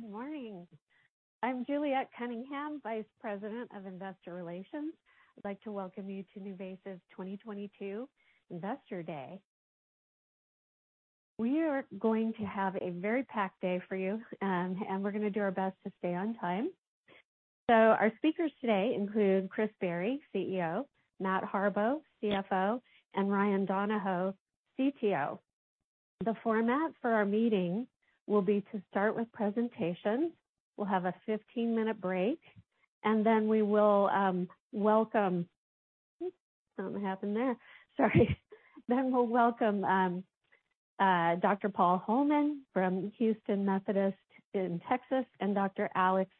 Good morning. I'm Juliet Cunningham, Vice President of Investor Relations. I'd like to welcome you to NuVasive's 2022 Investor Day. We are going to have a very packed day for you, and we're gonna do our best to stay on time. Our speakers today include Chris Barry, CEO, Matt Harbaugh, CFO, and Ryan Donahoe, CTO. The format for our meeting will be to start with presentations. We'll have a 15-minute break, and then we will welcome Dr. Paul Holman from Houston Methodist in Texas, and Dr. J. Alex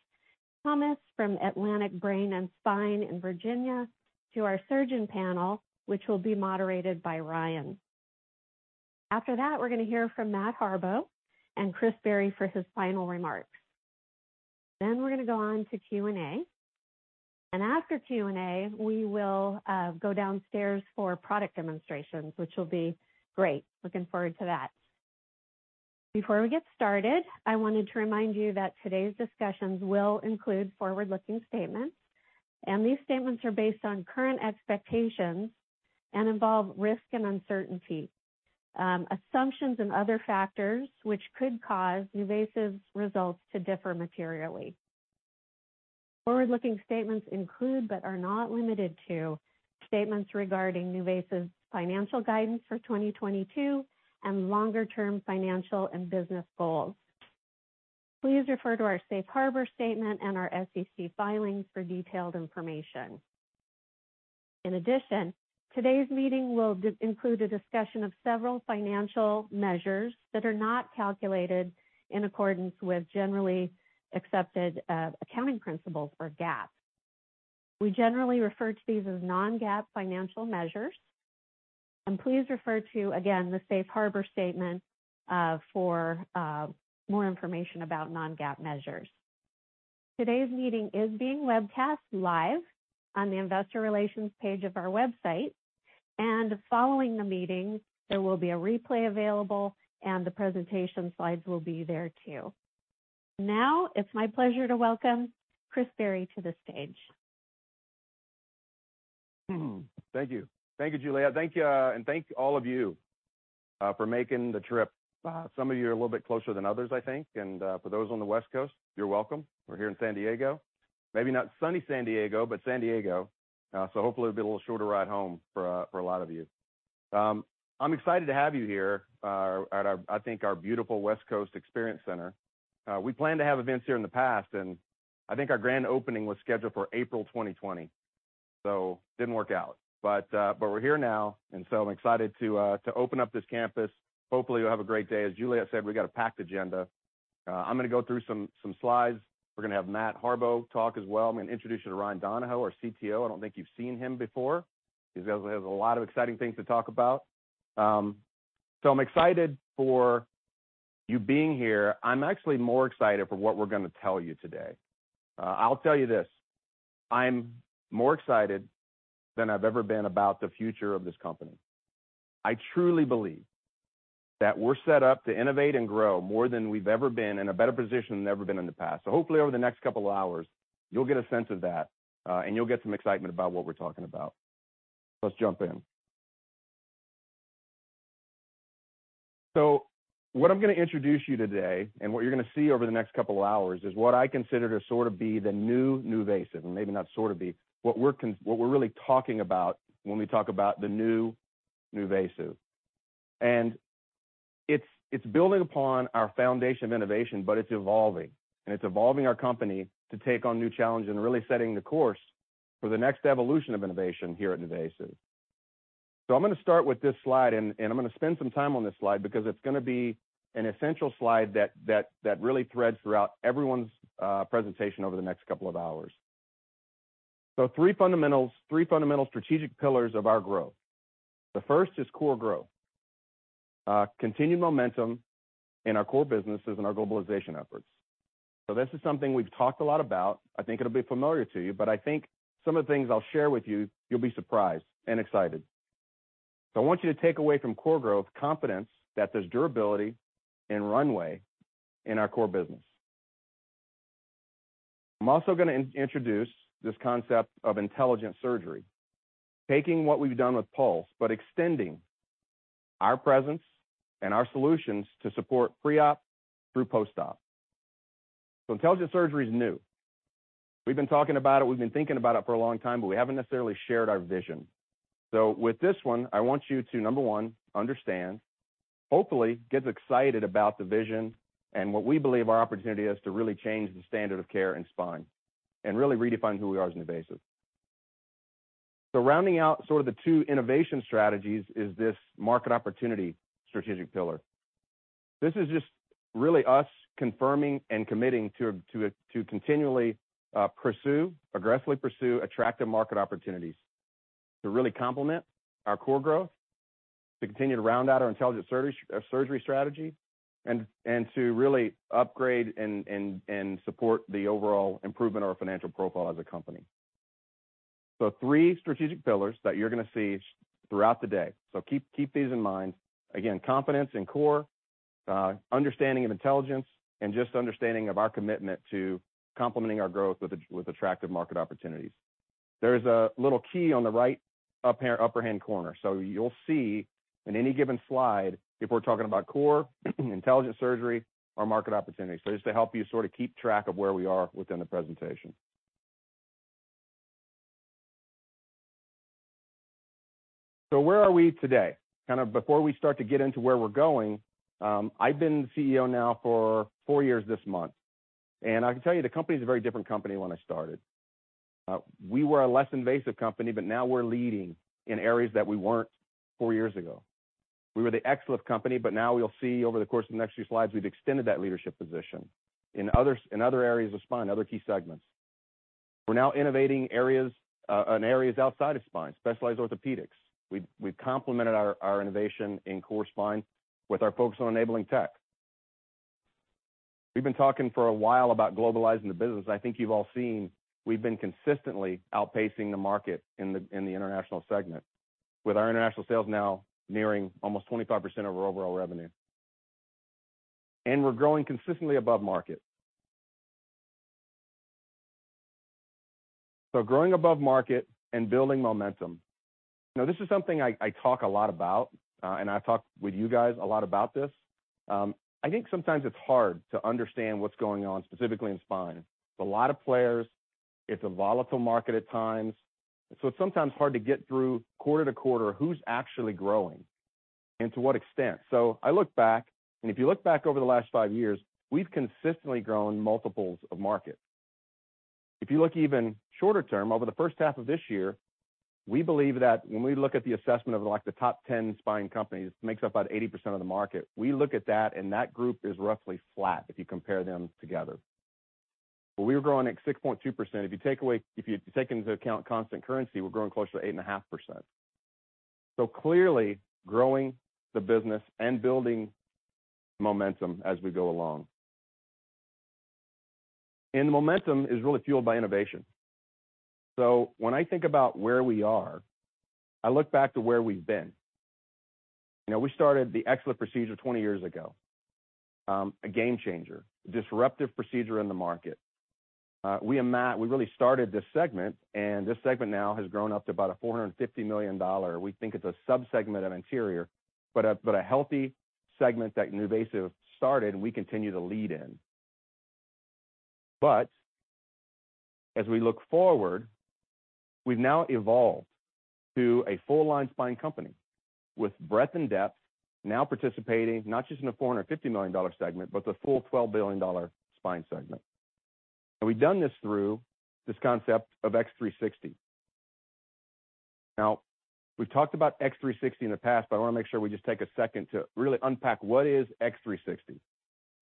Thomas from Atlantic Brain and Spine in Virginia to our surgeon panel, which will be moderated by Ryan. After that, we're gonna hear from Matt Harbaugh and Chris Barry for his final remarks. We're gonna go on to Q&A. After Q&A, we will go downstairs for product demonstrations, which will be great. Looking forward to that. Before we get started, I wanted to remind you that today's discussions will include forward-looking statements, and these statements are based on current expectations and involve risk and uncertainty, assumptions and other factors which could cause NuVasive's results to differ materially. Forward-looking statements include, but are not limited to, statements regarding NuVasive's financial guidance for 2022 and longer-term financial and business goals. Please refer to our safe harbor statement and our SEC filings for detailed information. In addition, today's meeting will include a discussion of several financial measures that are not calculated in accordance with generally accepted accounting principles or GAAP. We generally refer to these as non-GAAP financial measures, and please refer to, again, the safe harbor statement, for more information about non-GAAP measures. Today's meeting is being webcast live on the investor relations page of our website, and following the meeting, there will be a replay available, and the presentation slides will be there too. Now it's my pleasure to welcome Chris Barry to the stage. Thank you. Thank you, Juliet. Thank you, and thank all of you for making the trip. Some of you are a little bit closer than others, I think. For those on the West Coast, you're welcome. We're here in San Diego. Maybe not sunny San Diego, but San Diego. Hopefully it'll be a little shorter ride home for a lot of you. I'm excited to have you here at our, I think our beautiful West Coast Experience Center. We planned to have events here in the past, and I think our grand opening was scheduled for April 2020. Didn't work out, but we're here now, and so I'm excited to open up this campus. Hopefully, you'll have a great day. As Juliet said, we got a packed agenda. I'm gonna go through some slides. We're gonna have Matt Harbaugh talk as well. I'm gonna introduce you to Ryan Donahoe, our CTO. I don't think you've seen him before. He has a lot of exciting things to talk about. I'm excited for you being here. I'm actually more excited for what we're gonna tell you today. I'll tell you this, I'm more excited than I've ever been about the future of this company. I truly believe that we're set up to innovate and grow more than we've ever been, in a better position than we've ever been in the past. Hopefully over the next couple of hours, you'll get a sense of that, and you'll get some excitement about what we're talking about. Let's jump in. What I'm gonna introduce you today, and what you're gonna see over the next couple of hours, is what I consider to sort of be the new NuVasive. Maybe not sort of be what we're really talking about when we talk about the new NuVasive. It's building upon our foundation of innovation, but it's evolving, and it's evolving our company to take on new challenges and really setting the course for the next evolution of innovation here at NuVasive. I'm gonna start with this slide, and I'm gonna spend some time on this slide because it's gonna be an essential slide that really threads throughout everyone's presentation over the next couple of hours. Three fundamental strategic pillars of our growth. The first is core growth. Continued momentum in our core businesses and our globalization efforts. This is something we've talked a lot about. I think it'll be familiar to you, but I think some of the things I'll share with you'll be surprised and excited. I want you to take away from core growth confidence that there's durability and runway in our core business. I'm also gonna introduce this concept of intelligent surgery, taking what we've done with Pulse, but extending our presence and our solutions to support pre-op through post-op. Intelligent surgery is new. We've been talking about it, we've been thinking about it for a long time, but we haven't necessarily shared our vision. With this one, I want you to, number one, understand, hopefully get excited about the vision and what we believe our opportunity is to really change the standard of care in spine and really redefine who we are as NuVasive. Rounding out sort of the two innovation strategies is this market opportunity strategic pillar. This is just really us confirming and committing to continually pursue, aggressively pursue attractive market opportunities to really complement our core growth, to continue to round out our intelligent surgery strategy, and to really upgrade and support the overall improvement of our financial profile as a company. Three strategic pillars that you're gonna see throughout the day. Keep these in mind. Again, confidence in core, understanding of intelligence, and just understanding of our commitment to complementing our growth with attractive market opportunities. There is a little key on the right upper hand corner. You'll see in any given slide if we're talking about core, intelligent surgery, or market opportunities. Just to help you sort of keep track of where we are within the presentation. Where are we today? Kind of before we start to get into where we're going, I've been CEO now for four years this month. I can tell you the company is a very different company than when I started. We were a less invasive company, but now we're leading in areas that we weren't four years ago. We were the XLIF company, but now you'll see over the course of the next few slides, we've extended that leadership position in others, in other areas of spine, other key segments. We're now innovating areas in areas outside of spine, Specialized Orthopedics. We've complemented our innovation in core spine with our focus on enabling tech. We've been talking for a while about globalizing the business. I think you've all seen we've been consistently outpacing the market in the international segment, with our international sales now nearing almost 25% of our overall revenue. We're growing consistently above market. Growing above market and building momentum. Now this is something I talk a lot about, and I've talked with you guys a lot about this. I think sometimes it's hard to understand what's going on specifically in spine. It's a lot of players. It's a volatile market at times. It's sometimes hard to get through quarter to quarter who's actually growing and to what extent. I look back, and if you look back over the last five years, we've consistently grown multiples of market. If you look even shorter term, over the first half of this year, we believe that when we look at the assessment of, like, the top 10 spine companies, makes up about 80% of the market. We look at that, and that group is roughly flat if you compare them together. We were growing at 6.2%. If you take into account constant currency, we're growing closer to 8.5%. Clearly growing the business and building momentum as we go along. The momentum is really fueled by innovation. When I think about where we are, I look back to where we've been. You know, we started the XLIF procedure 20 years ago, a game changer, disruptive procedure in the market. We really started this segment, and this segment now has grown up to about a $450 million. We think it's a subsegment of anterior, but a healthy segment that NuVasive started, and we continue to lead in. As we look forward, we've now evolved to a full-line spine company with breadth and depth, now participating not just in the $450 million segment, but the full $12 billion spine segment. We've done this through this concept of X360. Now, we've talked about X360 in the past, but I wanna make sure we just take a second to really unpack what is X360.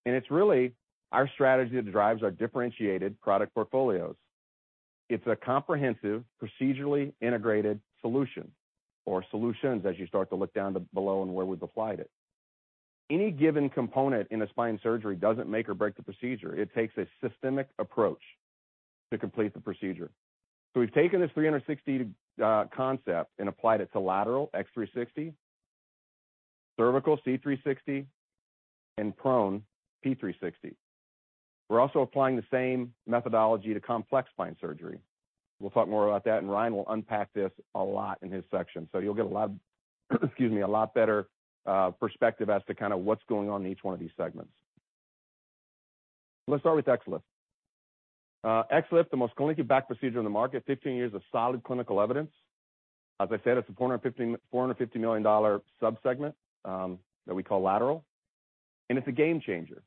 It's really our strategy that drives our differentiated product portfolios. It's a comprehensive, procedurally integrated solution or solutions as you start to look down to below and where we've applied it. Any given component in a spine surgery doesn't make or break the procedure. It takes a systemic approach to complete the procedure. We've taken this 360 concept and applied it to lateral X360, cervical C360, and prone P360. We're also applying the same methodology to complex spine surgery. We'll talk more about that, and Ryan will unpack this a lot in his section. You'll get a lot better perspective as to kind of what's going on in each one of these segments. Let's start with XLIF. XLIF, the most clinically backed procedure in the market, 15 years of solid clinical evidence. As I said, it's a $450 million subsegment that we call lateral. It's a game changer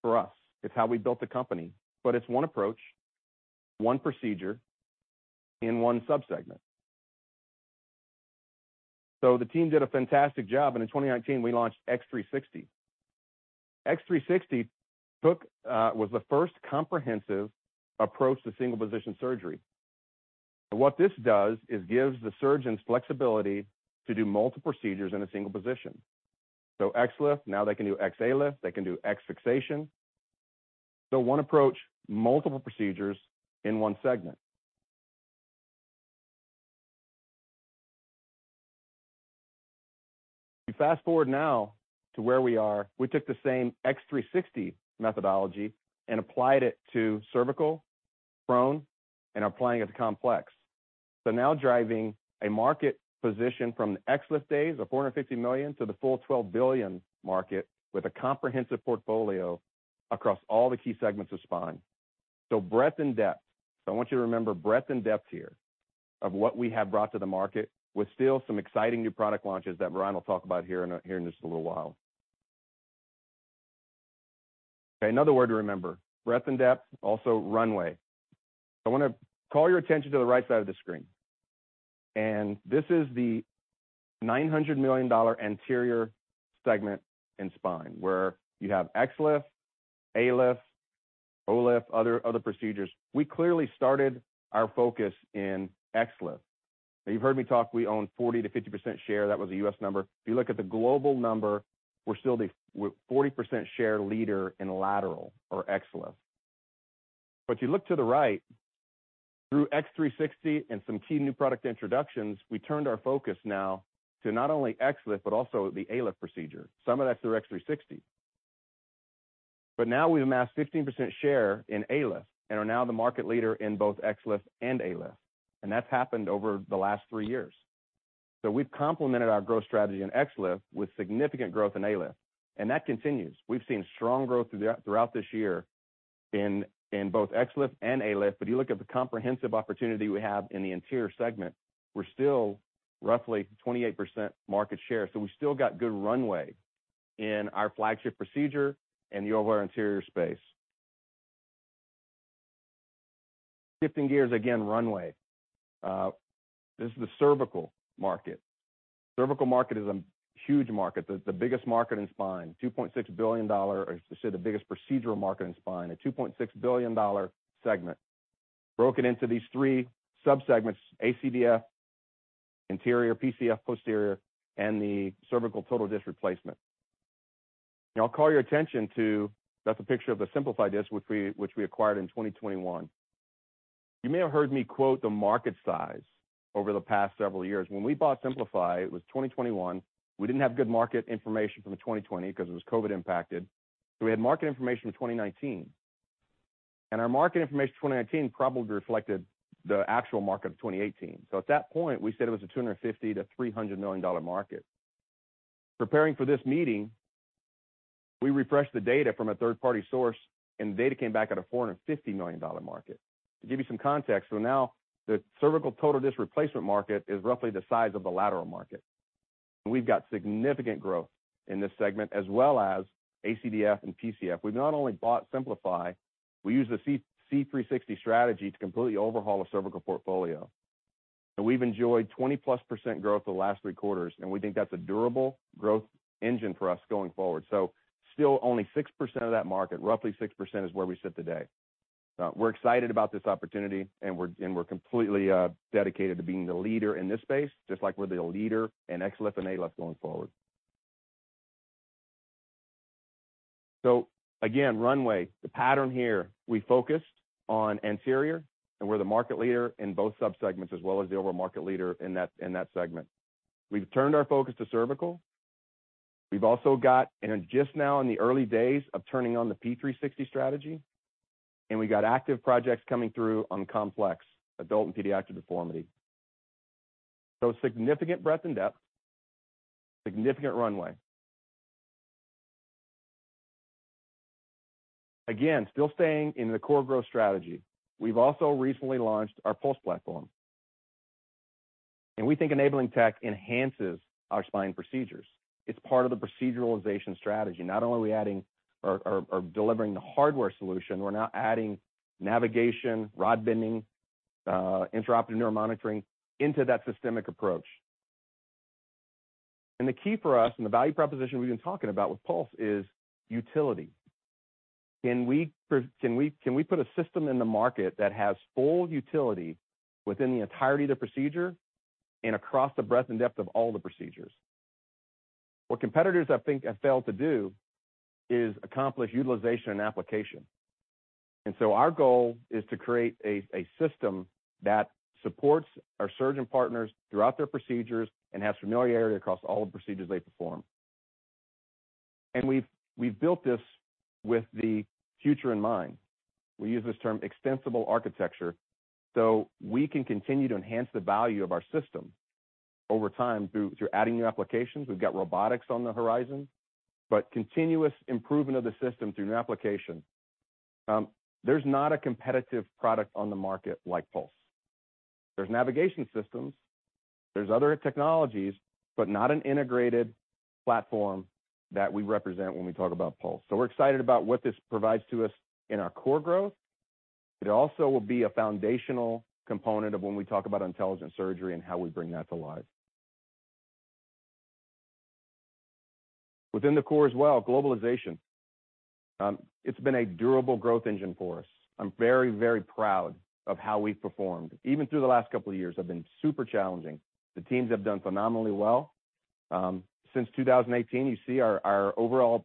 for us. It's how we built the company, but it's one approach, one procedure in one subsegment. The team did a fantastic job, and in 2019 we launched X360. X360 was the first comprehensive approach to single position surgery. What this does is gives the surgeons flexibility to do multiple procedures in a single position. XLIF, now they can do XALIF, they can do XFixation. One approach, multiple procedures in one segment. You fast-forward now to where we are. We took the same X360 methodology and applied it to cervical, prone, and applying it to complex. Now driving a market position from the XLIF days of $450 million to the full $12 billion market with a comprehensive portfolio across all the key segments of spine. Breadth and depth. I want you to remember breadth and depth here of what we have brought to the market with still some exciting new product launches that Ryan will talk about here in just a little while. Okay, another word to remember, breadth and depth, also runway. I wanna call your attention to the right side of the screen. This is the $900 million anterior segment in spine where you have XLIF, ALIF, OLIF, other procedures. We clearly started our focus in XLIF. You've heard me talk, we own 40%-50% share. That was a U.S. number. If you look at the global number, we're still the 40% share leader in lateral or XLIF. You look to the right, through X360 and some key new product introductions, we turned our focus now to not only XLIF, but also the ALIF procedure. Some of that's through X360. Now we've amassed 15% share in ALIF and are now the market leader in both XLIF and ALIF. That's happened over the last three years. We've complemented our growth strategy in XLIF with significant growth in ALIF, and that continues. We've seen strong growth throughout this year in both XLIF and ALIF. You look at the comprehensive opportunity we have in the anterior segment, we're still roughly 28% market share. We still got good runway in our flagship procedure and the overall anterior space. Shifting gears, again, runway. This is the cervical market. Cervical market is a huge market. The biggest market in spine. $2.6 billion or I should say the biggest procedural market in spine. A $2.6 billion segment broken into these three subsegments, ACDF, anterior, PCF posterior, and the cervical total disc replacement. Now I'll call your attention to. That's a picture of the Simplify disc which we acquired in 2021. You may have heard me quote the market size over the past several years. When we bought Simplify, it was 2021. We didn't have good market information from the 2020 because it was COVID impacted. We had market information from 2019. Our market information from 2019 probably reflected the actual market of 2018. At that point, we said it was a $250-$300 million market. Preparing for this meeting, we refreshed the data from a third-party source, and the data came back at a $450 million market. To give you some context, now the cervical total disc replacement market is roughly the size of the lateral market. We've got significant growth in this segment as well as ACDF and PCF. We've not only bought Simplify, we use the C360 strategy to completely overhaul the cervical portfolio. We've enjoyed 20%+ growth the last three quarters, and we think that's a durable growth engine for us going forward. Still only 6% of that market. Roughly 6% is where we sit today. We're excited about this opportunity and we're completely dedicated to being the leader in this space, just like we're the leader in XLIF and ALIF going forward. Again, runway. The pattern here, we focused on anterior, and we're the market leader in both subsegments as well as the overall market leader in that segment. We've turned our focus to cervical. We've also got and are just now in the early days of turning on the P360 strategy. We got active projects coming through on complex adult and pediatric deformity. Significant breadth and depth, significant runway. Again, still staying in the core growth strategy. We've also recently launched our Pulse platform. We think enabling tech enhances our spine procedures. It's part of the proceduralization strategy. Not only are we adding or delivering the hardware solution, we're now adding navigation, rod bending, intraoperative neuromonitoring into that systemic approach. The key for us and the value proposition we've been talking about with Pulse is utility. Can we put a system in the market that has full utility within the entirety of the procedure and across the breadth and depth of all the procedures? What competitors, I think, have failed to do is accomplish utilization and application. Our goal is to create a system that supports our surgeon partners throughout their procedures and has familiarity across all the procedures they perform. We've built this with the future in mind. We use this term extensible architecture, so we can continue to enhance the value of our system over time through adding new applications. We've got robotics on the horizon, but continuous improvement of the system through new application. There's not a competitive product on the market like Pulse. There's navigation systems, there's other technologies, but not an integrated platform that we represent when we talk about Pulse. So we're excited about what this provides to us in our core growth. It also will be a foundational component of when we talk about intelligent surgery and how we bring that to life. Within the core as well, globalization. It's been a durable growth engine for us. I'm very, very proud of how we've performed. Even though the last couple of years have been super challenging. The teams have done phenomenally well. Since 2018, you see our overall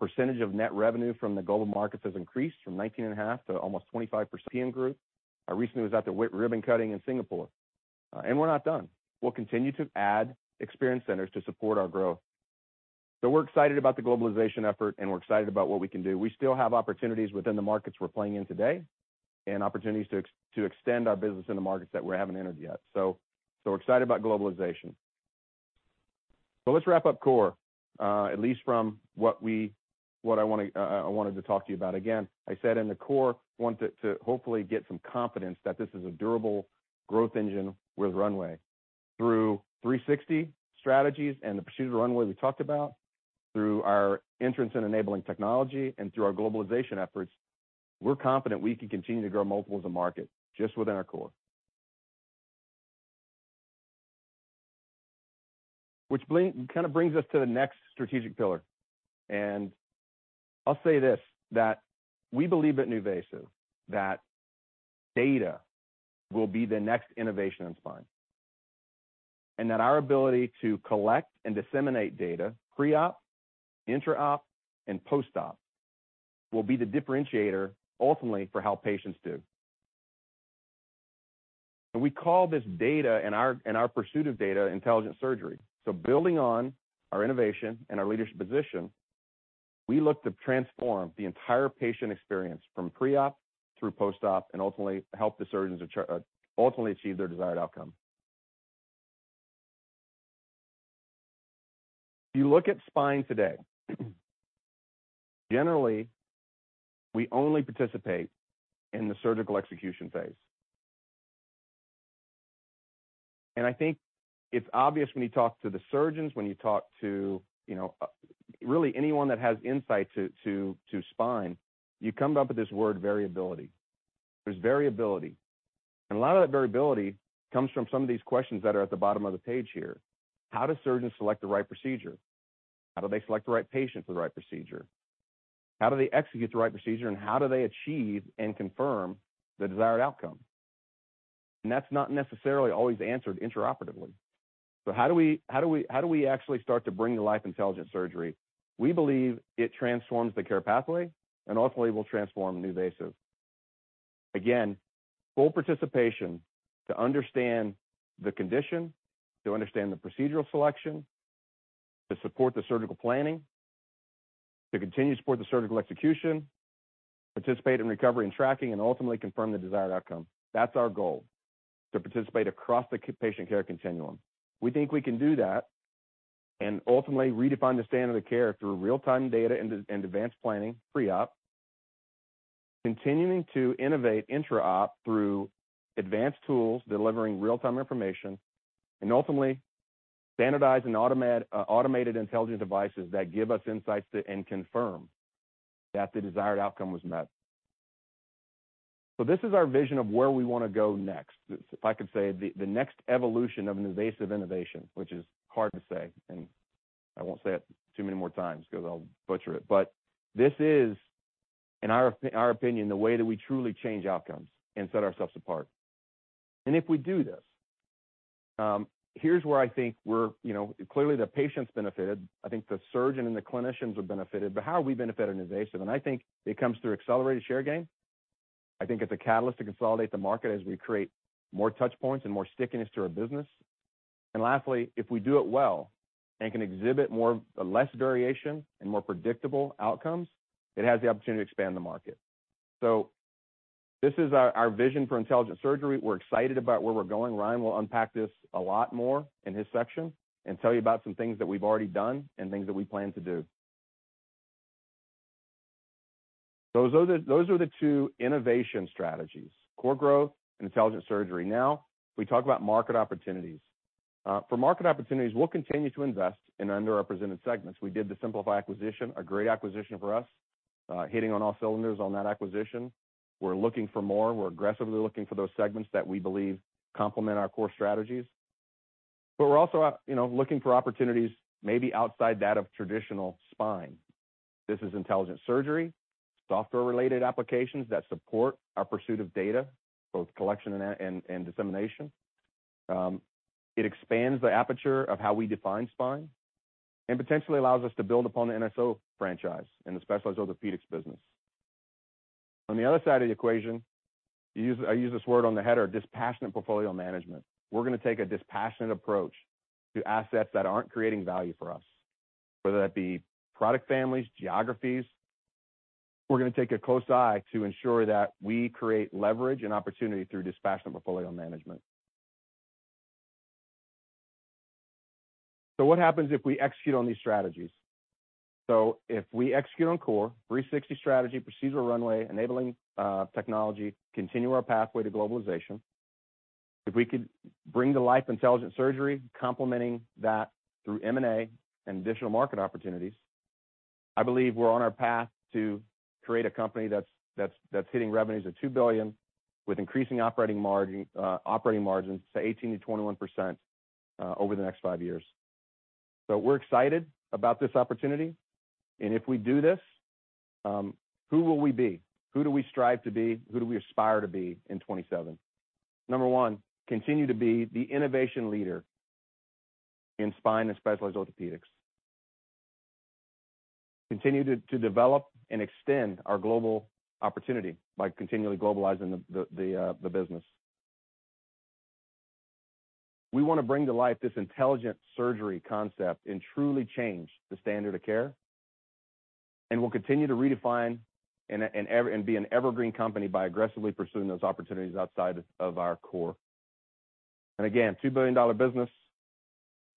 percentage of net revenue from the global markets has increased from 19.5% to almost 25% group. I recently was at the ribbon cutting in Singapore. We're not done. We'll continue to add experience centers to support our growth. We're excited about the globalization effort, and we're excited about what we can do. We still have opportunities within the markets we're playing in today and opportunities to extend our business in the markets that we haven't entered yet. We're excited about globalization. Let's wrap up core, at least from what I wanted to talk to you about. Again, I said in the core, I want to hopefully get some confidence that this is a durable growth engine with runway. Through 360 strategies and the procedural runway we talked about, through our entrance in enabling technology and through our globalization efforts, we're confident we can continue to grow multiples of market just within our core. Kind of brings us to the next strategic pillar. I'll say this, that we believe at NuVasive that data will be the next innovation in spine. That our ability to collect and disseminate data pre-op, intra-op, and post-op will be the differentiator ultimately for how patients do. We call this data and our pursuit of data intelligent surgery. Building on our innovation and our leadership position, we look to transform the entire patient experience from pre-op through post-op, and ultimately help the surgeons ultimately achieve their desired outcome. If you look at spine today, generally, we only participate in the surgical execution phase. I think it's obvious when you talk to the surgeons, when you talk to, you know, really anyone that has insight to spine, you come up with this word variability. There's variability. A lot of that variability comes from some of these questions that are at the bottom of the page here. How do surgeons select the right procedure? How do they select the right patient for the right procedure? How do they execute the right procedure, and how do they achieve and confirm the desired outcome? That's not necessarily always answered intraoperatively. How do we actually start to bring to life intelligent surgery? We believe it transforms the care pathway and ultimately will transform NuVasive. Again, full participation to understand the condition, to understand the procedural selection, to support the surgical planning, to continue to support the surgical execution, participate in recovery and tracking, and ultimately confirm the desired outcome. That's our goal, to participate across the patient care continuum. We think we can do that and ultimately redefine the standard of care through real-time data and advanced planning pre-op, continuing to innovate intra-op through advanced tools delivering real-time information, and ultimately standardize and automated intelligent devices that give us insights to and confirm that the desired outcome was met. This is our vision of where we wanna go next. If I could say the next evolution of NuVasive innovation, which is hard to say, and I won't say it too many more times 'cause I'll butcher it. This is, in our opinion, the way that we truly change outcomes and set ourselves apart. If we do this, here's where I think we're, you know. Clearly, the patient's benefited. I think the surgeon and the clinicians have benefited, but how are we benefiting NuVasive? I think it comes through accelerated share gain. I think it's a catalyst to consolidate the market as we create more touch points and more stickiness to our business. Lastly, if we do it well and can exhibit less variation and more predictable outcomes, it has the opportunity to expand the market. This is our vision for intelligent surgery. We're excited about where we're going. Ryan will unpack this a lot more in his section and tell you about some things that we've already done and things that we plan to do. Those are the two innovation strategies, core growth and intelligent surgery. Now we talk about market opportunities. For market opportunities, we'll continue to invest in underrepresented segments. We did the Simplify acquisition, a great acquisition for us, hitting on all cylinders on that acquisition. We're looking for more. We're aggressively looking for those segments that we believe complement our core strategies. But we're also, you know, looking for opportunities maybe outside that of traditional spine. This is intelligent surgery, software-related applications that support our pursuit of data, both collection and dissemination. It expands the aperture of how we define spine and potentially allows us to build upon the NSO franchise and the specialized orthopedics business. On the other side of the equation, I use this word on the header, dispassionate portfolio management. We're gonna take a dispassionate approach to assets that aren't creating value for us, whether that be product families, geographies. We're gonna keep a close eye to ensure that we create leverage and opportunity through dispassionate portfolio management. What happens if we execute on these strategies? If we execute on core X360 strategy, procedural runway, enabling technology, continue our pathway to globalization, if we could bring to life intelligent surgery, complementing that through M&A and additional market opportunities, I believe we're on our path to create a company that's hitting revenues of $2 billion with increasing operating margins to 18%-21%, over the next five years. We're excited about this opportunity. If we do this, who will we be? Who do we strive to be? Who do we aspire to be in 2027? Number one, continue to be the innovation leader in spine and specialized orthopedics. Continue to develop and extend our global opportunity by continually globalizing the business. We wanna bring to life this intelligent surgery concept and truly change the standard of care. We'll continue to redefine and be an evergreen company by aggressively pursuing those opportunities outside of our core. Again, $2 billion business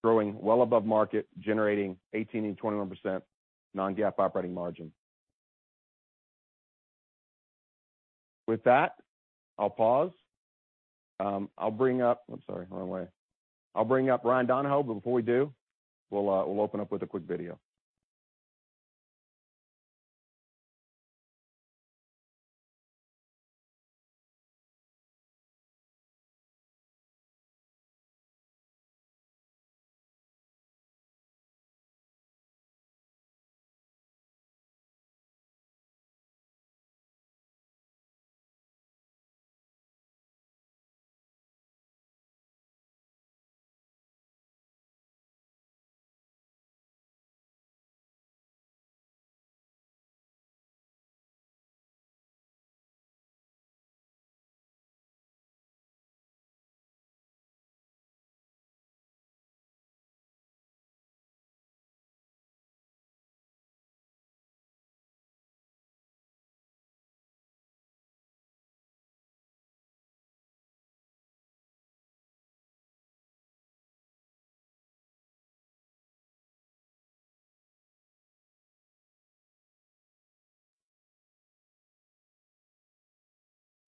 growing well above market, generating 18%-21% non-GAAP operating margin. With that, I'll pause. I'll bring up Ryan Donahoe, but before we do, we'll open up with a quick video.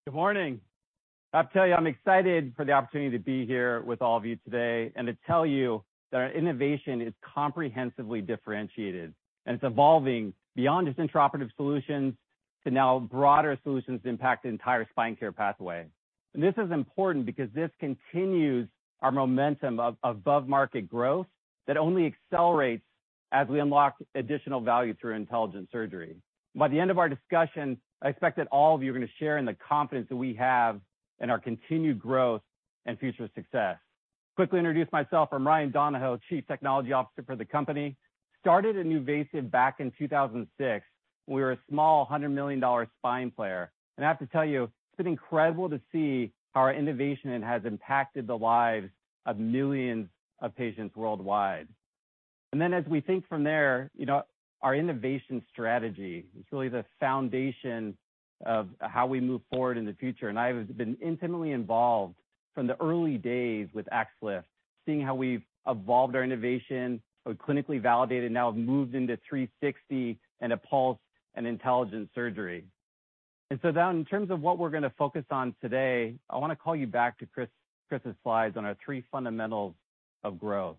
Good morning. I have to tell you, I'm excited for the opportunity to be here with all of you today and to tell you that our innovation is comprehensively differentiated, and it's evolving beyond just intraoperative solutions to now broader solutions to impact the entire spine care pathway. This is important because this continues our momentum of above-market growth that only accelerates as we unlock additional value through intelligent surgery. By the end of our discussion, I expect that all of you are going to share in the confidence that we have in our continued growth and future success. Quickly introduce myself. I'm Ryan Donahoe, Chief Technology Officer for the company. Started at NuVasive back in 2006. We were a small $100 million spine player. I have to tell you, it's been incredible to see how our innovation has impacted the lives of millions of patients worldwide. As we think from there, you know, our innovation strategy is really the foundation of how we move forward in the future. I have been intimately involved from the early days with XLIF, seeing how we've evolved our innovation, both clinically validated, now have moved into X360 and Pulse and intelligent surgery. Now in terms of what we're going to focus on today, I want to call you back to Chris's slides on our three fundamentals of growth.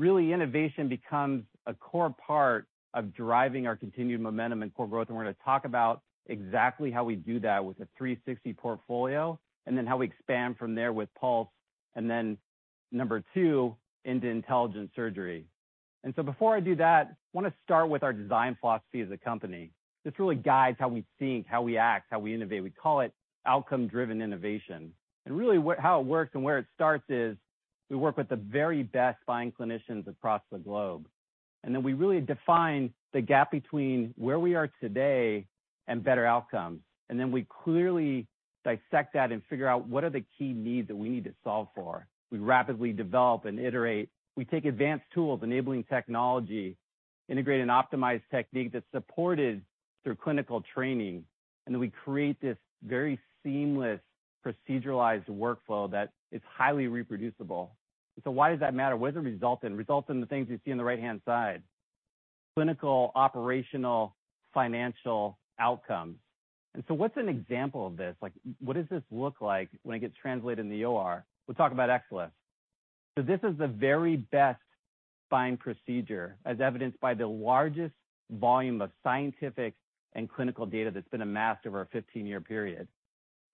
Really innovation becomes a core part of driving our continued momentum and core growth. We're going to talk about exactly how we do that with an X360 portfolio, and then how we expand from there with Pulse. Number two into intelligent surgery. Before I do that, I want to start with our design philosophy as a company. This really guides how we think, how we act, how we innovate. We call it outcome-driven innovation. Really how it works and where it starts is we work with the very best spine clinicians across the globe. We really define the gap between where we are today and better outcomes. We clearly dissect that and figure out what are the key needs that we need to solve for. We rapidly develop and iterate. We take advanced tools, enabling technology, integrate an optimized technique that's supported through clinical training, and then we create this very seamless proceduralized workflow that is highly reproducible. Why does that matter? What does it result in? It results in the things you see on the right-hand side, clinical, operational, financial outcomes. What's an example of this? Like what does this look like when it gets translated in the OR? We'll talk about XLIF. This is the very best spine procedure as evidenced by the largest volume of scientific and clinical data that's been amassed over a 15-year period.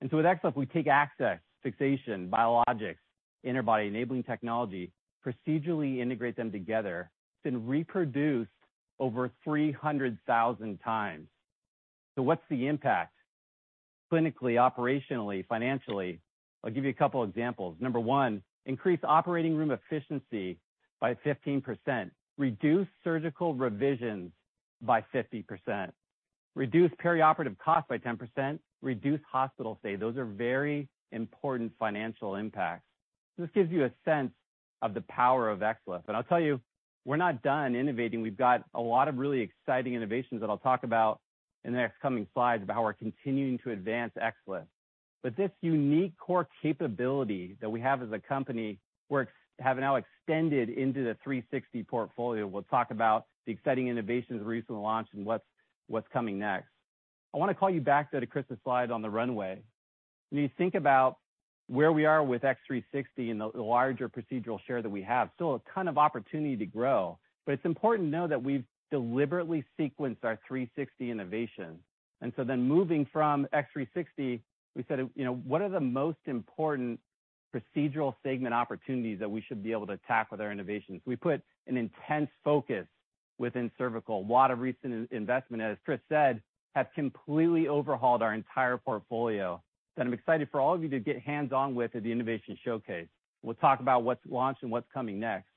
With XLIF, we take access, fixation, biologics, interbody enabling technology, procedurally integrate them together. It's been reproduced over 300,000 times. What's the impact clinically, operationally, financially? I'll give you a couple examples. Number one, increase operating room efficiency by 15%, reduce surgical revisions by 50%, reduce perioperative costs by 10%, reduce hospital stay. Those are very important financial impacts. This gives you a sense of the power of XLIF. I'll tell you, we're not done innovating. We've got a lot of really exciting innovations that I'll talk about in the next coming slides about how we're continuing to advance XLIF. This unique core capability that we have as a company, we have now extended into the X360 portfolio. We'll talk about the exciting innovations we recently launched and what's coming next. I want to call you back though to Chris's slide on the runway. When you think about where we are with X360 and the larger procedural share that we have, still a ton of opportunity to grow. It's important to know that we've deliberately sequenced our X360 innovation. Moving from X360, we said, you know, what are the most important procedural segment opportunities that we should be able to tackle with our innovations? We put an intense focus within cervical. A lot of recent investment, as Chris said, have completely overhauled our entire portfolio that I'm excited for all of you to get hands-on with at the innovation showcase. We'll talk about what's launched and what's coming next.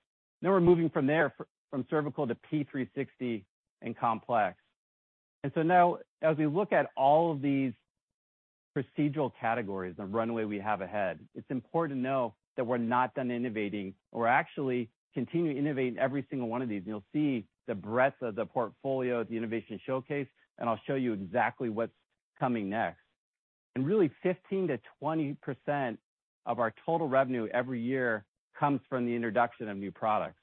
We're moving from there from cervical to P360 and complex. Now as we look at all of these procedural categories, the runway we have ahead, it's important to know that we're not done innovating. We're actually continuing to innovate in every single one of these. You'll see the breadth of the portfolio at the innovation showcase, and I'll show you exactly what's coming next. Really 15%-20% of our total revenue every year comes from the introduction of new products.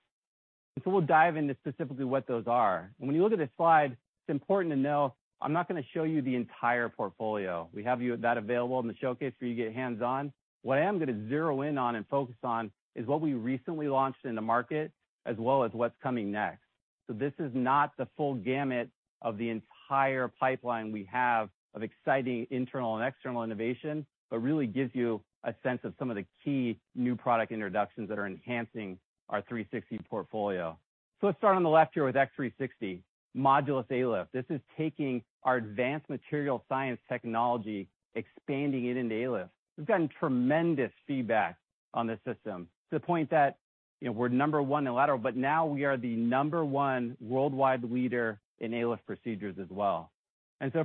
We'll dive into specifically what those are. When you look at this slide, it's important to know I'm not going to show you the entire portfolio. We have that available in the showcase for you to get hands-on. What I am going to zero in on and focus on is what we recently launched in the market as well as what's coming next. This is not the full gamut of the entire pipeline we have of exciting internal and external innovation, but really gives you a sense of some of the key new product introductions that are enhancing our X360 portfolio. Let's start on the left here with X360 Modulus ALIF. This is taking our advanced material science technology, expanding it into ALIF. We've gotten tremendous feedback on this system to the point that, you know, we're number one in lateral, but now we are the number one worldwide leader in ALIF procedures as well.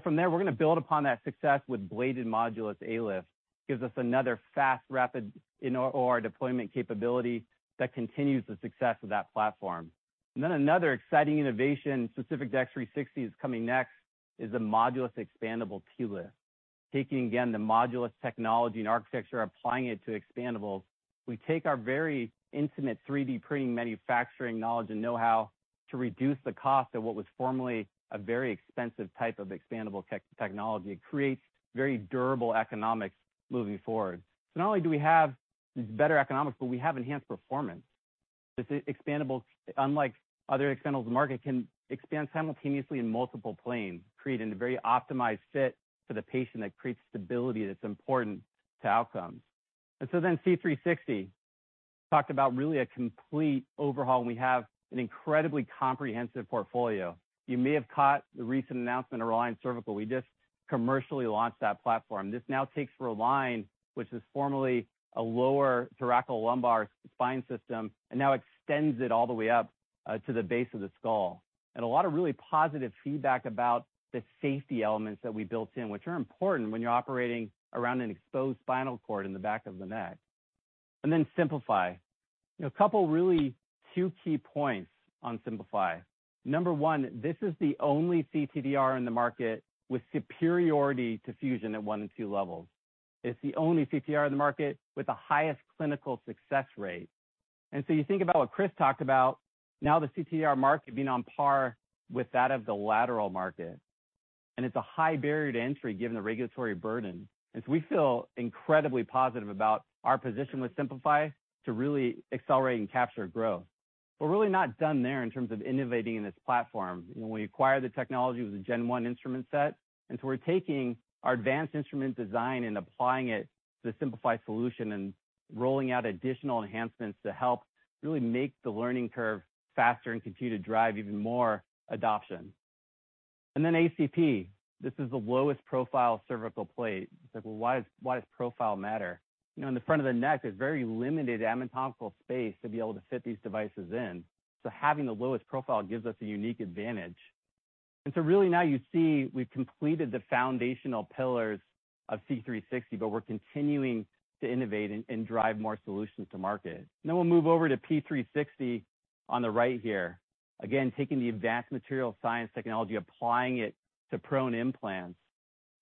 From there, we're going to build upon that success with Modulus ALIF Blades. Gives us another fast, rapid in-OR deployment capability that continues the success of that platform. Another exciting innovation specific to X360 is coming next is the Modulus Expandable TLIF. Taking again the Modulus technology and architecture, applying it to expandables. We take our very intimate 3D printing manufacturing knowledge and know-how to reduce the cost of what was formerly a very expensive type of expandable technology. It creates very durable economics moving forward. Not only do we have these better economics, but we have enhanced performance. This expandable, unlike other expandables in the market, can expand simultaneously in multiple planes, creating a very optimized fit for the patient that creates stability that's important to outcomes. C360. Talked about really a complete overhaul, and we have an incredibly comprehensive portfolio. You may have caught the recent announcement of Reline Cervical. We just commercially launched that platform. This now takes the Reline which is formerly a lower thoracolumbar spine system and now extends it all the way up, to the base of the skull. A lot of really positive feedback about the safety elements that we built in, which are important when you're operating around an exposed spinal cord in the back of the neck. Simplify. You know, a couple really two key points on Simplify. Number one, this is the only CTDR in the market with superiority to fusion at one and two levels. It's the only CTDR in the market with the highest clinical success rate. You think about what Chris talked about, now the CTDR market being on par with that of the lateral market. It's a high barrier to entry given the regulatory burden. We feel incredibly positive about our position with Simplify to really accelerate and capture growth. We're really not done there in terms of innovating in this platform. You know, when we acquired the technology, it was a gen one instrument set, and so we're taking our advanced instrument design and applying it to the Simplify solution and rolling out additional enhancements to help really make the learning curve faster and continue to drive even more adoption. Then ACP, this is the lowest profile cervical plate. It's like, well, why does profile matter? You know, in the front of the neck, there's very limited anatomical space to be able to fit these devices in. So having the lowest profile gives us a unique advantage. Really now you see we've completed the foundational pillars of C360, but we're continuing to innovate and drive more solutions to market. We'll move over to P360 on the right here. Again, taking the advanced material science technology, applying it to prone implants.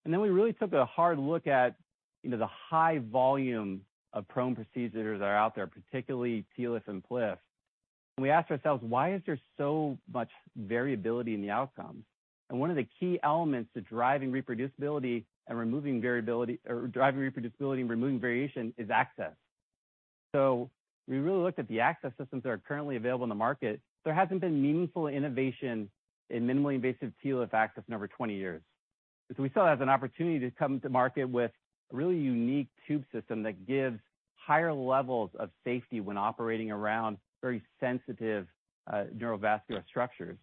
We really took a hard look at, you know, the high volume of prone procedures that are out there, particularly TLIF and PLIF. We asked ourselves, "Why is there so much variability in the outcomes?" One of the key elements to driving reproducibility and removing variability, or driving reproducibility and removing variation, is access. We really looked at the access systems that are currently available in the market. There hasn't been meaningful innovation in minimally invasive TLIF access in over 20 years. We saw it as an opportunity to come to market with a really unique tube system that gives higher levels of safety when operating around very sensitive, neurovascular structures,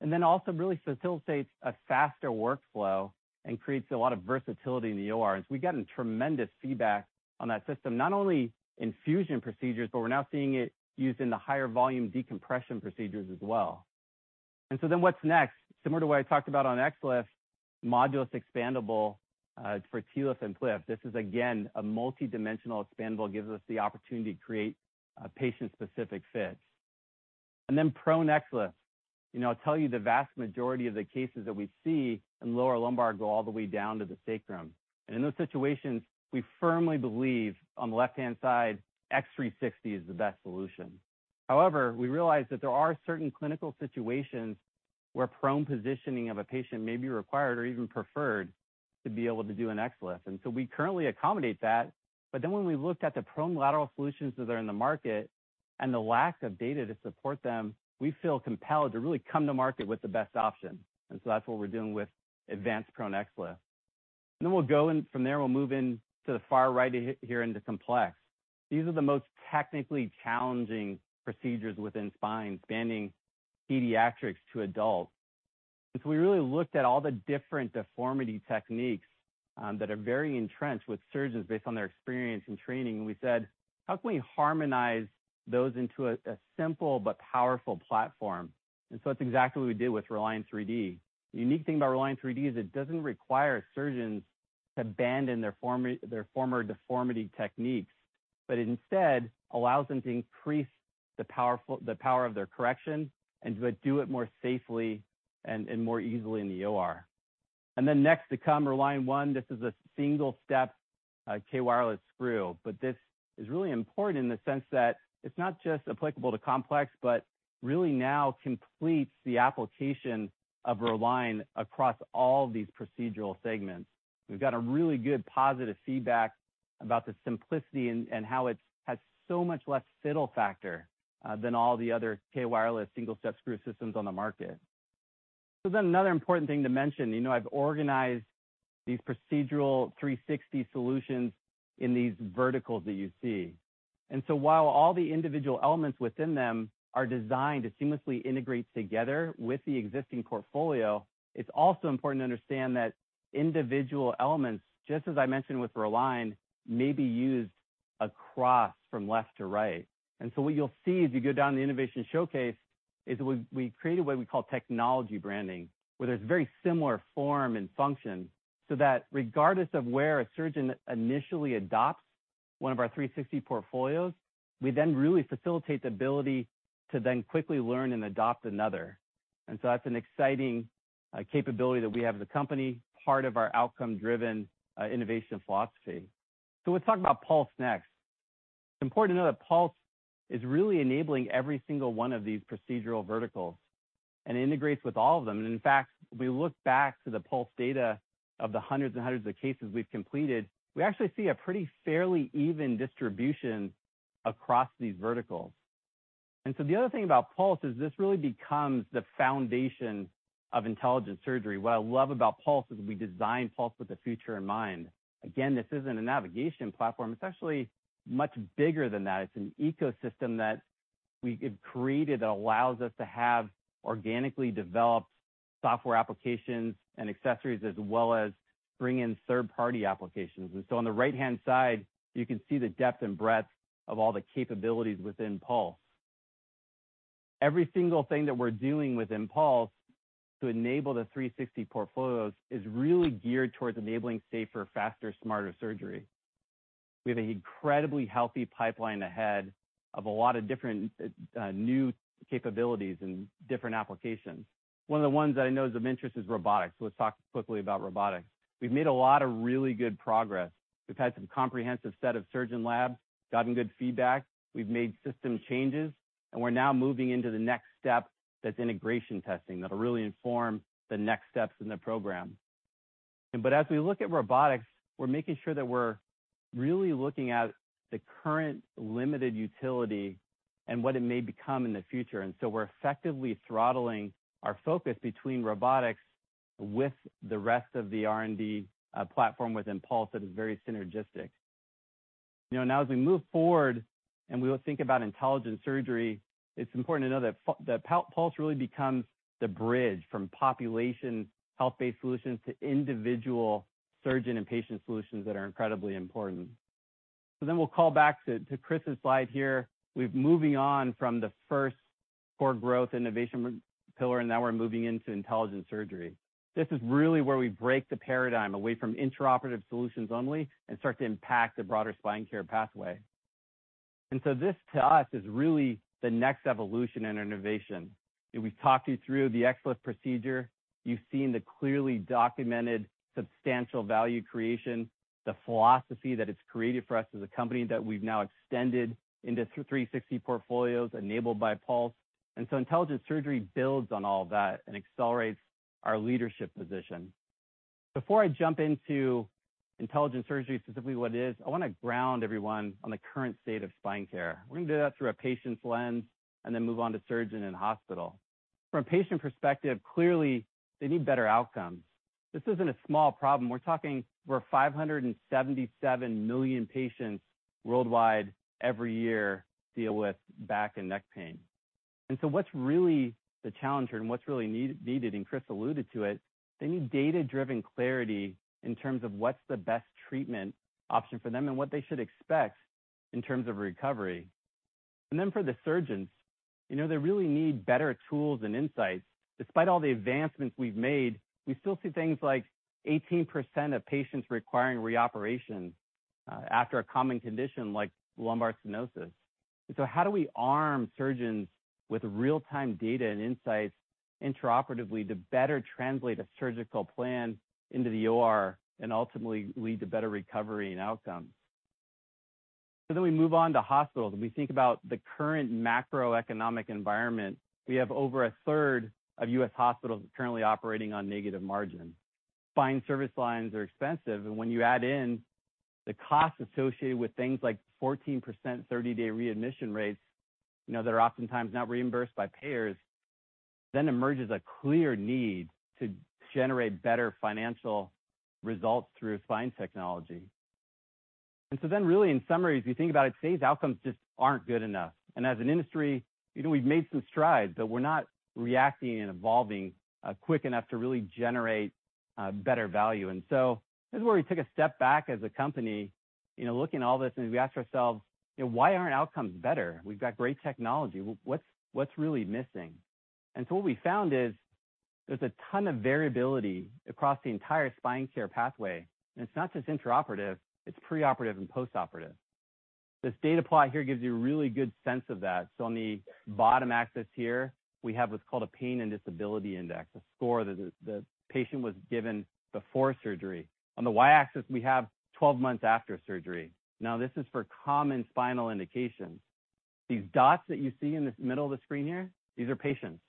then also really facilitates a faster workflow and creates a lot of versatility in the OR. We've gotten tremendous feedback on that system, not only in fusion procedures, but we're now seeing it used in the higher volume decompression procedures as well. What's next? Similar to what I talked about on XLIF, Modulus Expandable for TLIF and PLIF. This is, again, a multidimensional expandable, gives us the opportunity to create a patient-specific fit. Then ProNeX SLIF. You know, I'll tell you, the vast majority of the cases that we see in lower lumbar go all the way down to the sacrum. In those situations, we firmly believe on the left-hand side, X360 is the best solution. However, we realize that there are certain clinical situations where prone positioning of a patient may be required or even preferred to be able to do an XLIF. We currently accommodate that. When we looked at the prone lateral solutions that are in the market and the lack of data to support them, we feel compelled to really come to market with the best option. That's what we're doing with advanced ProNeX SLIF. From there, we'll move in to the far right here into complex. These are the most technically challenging procedures within spine, spanning pediatrics to adult. We really looked at all the different deformity techniques that are very entrenched with surgeons based on their experience and training, and we said, "How can we harmonize those into a simple but powerful platform?" That's exactly what we did with Reline 3D. The unique thing about Reline 3D is it doesn't require surgeons to abandon their former deformity techniques, but instead allows them to increase the power of their correction and to do it more safely and more easily in the OR. Next to come, Reline One. This is a single-step K-wireless screw. This is really important in the sense that it's not just applicable to complex, but really now completes the application of Reline across all these procedural segments. We've got a really good positive feedback about the simplicity and how it has so much less fiddle factor than all the other K-wireless single-step screw systems on the market. Another important thing to mention, you know, I've organized these procedural 360 solutions in these verticals that you see. While all the individual elements within them are designed to seamlessly integrate together with the existing portfolio, it's also important to understand that individual elements, just as I mentioned with Reline, may be used across from left to right. What you'll see as you go down the innovation showcase is we created what we call technology branding, where there's very similar form and function, so that regardless of where a surgeon initially adopts one of our 360 portfolios, we then really facilitate the ability to then quickly learn and adopt another. That's an exciting capability that we have as a company, part of our outcome-driven innovation philosophy. Let's talk about Pulse next. It's important to know that Pulse is really enabling every single one of these procedural verticals and integrates with all of them. In fact, we look back to the Pulse data of the hundreds and hundreds of cases we've completed, we actually see a pretty fairly even distribution across these verticals. The other thing about Pulse is this really becomes the foundation of intelligent surgery. What I love about Pulse is we designed Pulse with the future in mind. Again, this isn't a navigation platform. It's actually much bigger than that. It's an ecosystem that it created that allows us to have organically developed software applications and accessories, as well as bring in third-party applications. On the right-hand side, you can see the depth and breadth of all the capabilities within Pulse. Every single thing that we're doing within Pulse to enable the X360 portfolios is really geared towards enabling safer, faster, smarter surgery. We have an incredibly healthy pipeline ahead of a lot of different new capabilities and different applications. One of the ones that I know is of interest is robotics. Let's talk quickly about robotics. We've made a lot of really good progress. We've had some comprehensive set of surgeon labs, gotten good feedback. We've made system changes, and we're now moving into the next step, that's integration testing. That'll really inform the next steps in the program. As we look at robotics, we're making sure that we're really looking at the current limited utility and what it may become in the future. We're effectively throttling our focus between robotics with the rest of the R&D platform within Pulse that is very synergistic. You know, now as we move forward and we'll think about intelligent surgery, it's important to know that Pulse really becomes the bridge from population health-based solutions to individual surgeon and patient solutions that are incredibly important. We'll call back to Chris's slide here. Moving on from the first core growth innovation pillar, now we're moving into intelligent surgery. This is really where we break the paradigm away from intraoperative solutions only and start to impact the broader spine care pathway. This, to us, is really the next evolution in innovation. We've talked you through the XLIF procedure. You've seen the clearly documented substantial value creation, the philosophy that it's created for us as a company that we've now extended into X360 portfolios enabled by Pulse. Intelligent surgery builds on all that and accelerates our leadership position. Before I jump into intelligent surgery, specifically what it is, I want to ground everyone on the current state of spine care. We're going to do that through a patient's lens and then move on to surgeon and hospital. From a patient perspective, clearly, they need better outcomes. This isn't a small problem. We're talking where 577 million patients worldwide every year deal with back and neck pain. What's really the challenge here and what's really needed, and Chris alluded to it, they need data-driven clarity in terms of what's the best treatment option for them and what they should expect in terms of recovery. For the surgeons, you know, they really need better tools and insights. Despite all the advancements we've made, we still see things like 18% of patients requiring reoperation after a common condition like lumbar stenosis. How do we arm surgeons with real-time data and insights intraoperatively to better translate a surgical plan into the OR and ultimately lead to better recovery and outcomes? We move on to hospitals, and we think about the current macroeconomic environment. We have over a third of U.S. hospitals currently operating on negative margins. Spine service lines are expensive, and when you add in the cost associated with things like 14% 30 days readmission rates, you know, that are oftentimes not reimbursed by payers, then emerges a clear need to generate better financial results through spine technology. Really in summary, as we think about it, today's outcomes just aren't good enough. As an industry, you know, we've made some strides, but we're not reacting and evolving quick enough to really generate better value. This is where we took a step back as a company, you know, looking at all this, and we asked ourselves, "Why aren't outcomes better? We've got great technology. What's really missing?" What we found is there's a ton of variability across the entire spine care pathway, and it's not just intraoperative, it's preoperative and postoperative. This data plot here gives you a really good sense of that. On the bottom axis here, we have what's called a pain and disability index, a score that the patient was given before surgery. On the Y-axis, we have 12 months after surgery. Now, this is for common spinal indications. These dots that you see in the middle of the screen here, these are patients.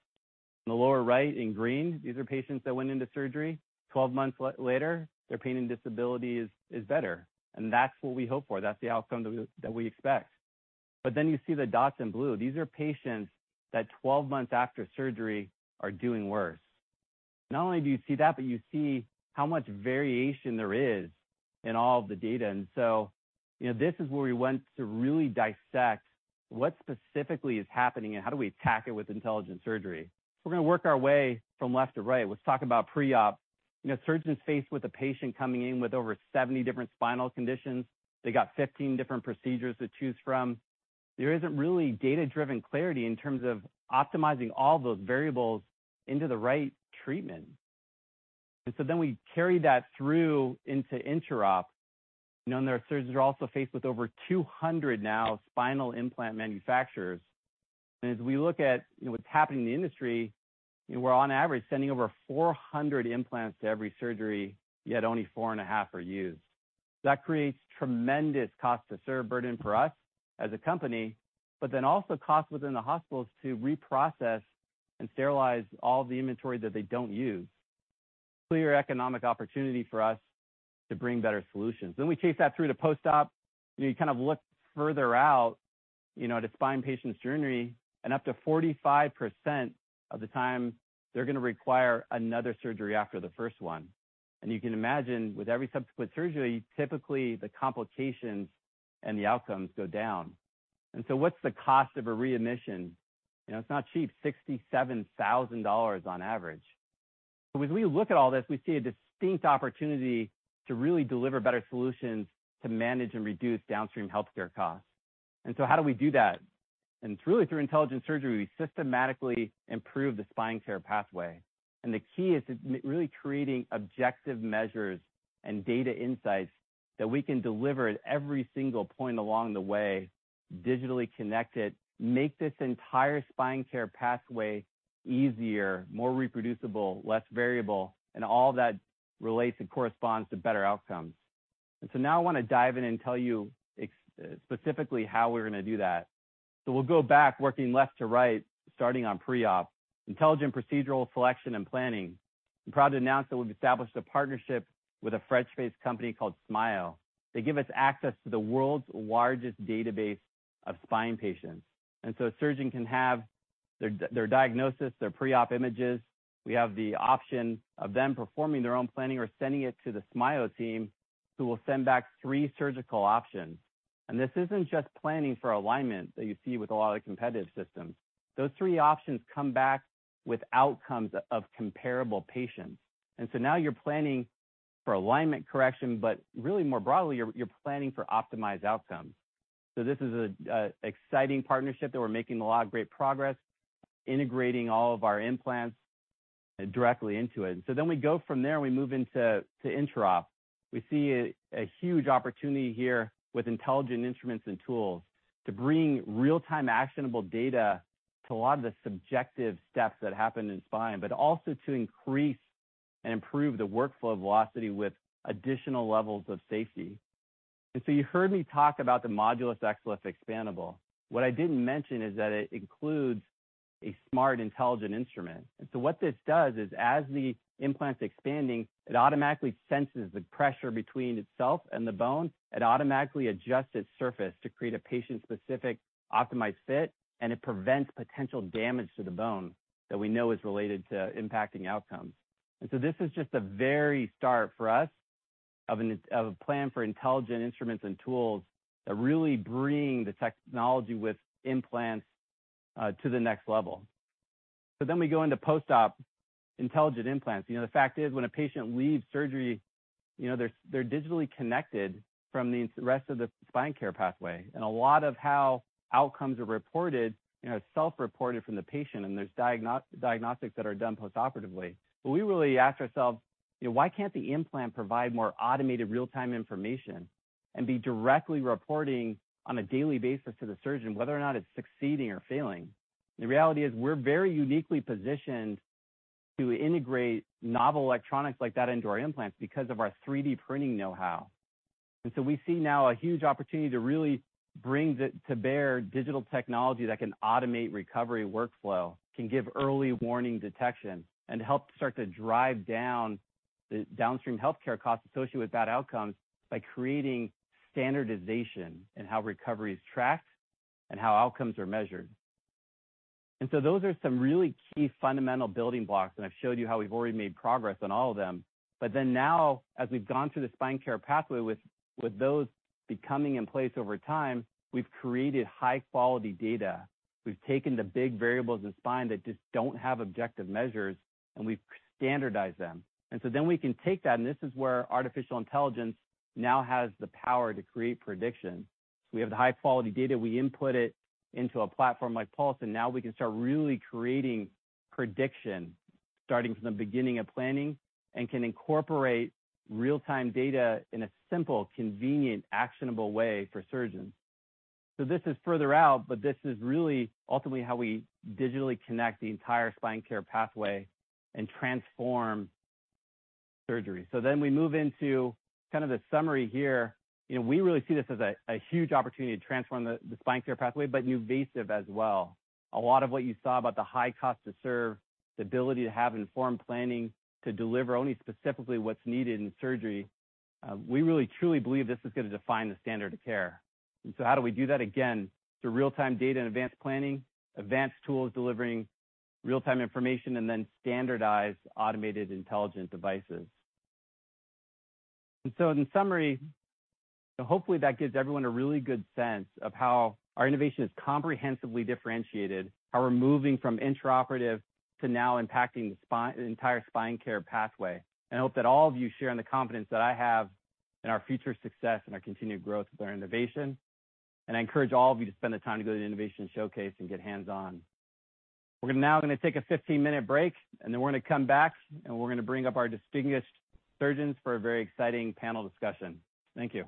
On the lower right in green, these are patients that went into surgery. 12 months later, their pain and disability is better. That's what we hope for. That's the outcome that we expect. Then you see the dots in blue. These are patients that 12 months after surgery are doing worse. Not only do you see that, but you see how much variation there is in all of the data. You know, this is where we went to really dissect what specifically is happening and how do we attack it with intelligent surgery. We're gonna work our way from left to right. Let's talk about pre-op. You know, surgeons faced with a patient coming in with over 70 different spinal conditions. They got 15 different procedures to choose from. There isn't really data-driven clarity in terms of optimizing all those variables into the right treatment. We carry that through into intra-op. You know, and our surgeons are also faced with over 200 now spinal implant manufacturers. As we look at, you know, what's happening in the industry, you know, we're on average sending over 400 implants to every surgery, yet only 4.5 are used. That creates tremendous cost to serve burden for us as a company, but then also costs within the hospitals to reprocess and sterilize all the inventory that they don't use. Clear economic opportunity for us to bring better solutions. We chase that through to post-op. You kind of look further out, you know, at a spine patient's journey, and up to 45% of the time they're gonna require another surgery after the first one. You can imagine with every subsequent surgery, typically the complications and the outcomes go down. What's the cost of a readmission? You know, it's not cheap, $67,000 on average. As we look at all this, we see a distinct opportunity to really deliver better solutions to manage and reduce downstream healthcare costs. How do we do that? It's really through intelligent surgery, we systematically improve the spine care pathway. The key is to really creating objective measures and data insights that we can deliver at every single point along the way, digitally connected, make this entire spine care pathway easier, more reproducible, less variable, and all that relates and corresponds to better outcomes. Now I wanna dive in and tell you specifically how we're gonna do that. We'll go back working left to right, starting on pre-op. Intelligent procedural selection and planning. I'm proud to announce that we've established a partnership with a French-based company called SMAIO. They give us access to the world's largest database of spine patients. A surgeon can have their diagnosis, their pre-op images. We have the option of them performing their own planning or sending it to the Surgimap team, who will send back three surgical options. This isn't just planning for alignment that you see with a lot of the competitive systems. Those three options come back with outcomes of comparable patients. Now you're planning for alignment correction, but really more broadly, you're planning for optimized outcomes. This is an exciting partnership that we're making a lot of great progress integrating all of our implants directly into it. We go from there and we move into intraop. We see a huge opportunity here with intelligent instruments and tools to bring real-time actionable data to a lot of the subjective steps that happen in spine, but also to increase and improve the workflow velocity with additional levels of safety. You heard me talk about the Modulus XLIF Expandable. What I didn't mention is that it includes a smart, intelligent instrument. What this does is, as the implant's expanding, it automatically senses the pressure between itself and the bone. It automatically adjusts its surface to create a patient-specific optimized fit, and it prevents potential damage to the bone that we know is related to impacting outcomes. This is just the very start for us of a plan for intelligent instruments and tools that really bring the technology with implants to the next level. We go into post-op intelligent implants. You know, the fact is when a patient leaves surgery, you know, they're digitally connected from the rest of the spine care pathway. A lot of how outcomes are reported, you know, is self-reported from the patient, and there's diagnostics that are done post-operatively. We really ask ourselves, you know, why can't the implant provide more automated real-time information and be directly reporting on a daily basis to the surgeon whether or not it's succeeding or failing? The reality is we're very uniquely positioned to integrate novel electronics like that into our implants because of our 3D printing know-how. We see now a huge opportunity to really bring to bear digital technology that can automate recovery workflow, can give early warning detection, and help start to drive down the downstream healthcare costs associated with bad outcomes by creating standardization in how recovery is tracked and how outcomes are measured. Those are some really key fundamental building blocks, and I've showed you how we've already made progress on all of them. Now, as we've gone through the spine care pathway with those becoming in place over time, we've created high-quality data. We've taken the big variables in spine that just don't have objective measures, and we've standardized them. Then we can take that, and this is where artificial intelligence now has the power to create prediction. We have the high-quality data, we input it into a platform like Pulse, and now we can start really creating prediction starting from the beginning of planning and can incorporate real-time data in a simple, convenient, actionable way for surgeons. This is further out, but this is really ultimately how we digitally connect the entire spine care pathway and transform surgery. Then we move into kind of the summary here. You know, we really see this as a huge opportunity to transform the spine care pathway, but NuVasive as well. A lot of what you saw about the high cost to serve, the ability to have informed planning to deliver only specifically what's needed in surgery, we really truly believe this is gonna define the standard of care. How do we do that? Again, through real-time data and advanced planning, advanced tools delivering real-time information, and then standardized automated intelligent devices. In summary, hopefully that gives everyone a really good sense of how our innovation is comprehensively differentiated, how we're moving from intraoperative to now impacting the entire spine care pathway. I hope that all of you share in the confidence that I have in our future success and our continued growth with our innovation. I encourage all of you to spend the time to go to the innovation showcase and get hands-on. We're now gonna take a 15-minute break, and then we're gonna come back, and we're gonna bring up our distinguished surgeons for a very exciting panel discussion. Thank you.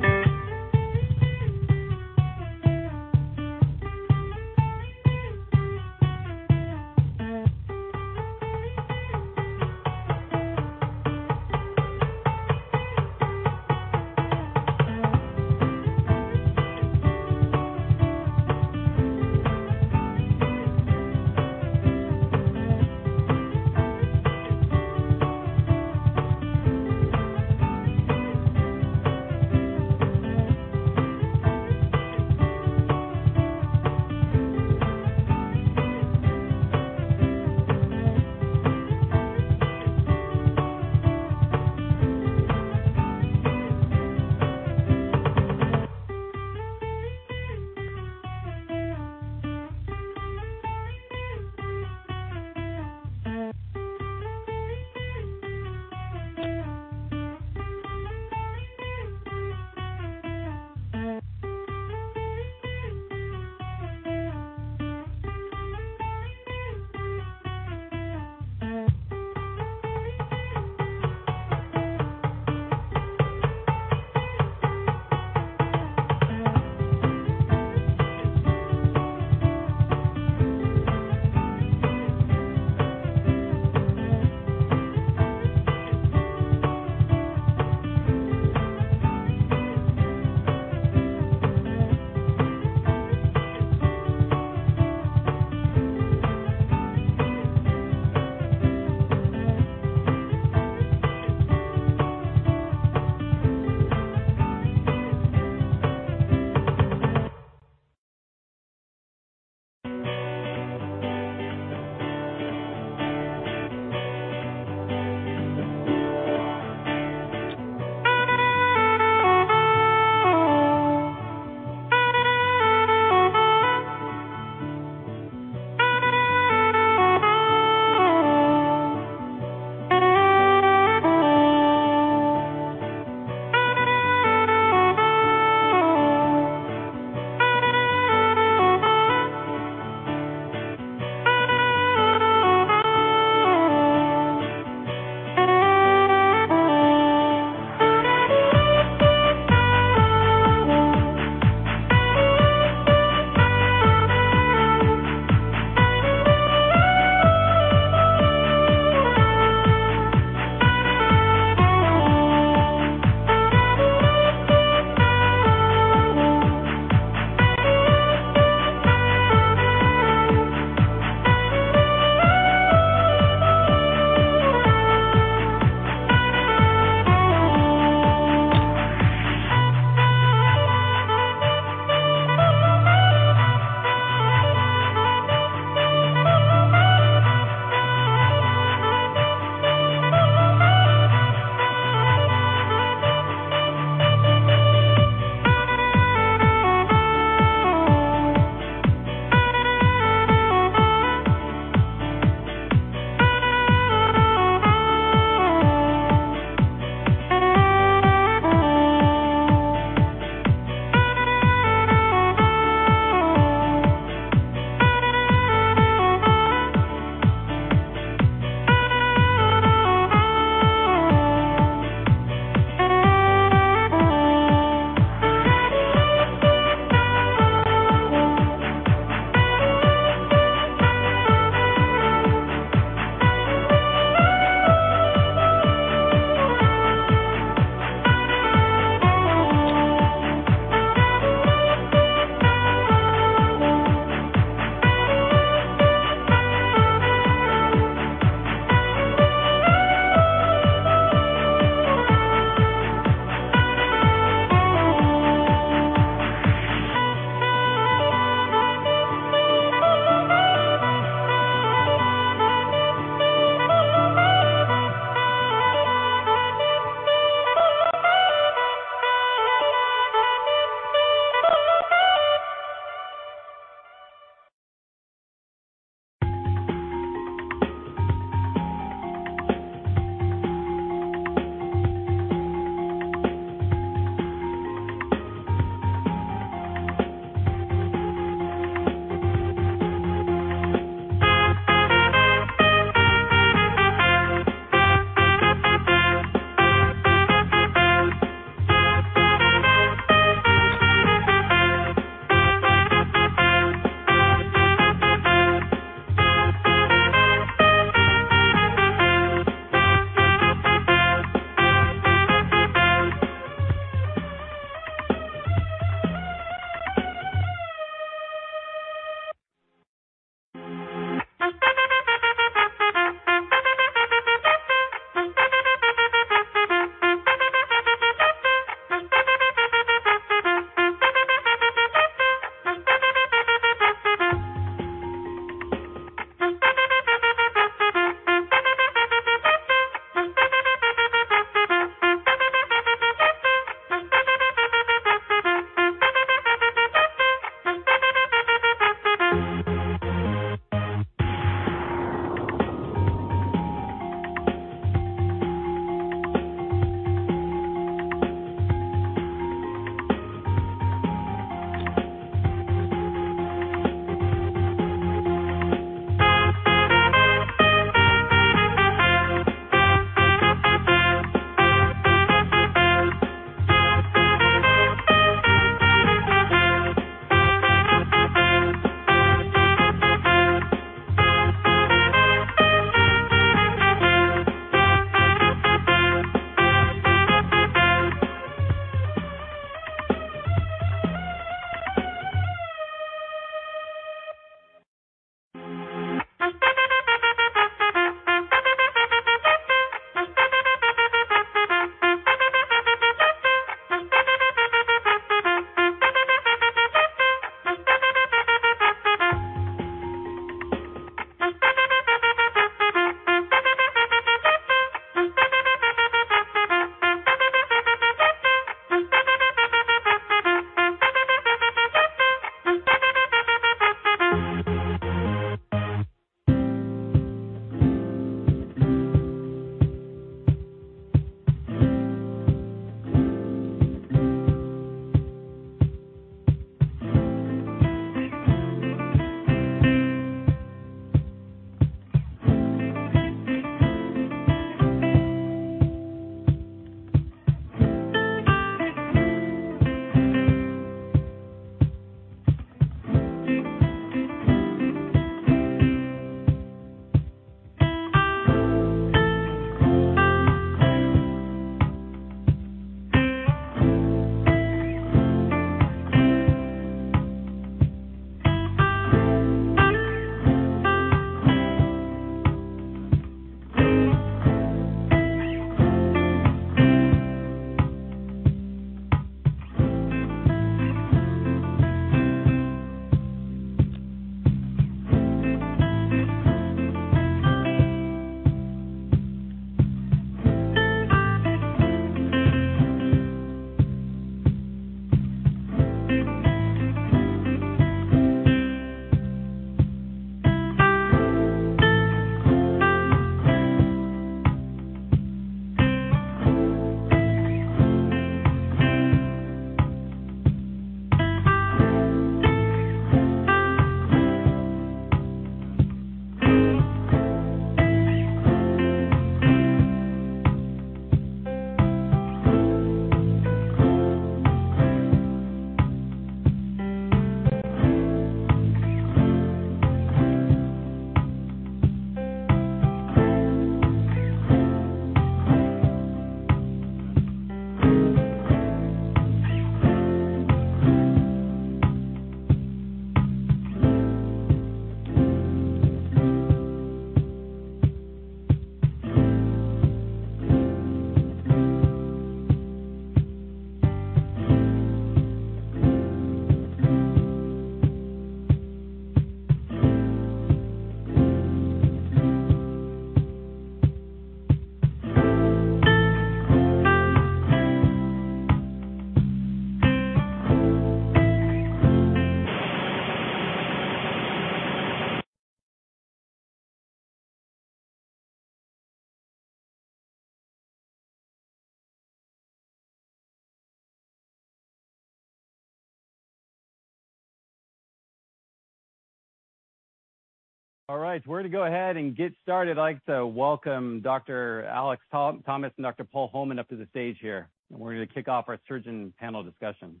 All right. We're gonna go ahead and get started. I'd like to welcome Dr. Alex Thomas and Dr. Paul Holman up to the stage here, and we're gonna kick off our surgeon panel discussion.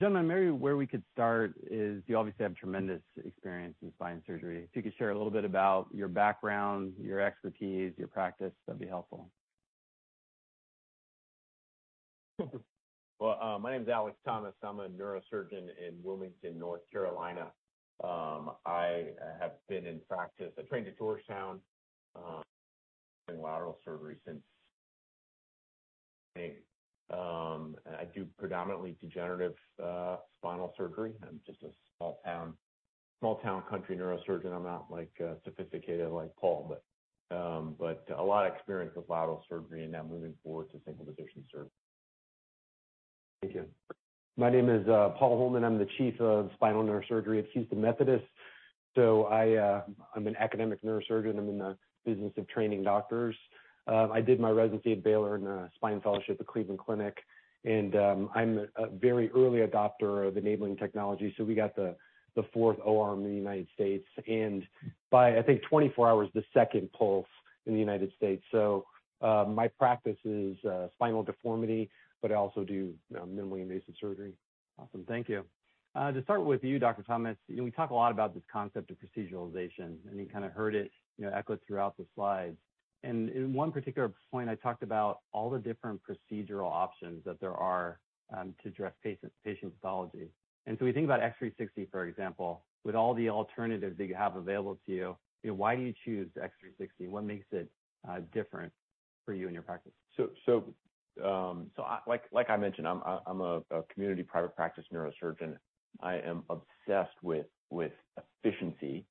Gentlemen, maybe where we could start is you obviously have tremendous experience in spine surgery. If you could share a little bit about your background, your expertise, your practice, that'd be helpful. My name is Alex Thomas. I'm a neurosurgeon in Wilmington, North Carolina. I have been in practice. I trained at Georgetown in lateral surgery since May. I do predominantly degenerative spinal surgery. I'm just a small town country neurosurgeon. I'm not like sophisticated like Paul, but a lot of experience with lateral surgery and now moving forward to single position surgery. Thank you. My name is Paul Holman. I'm the chief of spinal neurosurgery at Houston Methodist. I'm an academic neurosurgeon. I'm in the business of training doctors. I did my residency at Baylor and a spine fellowship at Cleveland Clinic. I'm a very early adopter of enabling technology. We got the fourth OR in the United States, and by, I think, 24 hours, the second Pulse in the United States. My practice is spinal deformity, but I also do minimally invasive surgery. Awesome. Thank you. To start with you, Dr. Thomas, you know, we talk a lot about this concept of proceduralization, and you kinda heard it, you know, echoed throughout the slides. In one particular point, I talked about all the different procedural options that there are to address patient pathology. We think about X360, for example, with all the alternatives that you have available to you know, why do you choose X360? What makes it different for you and your practice? Like I mentioned, I'm a community private practice neurosurgeon. I am obsessed with efficiency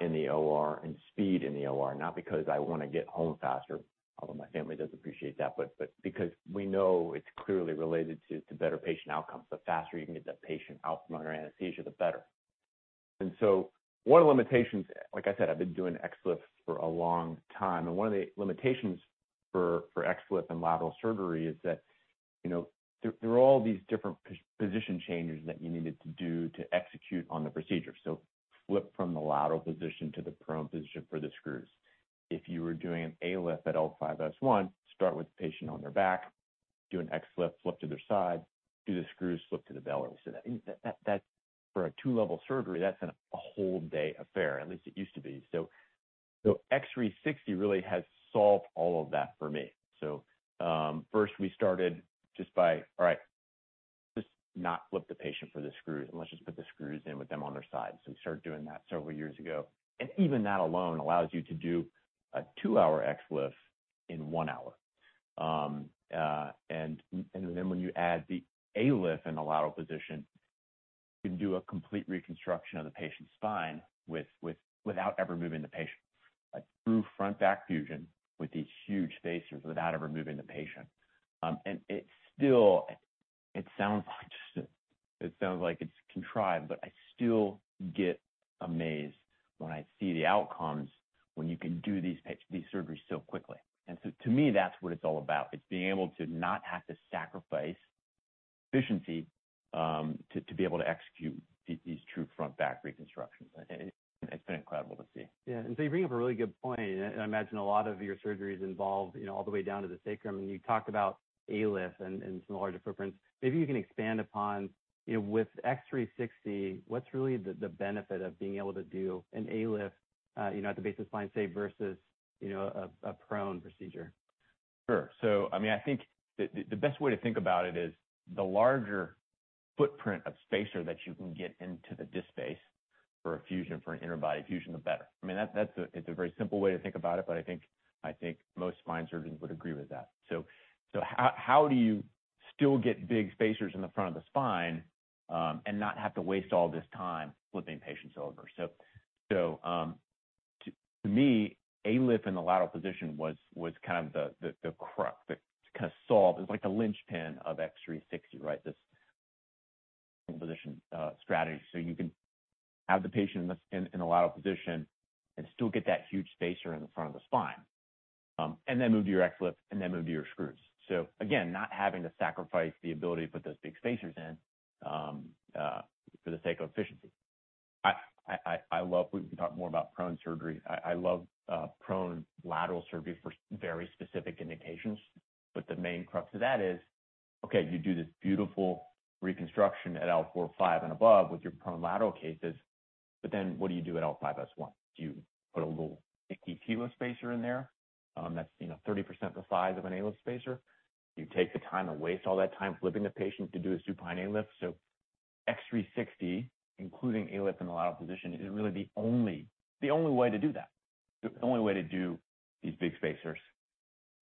in the OR and speed in the OR, not because I wanna get home faster, although my family does appreciate that, but because we know it's clearly related to better patient outcomes. The faster you can get that patient out from under anesthesia, the better. One of the limitations, like I said, I've been doing XLIF for a long time, and one of the limitations for XLIF and lateral surgery is that there are all these different position changes that you needed to do to execute on the procedure. Flip from the lateral position to the prone position for the screws. If you were doing an ALIF at L5-S1, start with the patient on their back, do an XLIF, flip to their side, do the screws, flip to the belly. That for a 2-level surgery, that's a whole day affair, at least it used to be. X360 really has solved all of that for me. First we started just by, all right, let's not flip the patient for the screws and let's just put the screws in with them on their side. We started doing that several years ago, and even that alone allows you to do a two hour XLIF in 1 hour. Then when you add the ALIF in the lateral position, you can do a complete reconstruction of the patient's spine without ever moving the patient. Like true front-back fusion with these huge spacers without ever moving the patient. It still sounds like it's contrived, but I still get amazed when I see the outcomes when you can do these surgeries so quickly. To me, that's what it's all about. It's being able to not have to sacrifice efficiency to be able to execute these true front-back reconstructions. It's been incredible to see. Yeah. You bring up a really good point, and I imagine a lot of your surgeries involve, you know, all the way down to the sacrum. You talked about ALIF and some of the larger footprints. Maybe you can expand upon, you know, with X360, what's really the benefit of being able to do an ALIF, you know, at the base of spine, say, versus, you know, a prone procedure? Sure. I mean, I think the best way to think about it is the larger footprint of spacer that you can get into the disc space for a fusion, for an interbody fusion, the better. I mean, it's a very simple way to think about it, but I think most spine surgeons would agree with that. How do you still get big spacers in the front of the spine and not have to waste all this time flipping patients over? To me, ALIF in the lateral position was kind of the crux, the kind of solve. It's like the linchpin of X360, right? This position strategy. You can have the patient in a lateral position and still get that huge spacer in the front of the spine, and then move to your XLIF and then move to your screws. Again, not having to sacrifice the ability to put those big spacers in for the sake of efficiency. I love. We can talk more about prone surgery. I love prone lateral surgery for very specific indications, but the main crux of that is, okay, you do this beautiful reconstruction at L4-5 and above with your prone lateral cases, but then what do you do at L5-S1? Do you put a little dinky PLIF spacer in there, that's, you know, 30% the size of an ALIF spacer? Do you take the time and waste all that time flipping the patient to do a supine ALIF? X360, including ALIF in the lateral position, is really the only way to do that. The only way to do these big spacers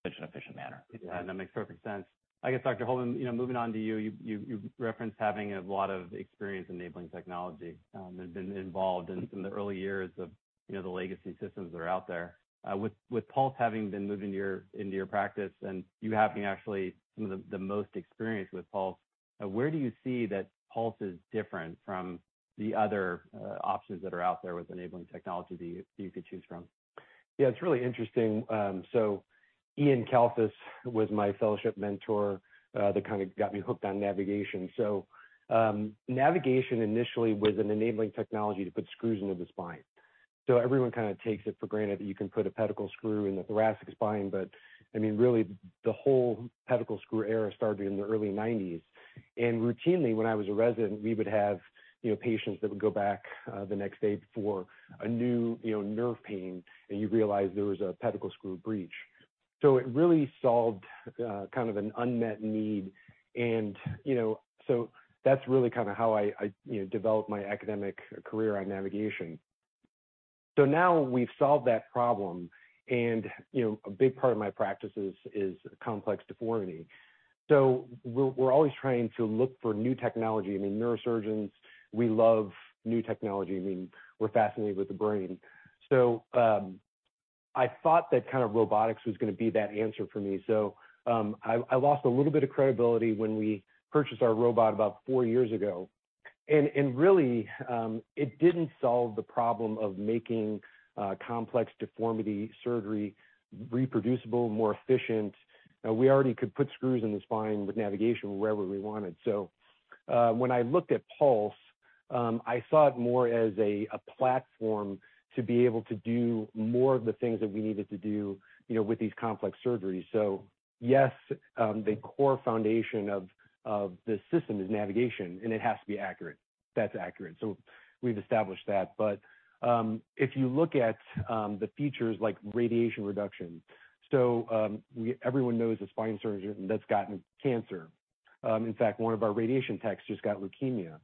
in such an efficient manner. Yeah, that makes perfect sense. I guess, Dr. Holman, you know, moving on to you. You referenced having a lot of experience enabling technology, and been involved in the early years of, you know, the legacy systems that are out there. With Pulse having been moved into your practice and you having actually some of the most experience with Pulse, where do you see that Pulse is different from the other options that are out there with enabling technology you could choose from? Yeah, it's really interesting. Iain Kalfas was my fellowship mentor that kinda got me hooked on navigation. Navigation initially was an enabling technology to put screws into the spine. Everyone kinda takes it for granted that you can put a pedicle screw in the thoracic spine, but I mean, really the whole pedicle screw era started in the early nineties. Routinely when I was a resident, we would have, you know, patients that would go back the next day for a new, you know, nerve pain, and you realize there was a pedicle screw breach. It really solved kind of an unmet need and, you know, that's really kinda how I you know developed my academic career on navigation. Now we've solved that problem and, you know, a big part of my practice is complex deformity. We're always trying to look for new technology. I mean, neurosurgeons, we love new technology. I mean, we're fascinated with the brain. I thought that kind of robotics was gonna be that answer for me. I lost a little bit of credibility when we purchased our robot about four years ago. Really, it didn't solve the problem of making complex deformity surgery reproducible, more efficient. We already could put screws in the spine with navigation wherever we wanted. When I looked at Pulse, I saw it more as a platform to be able to do more of the things that we needed to do, you know, with these complex surgeries. Yes, the core foundation of this system is navigation, and it has to be accurate. That's accurate. We've established that. If you look at the features like radiation reduction, everyone knows a spine surgeon that's gotten cancer. In fact, one of our radiation techs just got leukemia.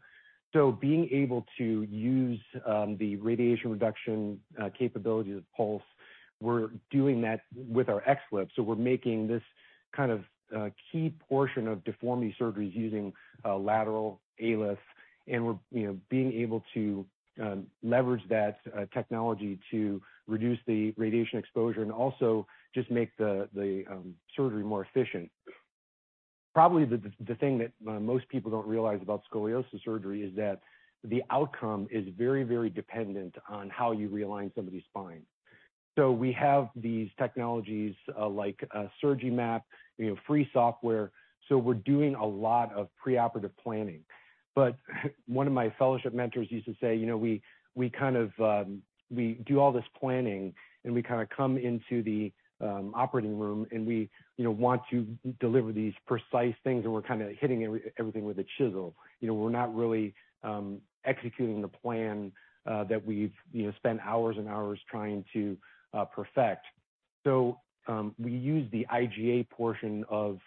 Being able to use the radiation reduction capability of Pulse, we're doing that with our XLIF. We're making this kind of key portion of deformity surgeries using lateral ALIF, and we're, you know, being able to leverage that technology to reduce the radiation exposure and also just make the surgery more efficient. Probably the thing that most people don't realize about scoliosis surgery is that the outcome is very, very dependent on how you realign somebody's spine. We have these technologies like Surgimap, you know, free software, so we're doing a lot of preoperative planning. One of my fellowship mentors used to say, you know, we kind of do all this planning, and we kinda come into the operating room, and we, you know, want to deliver these precise things, and we're kinda hitting everything with a chisel. You know, we're not really executing the plan that we've, you know, spent hours and hours trying to perfect. We use the IGA portion of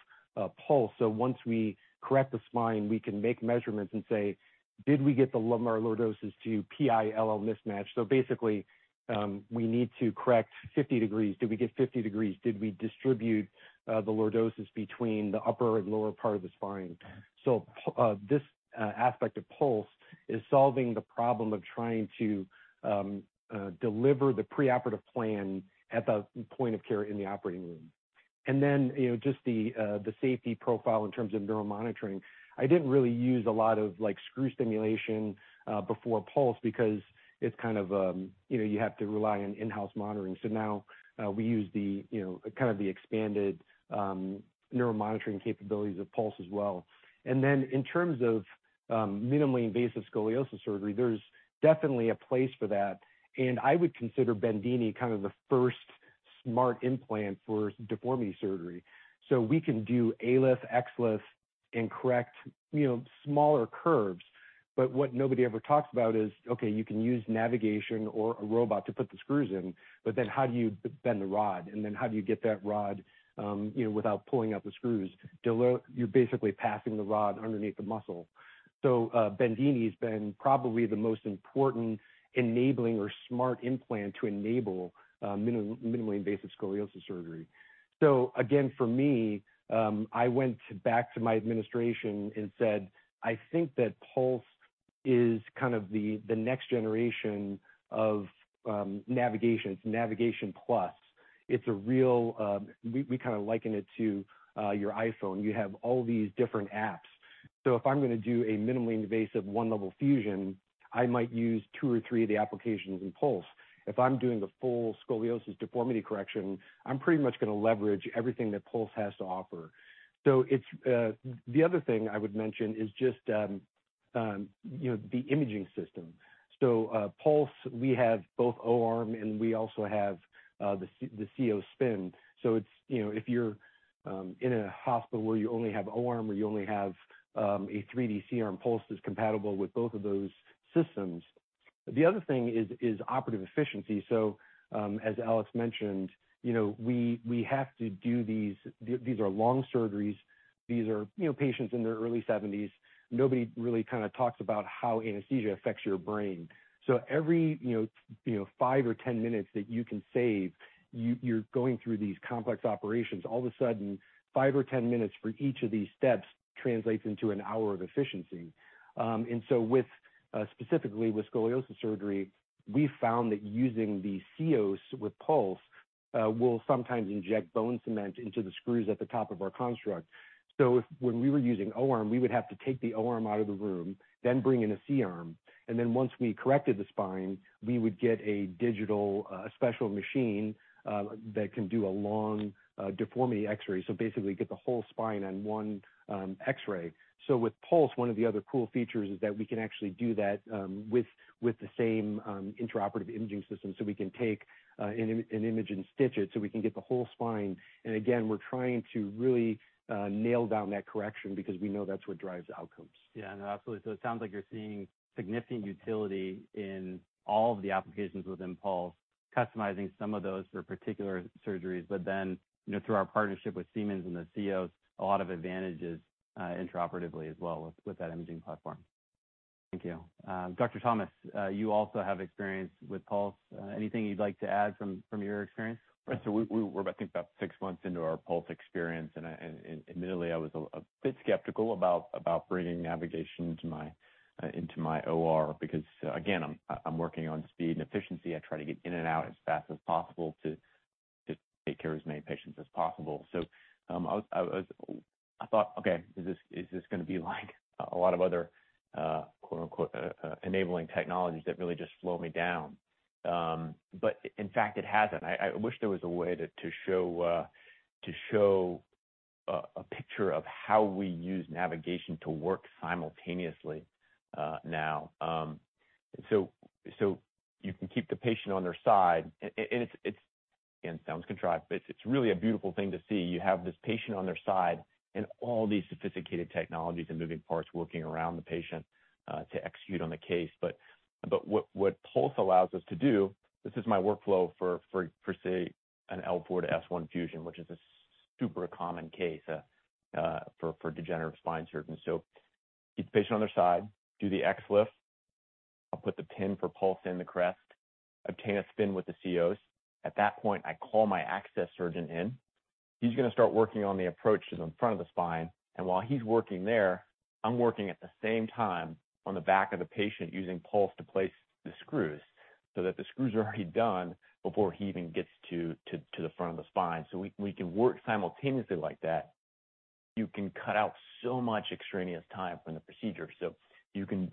Pulse. Once we correct the spine, we can make measurements and say, "Did we get the lumbar lordosis to PI-LL mismatch?" Basically, we need to correct 50 degrees. Did we get 50 degrees? Did we distribute the lordosis between the upper and lower part of the spine? This aspect of Pulse is solving the problem of trying to deliver the preoperative plan at the point of care in the operating room. You know, just the safety profile in terms of neural monitoring. I didn't really use a lot of, like, screw stimulation before Pulse because it's kind of, you know, you have to rely on in-house monitoring. We use the, you know, kind of the expanded neural monitoring capabilities of Pulse as well. In terms of minimally invasive scoliosis surgery, there's definitely a place for that, and I would consider Bendini kind of the first smart implant for deformity surgery. We can do ALIF, XLIF, and correct, you know, smaller curves. What nobody ever talks about is, okay, you can use navigation or a robot to put the screws in, but then how do you bend the rod? How do you get that rod without pulling out the screws? You're basically passing the rod underneath the muscle. Bendini has been probably the most important enabling or smart implant to enable minimally invasive scoliosis surgery. Again, for me, I went back to my administration and said, "I think that Pulse is kind of the next generation of navigation. It's navigation plus." It's a real. We kind of liken it to your iPhone. You have all these different apps. If I'm gonna do a minimally invasive one-level fusion, I might use two or three of the applications in Pulse. If I'm doing the full scoliosis deformity correction, I'm pretty much gonna leverage everything that Pulse has to offer. It's the other thing I would mention is just, you know, the imaging system. Pulse, we have both O-arm, and we also have the Cios Spin. It's, you know, if you're in a hospital where you only have O-arm or you only have a 3D C-arm, Pulse is compatible with both of those systems. The other thing is operative efficiency. As Alex mentioned, you know, we have to do these. These are long surgeries. These are, you know, patients in their early seventies. Nobody really kinda talks about how anesthesia affects your brain. Every you know five or 10 minutes that you can save, you're going through these complex operations, all of a sudden, five or 10 minutes for each of these steps translates into an hour of efficiency. Specifically with scoliosis surgery, we found that using the Cios with Pulse, we'll sometimes inject bone cement into the screws at the top of our construct. If when we were using O-arm, we would have to take the O-arm out of the room, then bring in a C-arm, and then once we corrected the spine, we would get a digital a special machine that can do a long deformity X-ray. Basically get the whole spine on one X-ray. With Pulse, one of the other cool features is that we can actually do that with the same intraoperative imaging system. We can take an image and stitch it so we can get the whole spine. Again, we're trying to really nail down that correction because we know that's what drives outcomes. Yeah. No, absolutely. It sounds like you're seeing significant utility in all of the applications within Pulse, customizing some of those for particular surgeries. You know, through our partnership with Siemens and the Cios, a lot of advantages intraoperatively as well with that imaging platform. Thank you. Dr. Thomas, you also have experience with Pulse. Anything you'd like to add from your experience? We're about, I think, about six months into our Pulse experience, and admittedly, I was a bit skeptical about bringing navigation into my OR because, again, I'm working on speed and efficiency. I try to get in and out as fast as possible to take care of as many patients as possible. I thought, "Okay. Is this gonna be like a lot of other quote unquote enabling technologies that really just slow me down?" But in fact, it hasn't. I wish there was a way to show a picture of how we use navigation to work simultaneously now. You can keep the patient on their side and it's, again, sounds contrived, but it's really a beautiful thing to see. You have this patient on their side and all these sophisticated technologies and moving parts working around the patient, to execute on the case. What Pulse allows us to do, this is my workflow for say, an L4 to S1 fusion, which is a super common case, for degenerative spine surgeons. Get the patient on their side, do the XLIF. I'll put the pin for Pulse in the crest, obtain a spin with the Cios. At that point, I call my access surgeon in. He's gonna start working on the approaches in front of the spine, and while he's working there, I'm working at the same time on the back of the patient using Pulse to place the screws so that the screws are already done before he even gets to the front of the spine. We can work simultaneously like that. You can cut out so much extraneous time from the procedure. You can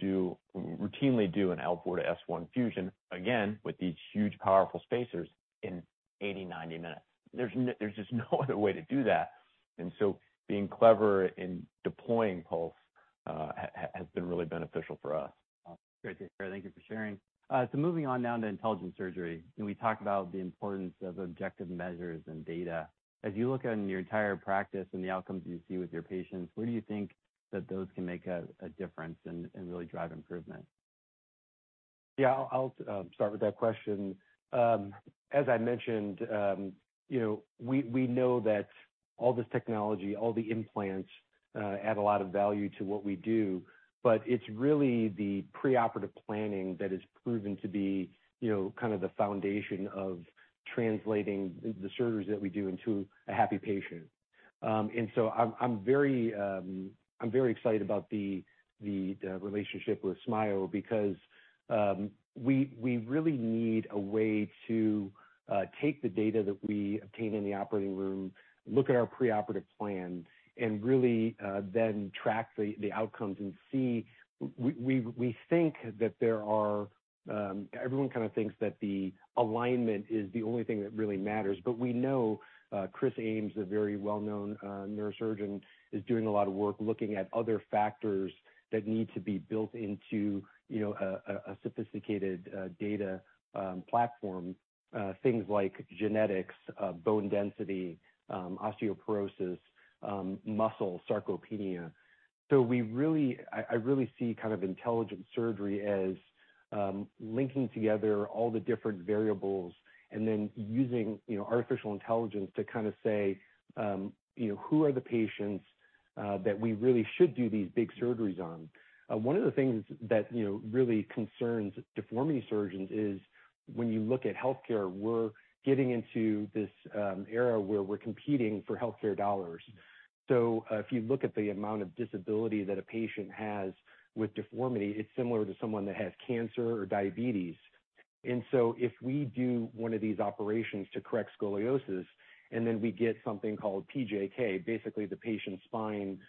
routinely do an L4 to S1 fusion, again, with these huge, powerful spacers in 80-90 minutes. There's just no other way to do that. Being clever in deploying Pulse has been really beneficial for us. Great. Yeah. Thank you for sharing. Moving on now to intelligent surgery. Can we talk about the importance of objective measures and data? As you look at in your entire practice and the outcomes you see with your patients, where do you think that those can make a difference and really drive improvement? Yeah. I'll start with that question. As I mentioned, you know, we know that all this technology, all the implants add a lot of value to what we do, but it's really the preoperative planning that is proven to be, you know, kind of the foundation of translating the surgeries that we do into a happy patient. I'm very excited about the relationship with SMAIO because we really need a way to take the data that we obtain in the operating room, look at our preoperative plan, and really then track the outcomes and see. We think that there are everyone kind of thinks that the alignment is the only thing that really matters. We know Chris Ames, a very well-known neurosurgeon, is doing a lot of work looking at other factors that need to be built into, you know, a sophisticated data platform, things like genetics, bone density, osteoporosis, muscle sarcopenia. I really see kind of intelligent surgery as linking together all the different variables and then using, you know, artificial intelligence to kind of say, you know, who are the patients that we really should do these big surgeries on. One of the things that, you know, really concerns deformity surgeons is when you look at healthcare, we're getting into this era where we're competing for healthcare dollars. If you look at the amount of disability that a patient has with deformity, it's similar to someone that has cancer or diabetes. If we do one of these operations to correct scoliosis, and then we get something called PJK, basically the patient's spine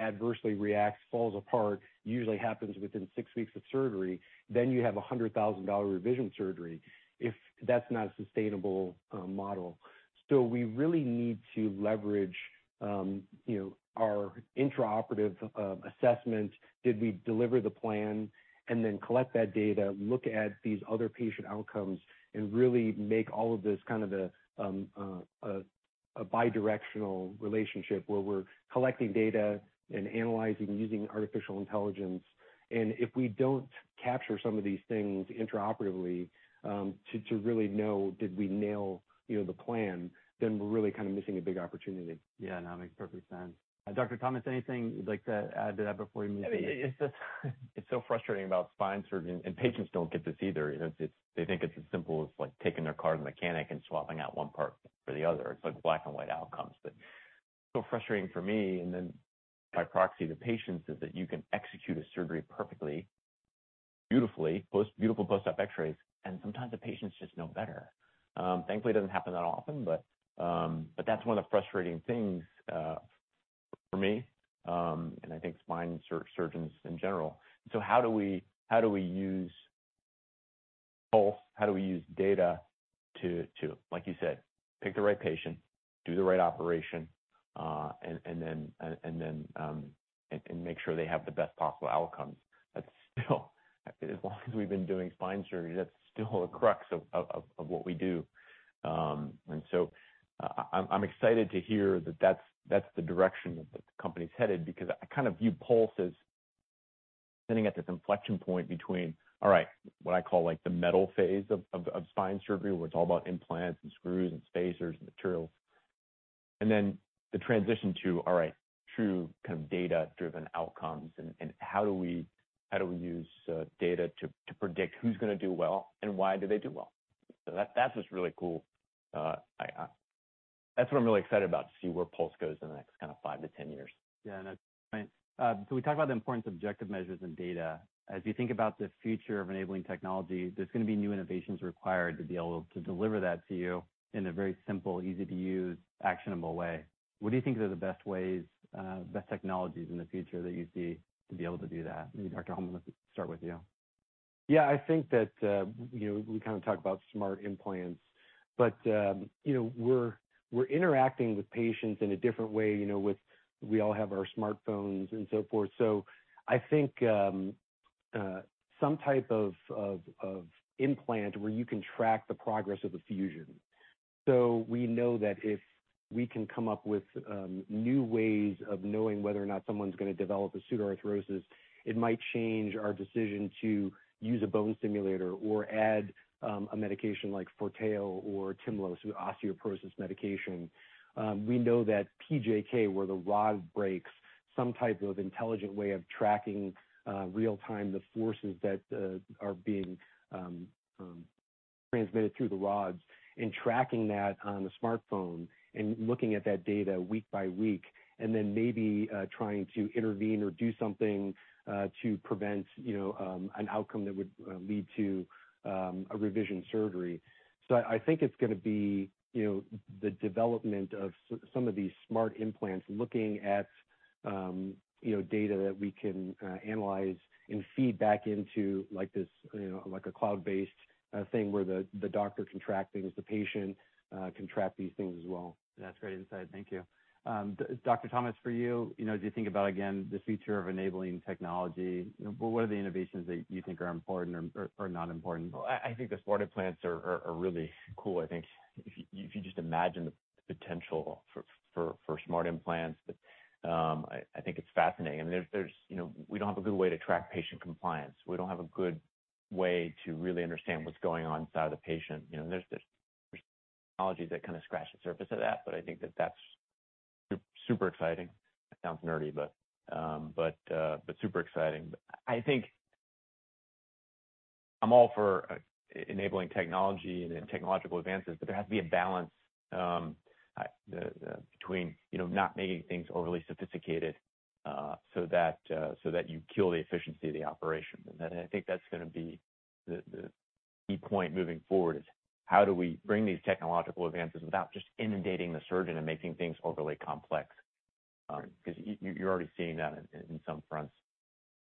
adversely reacts, falls apart, usually happens within six weeks of surgery, then you have a $100,000 revision surgery. If that's not a sustainable model. We really need to leverage, you know, our intraoperative assessments, did we deliver the plan, and then collect that data, look at these other patient outcomes, and really make all of this kind of a bidirectional relationship where we're collecting data and analyzing using artificial intelligence. If we don't capture some of these things intraoperatively, to really know, did we nail the plan, you know, then we're really kind of missing a big opportunity. Yeah. No, it makes perfect sense. Dr. Thomas, anything you'd like to add to that before we move to the next. I mean, it's just so frustrating about spine surgery, and patients don't get this either, you know. It's just they think it's as simple as like taking their car to a mechanic and swapping out one part for the other. It's like black and white outcomes. So frustrating for me, and then by proxy the patients, is that you can execute a surgery perfectly, beautifully, beautiful post-op X-rays, and sometimes the patients just don't know better. Thankfully, it doesn't happen that often, but that's one of the frustrating things for me, and I think spine surgeons in general. How do we use Pulse? How do we use data to, like you said, pick the right patient, do the right operation, and then make sure they have the best possible outcomes? As long as we've been doing spine surgery, that's still the crux of what we do. I'm excited to hear that that's the direction that the company's headed because I kind of view Pulse as sitting at this inflection point between, all right, what I call like the metal phase of spine surgery, where it's all about implants and screws and spacers and materials, and then the transition to, all right, true kind of data-driven outcomes and how do we use data to predict who's gonna do well and why do they do well? That's what's really cool. That's what I'm really excited about to see where Pulse goes in the next kind of 5-10 years. Yeah. No, that's great. So we talked about the importance of objective measures and data. As you think about the future of enabling technology, there's gonna be new innovations required to be able to deliver that to you in a very simple, easy to use, actionable way. What do you think are the best ways, best technologies in the future that you see to be able to do that? Maybe Dr. Holman, let's start with you. Yeah. I think that, you know, we kind of talked about smart implants, but, you know, we're interacting with patients in a different way, you know, with we all have our smartphones and so forth. I think some type of implant where you can track the progress of a fusion. We know that if we can come up with new ways of knowing whether or not someone's gonna develop a pseudoarthrosis, it might change our decision to use a bone stimulator or add a medication like Forteo or Tymlos with osteoporosis medication. We know that PJK, where the rod breaks, some type of intelligent way of tracking real-time the forces that are being transmitted through the rods and tracking that on the smartphone and looking at that data week by week, and then maybe trying to intervene or do something to prevent, you know, an outcome that would lead to a revision surgery. I think it's gonna be, you know, the development of some of these smart implants looking at, you know, data that we can analyze and feed back into like this, you know, like a cloud-based thing where the doctor can track things, the patient can track these things as well. That's great insight. Thank you. Dr. Thomas, for you know, as you think about, again, the future of enabling technology, you know, what are the innovations that you think are important or not important? Well, I think the smarter implants are really cool. I think if you just imagine the potential for smart implants, I think it's fascinating. I mean, you know, we don't have a good way to track patient compliance. We don't have a good way to really understand what's going on inside of the patient. You know, there's this technology that kind of scratches the surface of that, but I think that's super exciting. It sounds nerdy, but super exciting. I think I'm all for enabling technology and technological advances, but there has to be a balance between, you know, not making things overly sophisticated so that you kill the efficiency of the operation. I think that's gonna be the key point moving forward is how do we bring these technological advances without just inundating the surgeon and making things overly complex? 'Cause you're already seeing that in some fronts.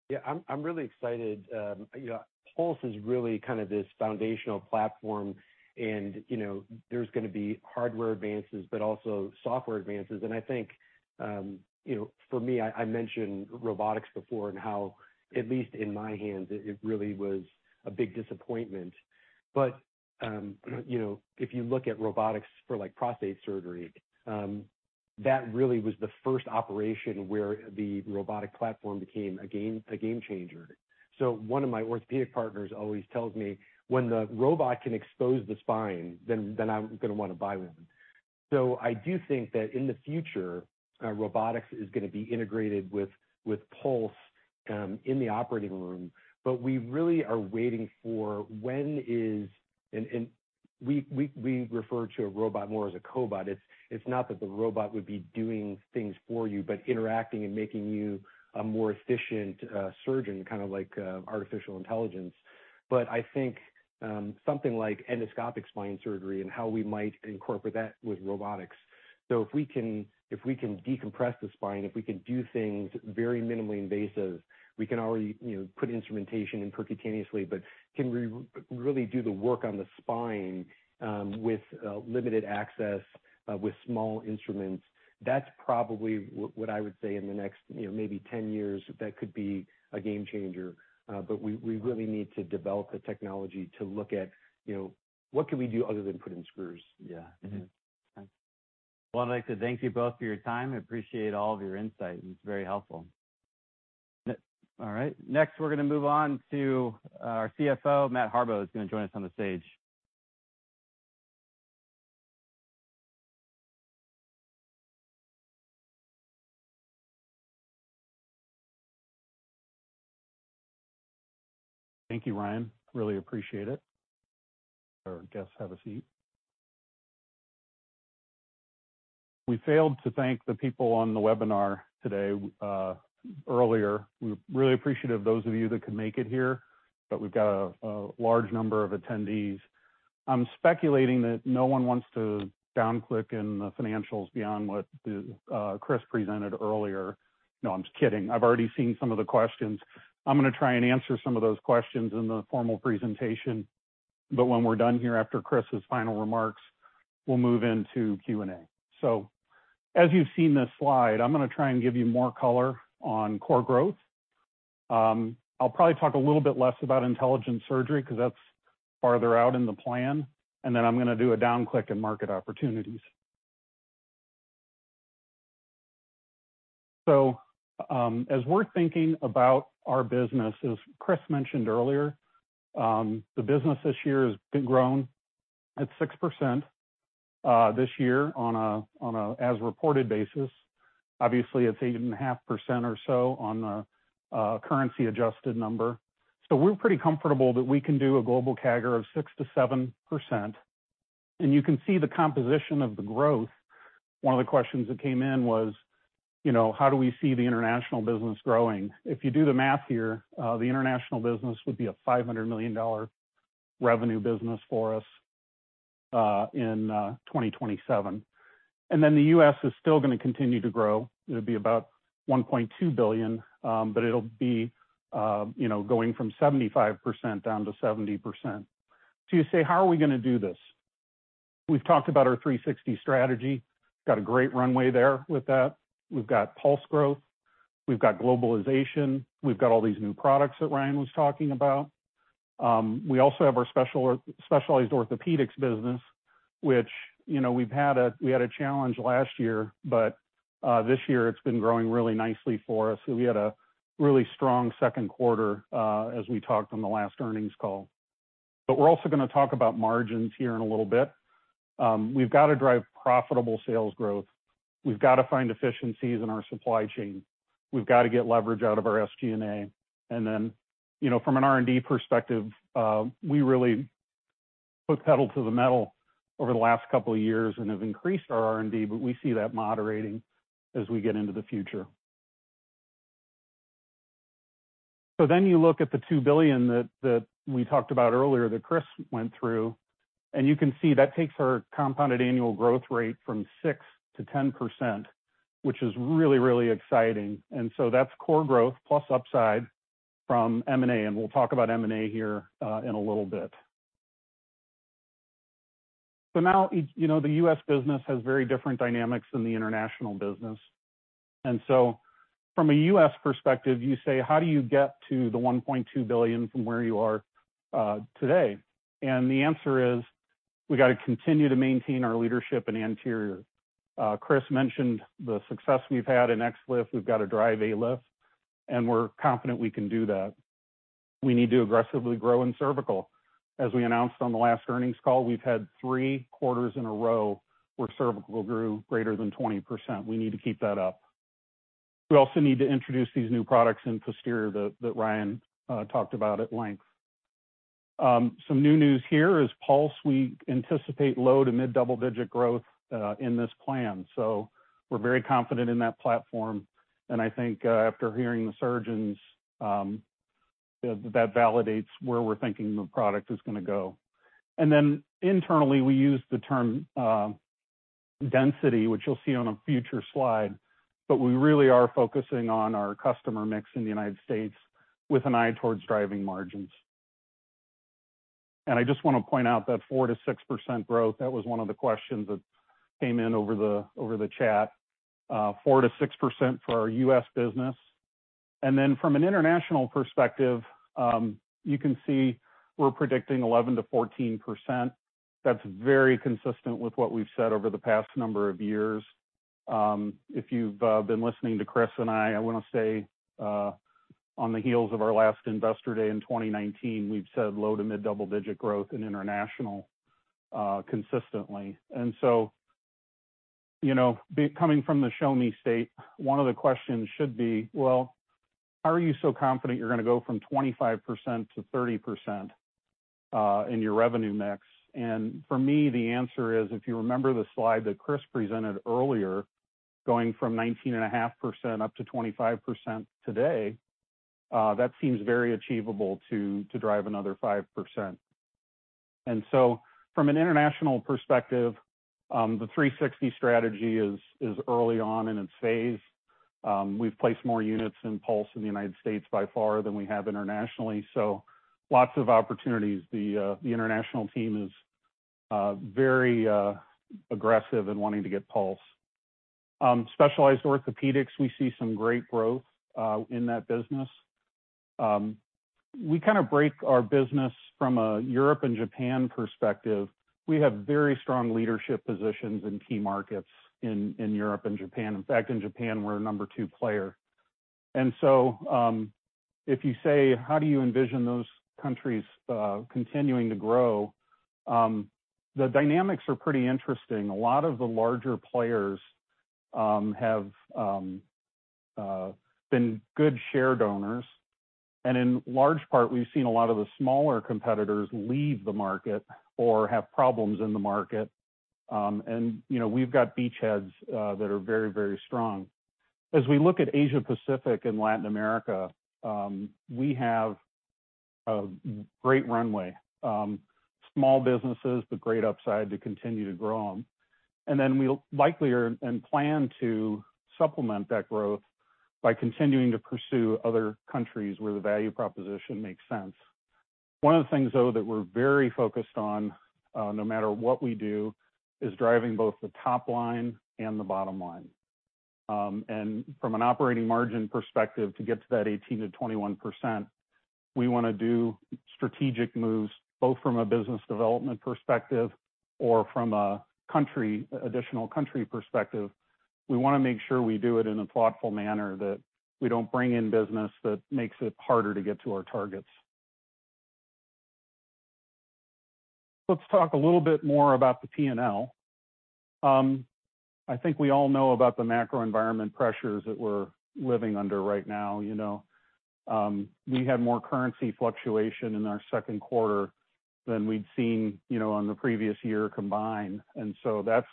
Yeah. I'm really excited. You know, Pulse is really kind of this foundational platform and, you know, there's gonna be hardware advances, but also software advances. I think, you know, for me, I mentioned robotics before and how, at least in my hands, it really was a big disappointment. You know, if you look at robotics for like prostate surgery, that really was the first operation where the robotic platform became a game changer. One of my orthopedic partners always tells me, "When the robot can expose the spine, then I'm gonna wanna buy one." I do think that in the future, robotics is gonna be integrated with Pulse in the operating room. We really are waiting for when is. We refer to a robot more as a cobot. It's not that the robot would be doing things for you, but interacting and making you a more efficient surgeon, kind of like artificial intelligence. I think something like endoscopic spine surgery and how we might incorporate that with robotics. If we can decompress the spine, if we can do things very minimally invasive, we can already, you know, put instrumentation in percutaneously. Can we really do the work on the spine with limited access with small instruments? That's probably what I would say in the next, you know, maybe 10 years, that could be a game changer. We really need to develop the technology to look at, you know, what can we do other than put in screws? Yeah. Mm-hmm. Well, I'd like to thank you both for your time. I appreciate all of your insight, and it's very helpful. All right. Next, we're gonna move on to our CFO, Matt Harbaugh, is gonna join us on the stage. Thank you, Ryan. Really appreciate it. Our guests have a seat. We failed to thank the people on the webinar today, earlier. We're really appreciative of those of you that could make it here, but we've got a large number of attendees. I'm speculating that no one wants to down-click in the financials beyond what, Chris presented earlier. No, I'm just kidding. I've already seen some of the questions. I'm gonna try and answer some of those questions in the formal presentation. When we're done here after Chris' final remarks, we'll move into Q&A. As you've seen this slide, I'm gonna try and give you more color on core growth. I'll probably talk a little bit less about intelligent surgery 'cause that's farther out in the plan. Then I'm gonna do a down-click in market opportunities. As we're thinking about our business, as Chris mentioned earlier, the business this year has been growing at 6% this year on an as reported basis. Obviously, it's 8.5% or so on a currency adjusted number. We're pretty comfortable that we can do a global CAGR of 6%-7%. You can see the composition of the growth. One of the questions that came in was, you know, how do we see the international business growing? If you do the math here, the international business would be a $500 million revenue business for us in 2027. Then the U.S. is still gonna continue to grow. It'll be about $1.2 billion, but it'll be, you know, going from 75% down to 70%. You say, "How are we gonna do this?" We've talked about our X360 strategy. Got a great runway there with that. We've got Pulse growth. We've got globalization. We've got all these new products that Ryan was talking about. We also have our Specialized Orthopedics business, which we had a challenge last year, but this year it's been growing really nicely for us. We had a really strong second quarter, as we talked on the last earnings call. We're also gonna talk about margins here in a little bit. We've got to drive profitable sales growth. We've got to find efficiencies in our supply chain. We've got to get leverage out of our SG&A. You know, from an R&D perspective, we really put pedal to the metal over the last couple of years and have increased our R&D, but we see that moderating as we get into the future. You look at the $2 billion that we talked about earlier that Chris went through, and you can see that takes our compounded annual growth rate from 6%-10%, which is really, really exciting. That's core growth plus upside from M&A, and we'll talk about M&A here in a little bit. You know, the U.S. business has very different dynamics than the international business. From a US perspective, you say, how do you get to the $1.2 billion from where you are today? The answer is, we got to continue to maintain our leadership in anterior. Chris mentioned the success we've had in XLIF. We've got to drive ALIF, and we're confident we can do that. We need to aggressively grow in cervical. As we announced on the last earnings call, we've had three quarters in a row where cervical grew greater than 20%. We need to keep that up. We also need to introduce these new products in posterior that Ryan talked about at length. Some new news here is Pulse. We anticipate low to mid double-digit growth in this plan. We're very confident in that platform, and I think, after hearing the surgeons, that validates where we're thinking the product is going to go. Internally, we use the term density, which you'll see on a future slide, but we really are focusing on our customer mix in the United States with an eye towards driving margins. I just want to point out that 4%-6% growth, that was one of the questions that came in over the chat, 4%-6% for our US business. From an international perspective, you can see we're predicting 11%-14%. That's very consistent with what we've said over the past number of years. If you've been listening to Chris and I want to say, on the heels of our last Investor Day in 2019, we've said low to mid double-digit growth in international, consistently. Coming from the show me state, one of the questions should be, well, how are you so confident you're going to go from 25% -30% in your revenue mix? For me, the answer is, if you remember the slide that Chris presented earlier, going from 19.5% up to 25% today, that seems very achievable to drive another 5%. From an international perspective, the X360 strategy is early on in its phase. We've placed more units in Pulse in the United States by far than we have internationally. Lots of opportunities. The international team is very aggressive in wanting to get Pulse. Specialized Orthopedics, we see some great growth in that business. We kind of break our business from a Europe and Japan perspective. We have very strong leadership positions in key markets in Europe and Japan. In fact, in Japan, we're a number two player. If you say, how do you envision those countries continuing to grow? The dynamics are pretty interesting. A lot of the larger players have been good share donors. In large part, we've seen a lot of the smaller competitors leave the market or have problems in the market. You know, we've got beachheads that are very, very strong. As we look at Asia Pacific and Latin America, we have a great runway. Small businesses, but great upside to continue to grow them. We'll likely are and plan to supplement that growth by continuing to pursue other countries where the value proposition makes sense. One of the things, though, that we're very focused on, no matter what we do, is driving both the top line and the bottom line. From an operating margin perspective, to get to that 18%-21%, we want to do strategic moves, both from a business development perspective or from a country, additional country perspective. We want to make sure we do it in a thoughtful manner, that we don't bring in business that makes it harder to get to our targets. Let's talk a little bit more about the P&L. I think we all know about the macro environment pressures that we're living under right now. You know, we had more currency fluctuation in our second quarter than we'd seen, you know, on the previous year combined. That's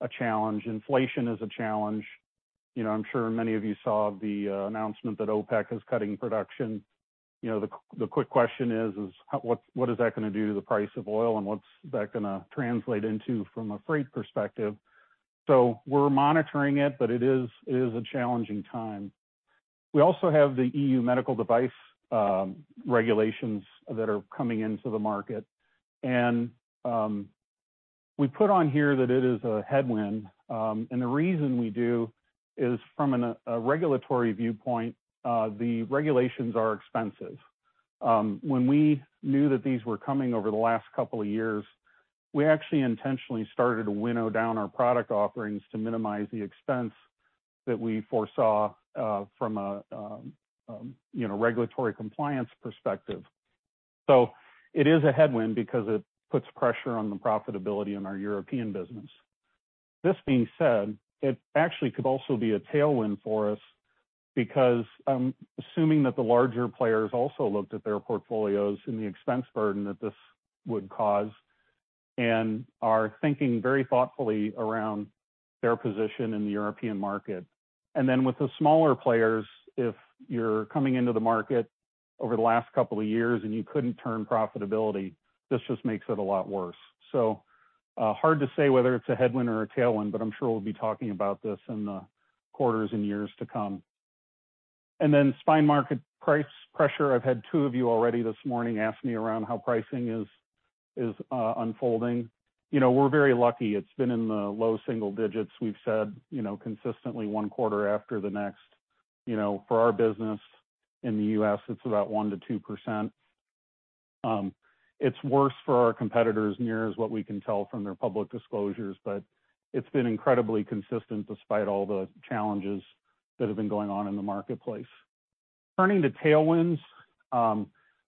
a challenge. Inflation is a challenge. You know, I'm sure many of you saw the announcement that OPEC is cutting production. You know, the quick question is, what is that going to do to the price of oil, and what's that going to translate into from a freight perspective? We're monitoring it, but it is a challenging time. We also have the EU Medical Device regulations that are coming into the market. We put on here that it is a headwind, and the reason we do is from a regulatory viewpoint, the regulations are expensive. When we knew that these were coming over the last couple of years, we actually intentionally started to winnow down our product offerings to minimize the expense that we foresaw from a, you know, regulatory compliance perspective. It is a headwind because it puts pressure on the profitability in our European business. This being said, it actually could also be a tailwind for us because assuming that the larger players also looked at their portfolios and the expense burden that this would cause and are thinking very thoughtfully around their position in the European market. Then with the smaller players, if you're coming into the market over the last couple of years and you couldn't turn profitability, this just makes it a lot worse. Hard to say whether it's a headwind or a tailwind, but I'm sure we'll be talking about this in the quarters and years to come. Spine market price pressure. I've had two of you already this morning ask me around how pricing is unfolding. You know, we're very lucky. It's been in the low single digits. We've said, you know, consistently one quarter after the next. You know, for our business in the U.S., it's about 1%-2%. It's worse for our competitors near as we can tell from their public disclosures, but it's been incredibly consistent despite all the challenges that have been going on in the marketplace. Turning to tailwinds,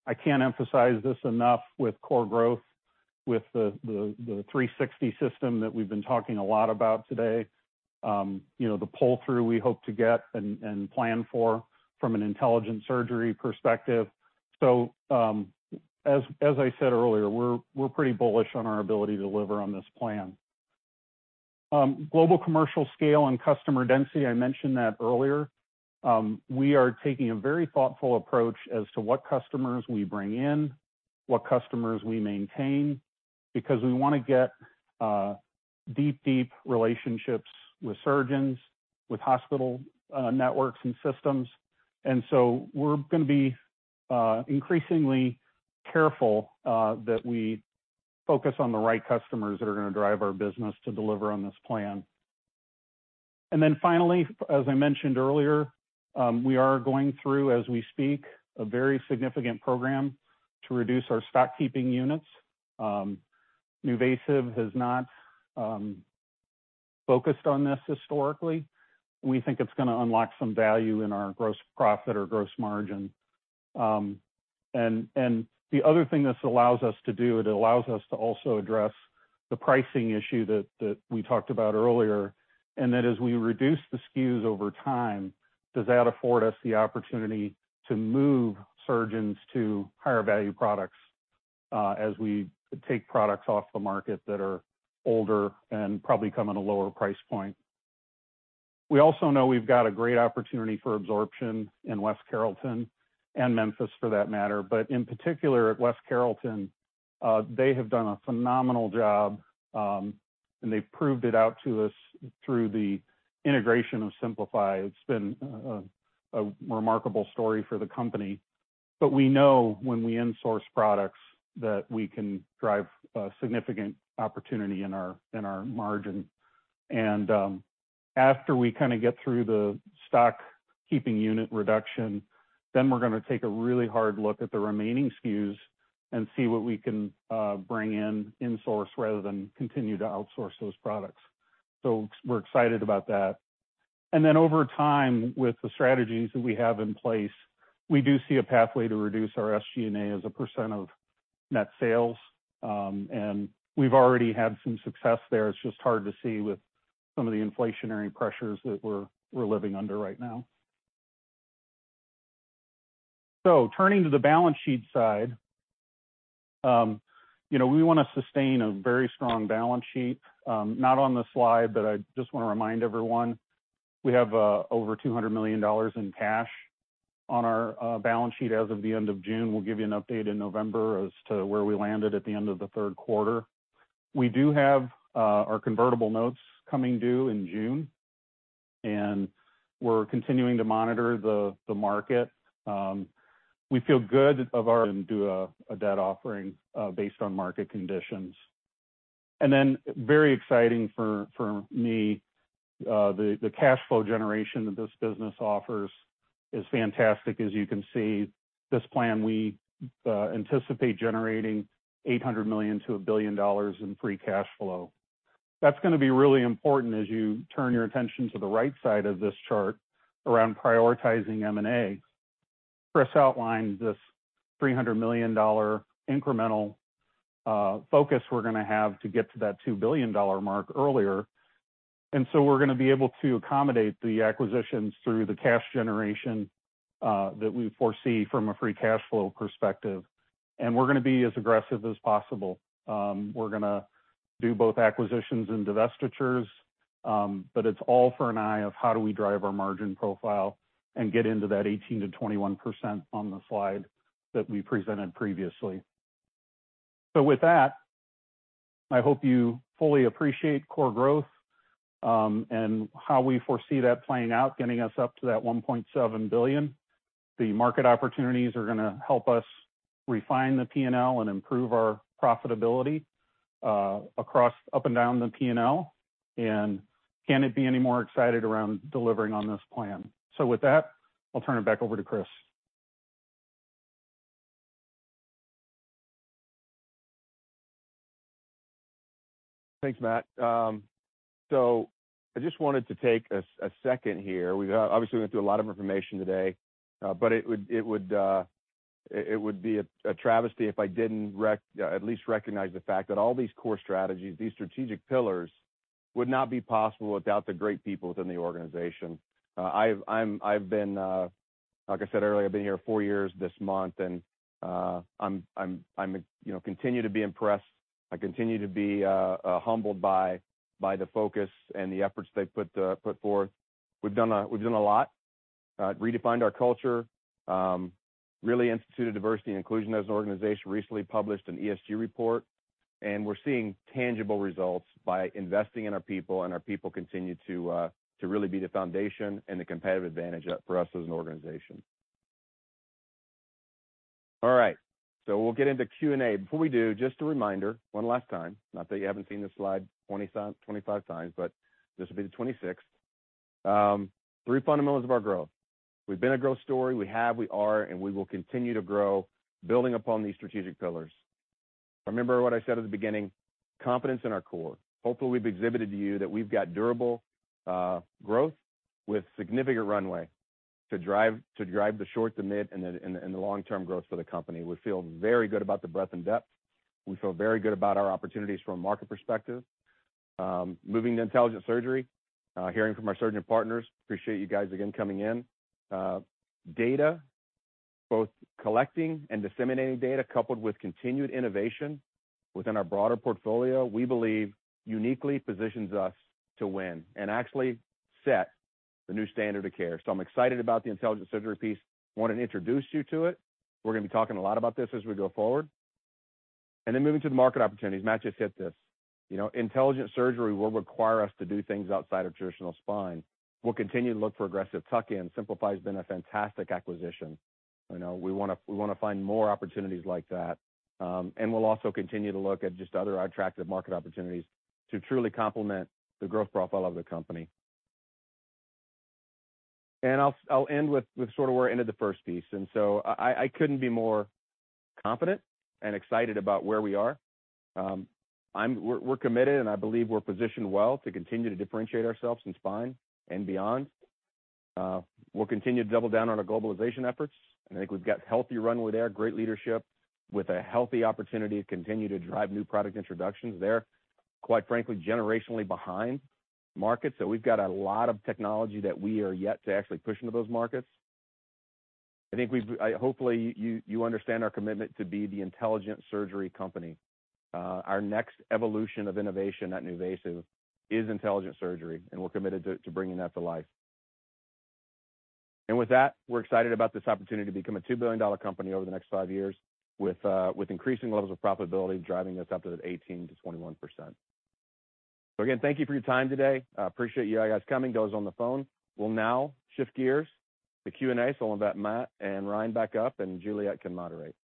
I can't emphasize this enough with core growth, with the X360 system that we've been talking a lot about today. You know, the pull-through we hope to get and plan for from an intelligent surgery perspective. As I said earlier, we're pretty bullish on our ability to deliver on this plan. Global commercial scale and customer density, I mentioned that earlier. We are taking a very thoughtful approach as to what customers we bring in, what customers we maintain, because we wanna get deep relationships with surgeons, with hospital networks and systems. We're gonna be increasingly careful that we focus on the right customers that are gonna drive our business to deliver on this plan. Finally, as I mentioned earlier, we are going through, as we speak, a very significant program to reduce our stock keeping units. NuVasive has not focused on this historically. We think it's gonna unlock some value in our gross profit or gross margin. And the other thing this allows us to do, it allows us to also address the pricing issue that we talked about earlier. That as we reduce the SKUs over time, does that afford us the opportunity to move surgeons to higher value products, as we take products off the market that are older and probably come at a lower price point. We also know we've got a great opportunity for absorption in West Carrollton and Memphis for that matter. In particular at West Carrollton, they have done a phenomenal job, and they've proved it out to us through the integration of Simplify. It's been a remarkable story for the company. We know when we insource products that we can drive a significant opportunity in our margin. After we kinda get through the stock keeping unit reduction, we're gonna take a really hard look at the remaining SKUs and see what we can bring in insource rather than continue to outsource those products. We're excited about that. Over time, with the strategies that we have in place, we do see a pathway to reduce our SG&A as a percent of net sales. We've already had some success there. It's just hard to see with some of the inflationary pressures that we're living under right now. Turning to the balance sheet side, you know, we wanna sustain a very strong balance sheet. Not on the slide, but I just wanna remind everyone we have over $200 million in cash on our balance sheet as of the end of June. We'll give you an update in November as to where we landed at the end of the third quarter. We do have our convertible notes coming due in June, and we're continuing to monitor the market. We feel good about doing a debt offering based on market conditions. Very exciting for me, the cash flow generation that this business offers is fantastic. As you can see, this plan, we anticipate generating $800 million-$1 billion in free cash flow. That's gonna be really important as you turn your attention to the right side of this chart around prioritizing M&A. Chris outlined this $300 million incremental focus we're gonna have to get to that $2 billion mark earlier. We're gonna be able to accommodate the acquisitions through the cash generation that we foresee from a free cash flow perspective. We're gonna be as aggressive as possible. We're gonna do both acquisitions and divestitures, but it's all for an idea of how do we drive our margin profile and get into that 18%-21% on the slide that we presented previously. I hope you fully appreciate core growth, and how we foresee that playing out, getting us up to that $1.7 billion. The market opportunities are gonna help us refine the P&L and improve our profitability across up and down the P&L. Can it be any more excited around delivering on this plan? With that, I'll turn it back over to Chris. Thanks, Matt. I just wanted to take a second here. We've obviously went through a lot of information today. It would be a travesty if I didn't at least recognize the fact that all these core strategies, these strategic pillars. Would not be possible without the great people within the organization. I've been, like I said earlier, I've been here four years this month, and I'm, you know, continue to be impressed. I continue to be humbled by the focus and the efforts they put forth. We've done a lot, redefined our culture, really instituted diversity and inclusion as an organization, recently published an ESG report. We're seeing tangible results by investing in our people, and our people continue to really be the foundation and the competitive advantage for us as an organization. All right, so we'll get into Q&A. Before we do, just a reminder, one last time, not that you haven't seen this slide 25 times, but this will be the 26th. Three fundamentals of our growth. We've been a growth story. We have, we are, and we will continue to grow, building upon these strategic pillars. Remember what I said at the beginning, confidence in our core. Hopefully, we've exhibited to you that we've got durable growth with significant runway to drive the short, the mid, and the long-term growth for the company. We feel very good about the breadth and depth. We feel very good about our opportunities from a market perspective. Moving to intelligent surgery, hearing from our surgeon partners, appreciate you guys again coming in. Data, both collecting and disseminating data coupled with continued innovation within our broader portfolio, we believe uniquely positions us to win and actually set the new standard of care. I'm excited about the intelligent surgery piece. Wanted to introduce you to it. We're gonna be talking a lot about this as we go forward. Moving to the market opportunities. Matt just hit this. You know, intelligent surgery will require us to do things outside of traditional spine. We'll continue to look for aggressive tuck-in. Simplify has been a fantastic acquisition. You know, we wanna find more opportunities like that. We'll also continue to look at just other attractive market opportunities to truly complement the growth profile of the company. I'll end with sort of where I ended the first piece. I couldn't be more confident and excited about where we are. We're committed, and I believe we're positioned well to continue to differentiate ourselves in spine and beyond. We'll continue to double down on our globalization efforts. I think we've got healthy runway there, great leadership with a healthy opportunity to continue to drive new product introductions there, quite frankly, generationally behind markets. We've got a lot of technology that we are yet to actually push into those markets. I think hopefully you understand our commitment to be the intelligent surgery company. Our next evolution of innovation at NuVasive is intelligent surgery, and we're committed to bringing that to life. With that, we're excited about this opportunity to become a $2 billion company over the next five years with increasing levels of profitability driving us up to that 18%-21%. Again, thank you for your time today. I appreciate you guys coming. Those on the phone, we'll now shift gears to Q&A. I'll let Matt and Ryan back up, and Juliet can moderate.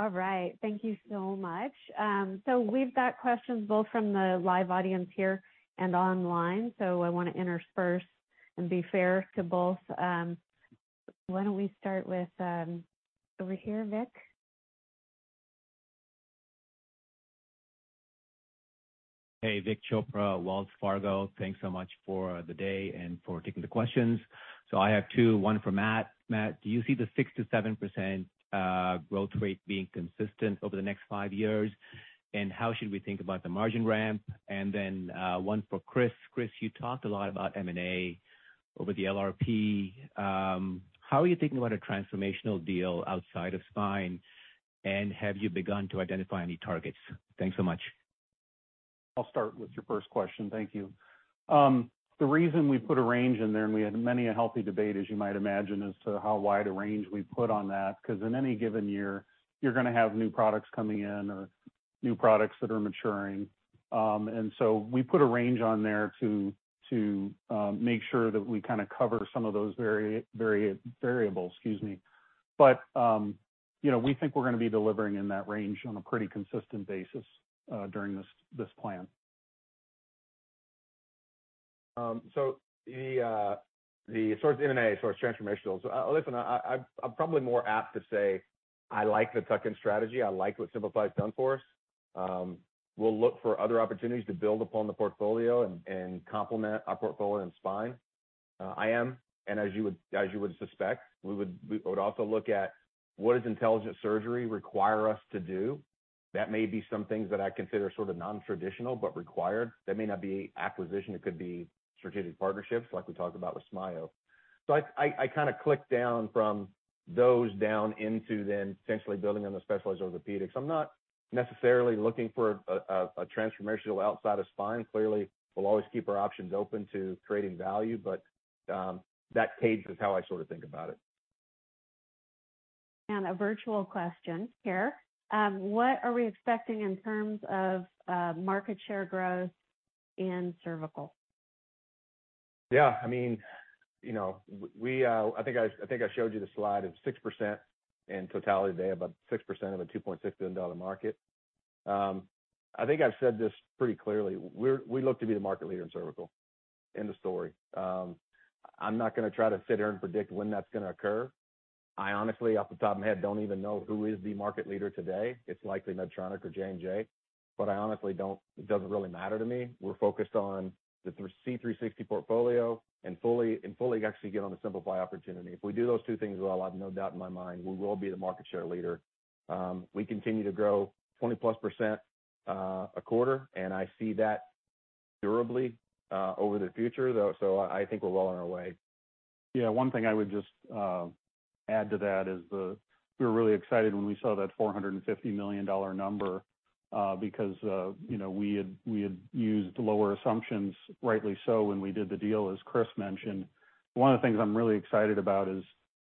All right. Thank you so much. We've got questions both from the live audience here and online. I wanna intersperse and be fair to both. Why don't we start with over here, Vik? Hey, Vik Chopra, Wells Fargo. Thanks so much for the day and for taking the questions. I have two, one for Matt. Matt, do you see the 6%-7% growth rate being consistent over the next five years? And how should we think about the margin ramp? And then, one for Chris. Chris, you talked a lot about M&A over the LRP. How are you thinking about a transformational deal outside of spine? And have you begun to identify any targets? Thanks so much. I'll start with your first question. Thank you. The reason we put a range in there, and we had many a healthy debate, as you might imagine, as to how wide a range we put on that, 'cause in any given year, you're gonna have new products coming in or new products that are maturing. We put a range on there to make sure that we kinda cover some of those very variables. Excuse me. You know, we think we're gonna be delivering in that range on a pretty consistent basis during this plan. The source of M&A, source of transformation. Listen, I'm probably more apt to say I like the tuck-in strategy. I like what Simplify has done for us. We'll look for other opportunities to build upon the portfolio and complement our portfolio in spine. As you would suspect, we would also look at what intelligent surgery requires us to do. That may be some things that I consider sort of non-traditional but required. That may not be acquisition, it could be strategic partnerships like we talked about with SMAIO. I kinda click down from those down into then potentially building on the specialized orthopedics. I'm not necessarily looking for a transformational outside of spine. Clearly, we'll always keep our options open to creating value, but that case is how I sorta think about it. A virtual question here. What are we expecting in terms of market share growth in cervical? I mean, you know, I think I showed you the slide of 6% in totality today, about 6% of a $2.6 billion market. I think I've said this pretty clearly. We look to be the market leader in cervical. End of story. I'm not gonna try to sit here and predict when that's gonna occur. I honestly, off the top of my head, don't even know who is the market leader today. It's likely Medtronic or J&J, but it doesn't really matter to me. We're focused on the C360 portfolio and fully actually get on the Simplify opportunity. If we do those two things well, I have no doubt in my mind we will be the market share leader. We continue to grow 20%+ a quarter, and I see that durably over the future though, so I think we're well on our way. Yeah. One thing I would just add to that is we were really excited when we saw that $450 million number, because you know, we had used lower assumptions, rightly so, when we did the deal, as Chris mentioned. One of the things I'm really excited about is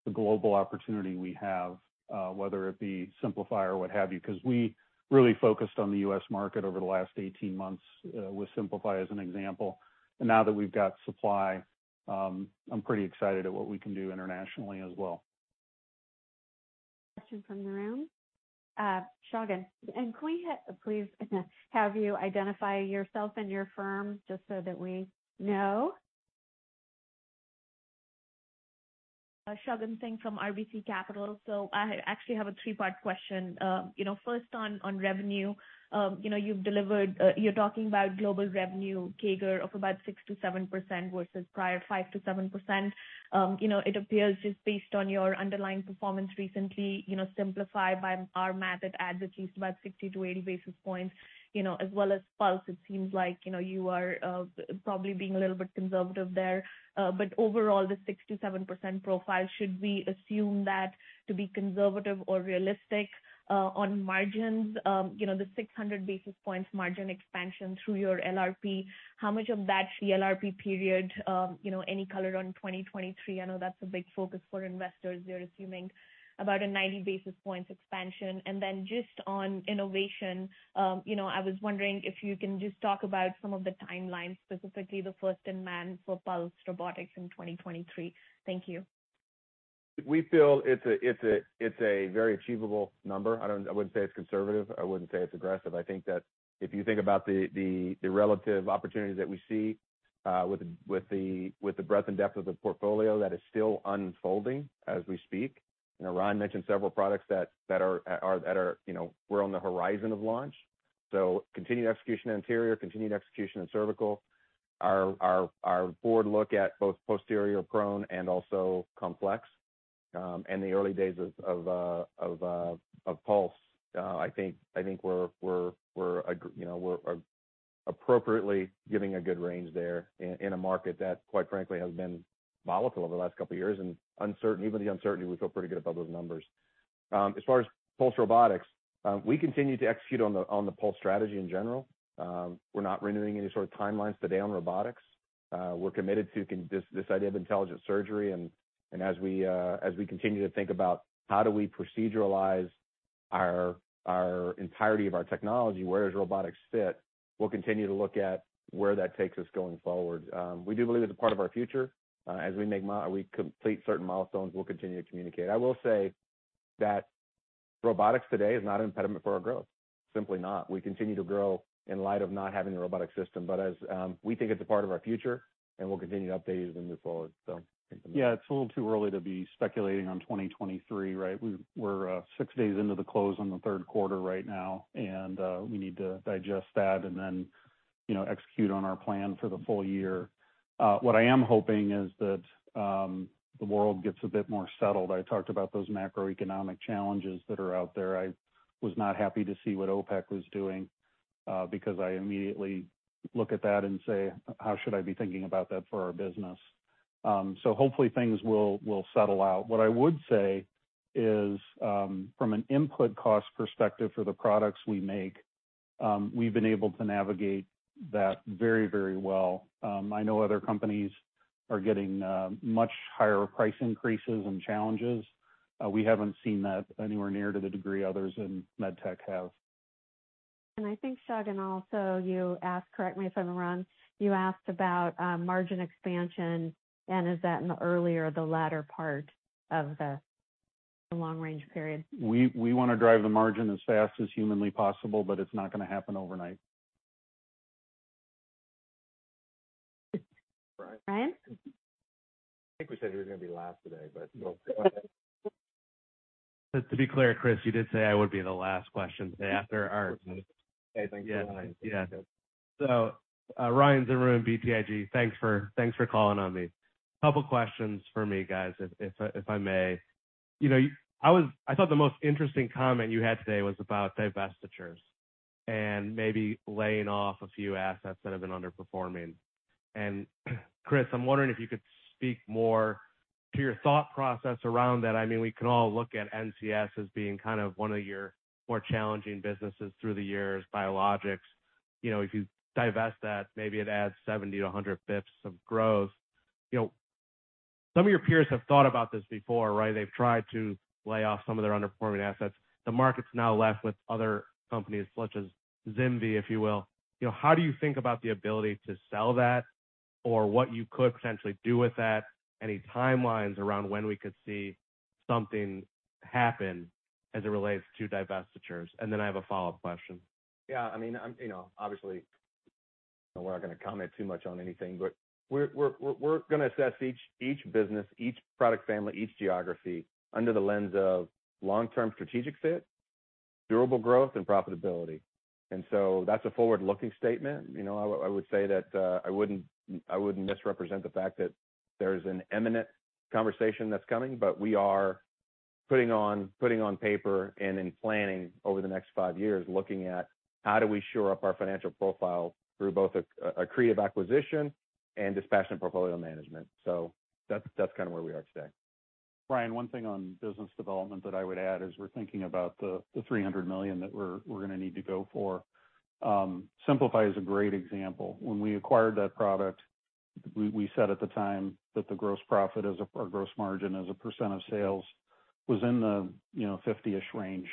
the global opportunity we have, whether it be Simplify or what have you, because we really focused on the U.S. market over the last 18 months with Simplify as an example. Now that we've got supply, I'm pretty excited at what we can do internationally as well. Question from the room. Shagun. Can we please have you identify yourself and your firm just so that we know? Shagun Singh from RBC Capital. I actually have a three-part question. First on revenue. You're talking about global revenue CAGR of about 6%-7% versus prior 5%-7%. It appears just based on your underlying performance recently, Simplify by our math, it adds at least about 60-80 basis points, as well as Pulse. It seems like you are probably being a little bit conservative there. Overall, the 6%-7% profile, should we assume that to be conservative or realistic? On margins, the 600 basis points margin expansion through your LRP, how much of that LRP period, any color on 2023? I know that's a big focus for investors. They're assuming about a 90 basis points expansion. Just on innovation, you know, I was wondering if you can just talk about some of the timelines, specifically the first in man for Pulse Robotics in 2023. Thank you. We feel it's a very achievable number. I wouldn't say it's conservative. I wouldn't say it's aggressive. I think that if you think about the relative opportunities that we see, with the breadth and depth of the portfolio, that is still unfolding as we speak. You know, Ryan mentioned several products that are, you know, we're on the horizon of launch. So continued execution anterior, continued execution in cervical. Our board look at both posterior prone and also complex. And the early days of Pulse. I think we're appropriately giving a good range there in a market that, quite frankly, has been volatile over the last couple of years. Even the uncertainty, we feel pretty good about those numbers. As far as Pulse Robotics, we continue to execute on the Pulse strategy in general. We're not renewing any sort of timelines today on robotics. We're committed to this idea of intelligent surgery. As we continue to think about how we proceduralize our entirety of our technology, where does robotics fit, we'll continue to look at where that takes us going forward. We do believe it's a part of our future. As we complete certain milestones, we'll continue to communicate. I will say that robotics today is not an impediment for our growth. Simply not. We continue to grow in light of not having a robotic system. As we think it's a part of our future, and we'll continue to update you as we move forward. So Yeah, it's a little too early to be speculating on 2023, right? We're six days into the close on the third quarter right now, and we need to digest that and then, you know, execute on our plan for the full year. What I am hoping is that the world gets a bit more settled. I talked about those macroeconomic challenges that are out there. I was not happy to see what OPEC was doing, because I immediately look at that and say, "How should I be thinking about that for our business?" Hopefully things will settle out. What I would say is, from an input cost perspective for the products we make, we've been able to navigate that very, very well. I know other companies are getting much higher price increases and challenges. We haven't seen that anywhere near to the degree others in med tech have. I think, Shagun, also you asked, correct me if I'm wrong, you asked about margin expansion and is that in the earlier or the latter part of the long-range plan. We wanna drive the margin as fast as humanly possible, but it's not gonna happen overnight. Ryan? I think we said he was gonna be last today, but we'll see. Just to be clear, Chris, you did say I would be the last question today after our Yeah. Thanks for reminding. Ryan Zimmerman, BTIG. Thanks for calling on me. Couple questions for me, guys, if I may. You know, I thought the most interesting comment you had today was about divestitures and maybe laying off a few assets that have been underperforming. Chris, I'm wondering if you could speak more to your thought process around that. I mean, we can all look at NCS as being kind of one of your more challenging businesses through the years, biologics. You know, if you divest that, maybe it adds 70-100 basis points of growth. You know, some of your peers have thought about this before, right? They've tried to lay off some of their underperforming assets. The market's now left with other companies such as ZimVie, if you will. You know, how do you think about the ability to sell that or what you could potentially do with that? Any timelines around when we could see something happen as it relates to divestitures? I have a follow-up question. Yeah, I mean, you know, obviously we're not gonna comment too much on anything, but we're gonna assess each business, each product family, each geography under the lens of long-term strategic fit, durable growth, and profitability. That's a forward-looking statement. You know, I would say that I wouldn't misrepresent the fact that there's an imminent conversation that's coming, but we are putting on paper and in planning over the next five years, looking at how do we shore up our financial profile through both accretive acquisition and disciplined portfolio management. That's kind of where we are today. Ryan, one thing on business development that I would add is we're thinking about the $300 million that we're gonna need to go for. Simplify is a great example. When we acquired that product, we said at the time that the gross profit or gross margin as a percent of sales was in the 50-ish% range.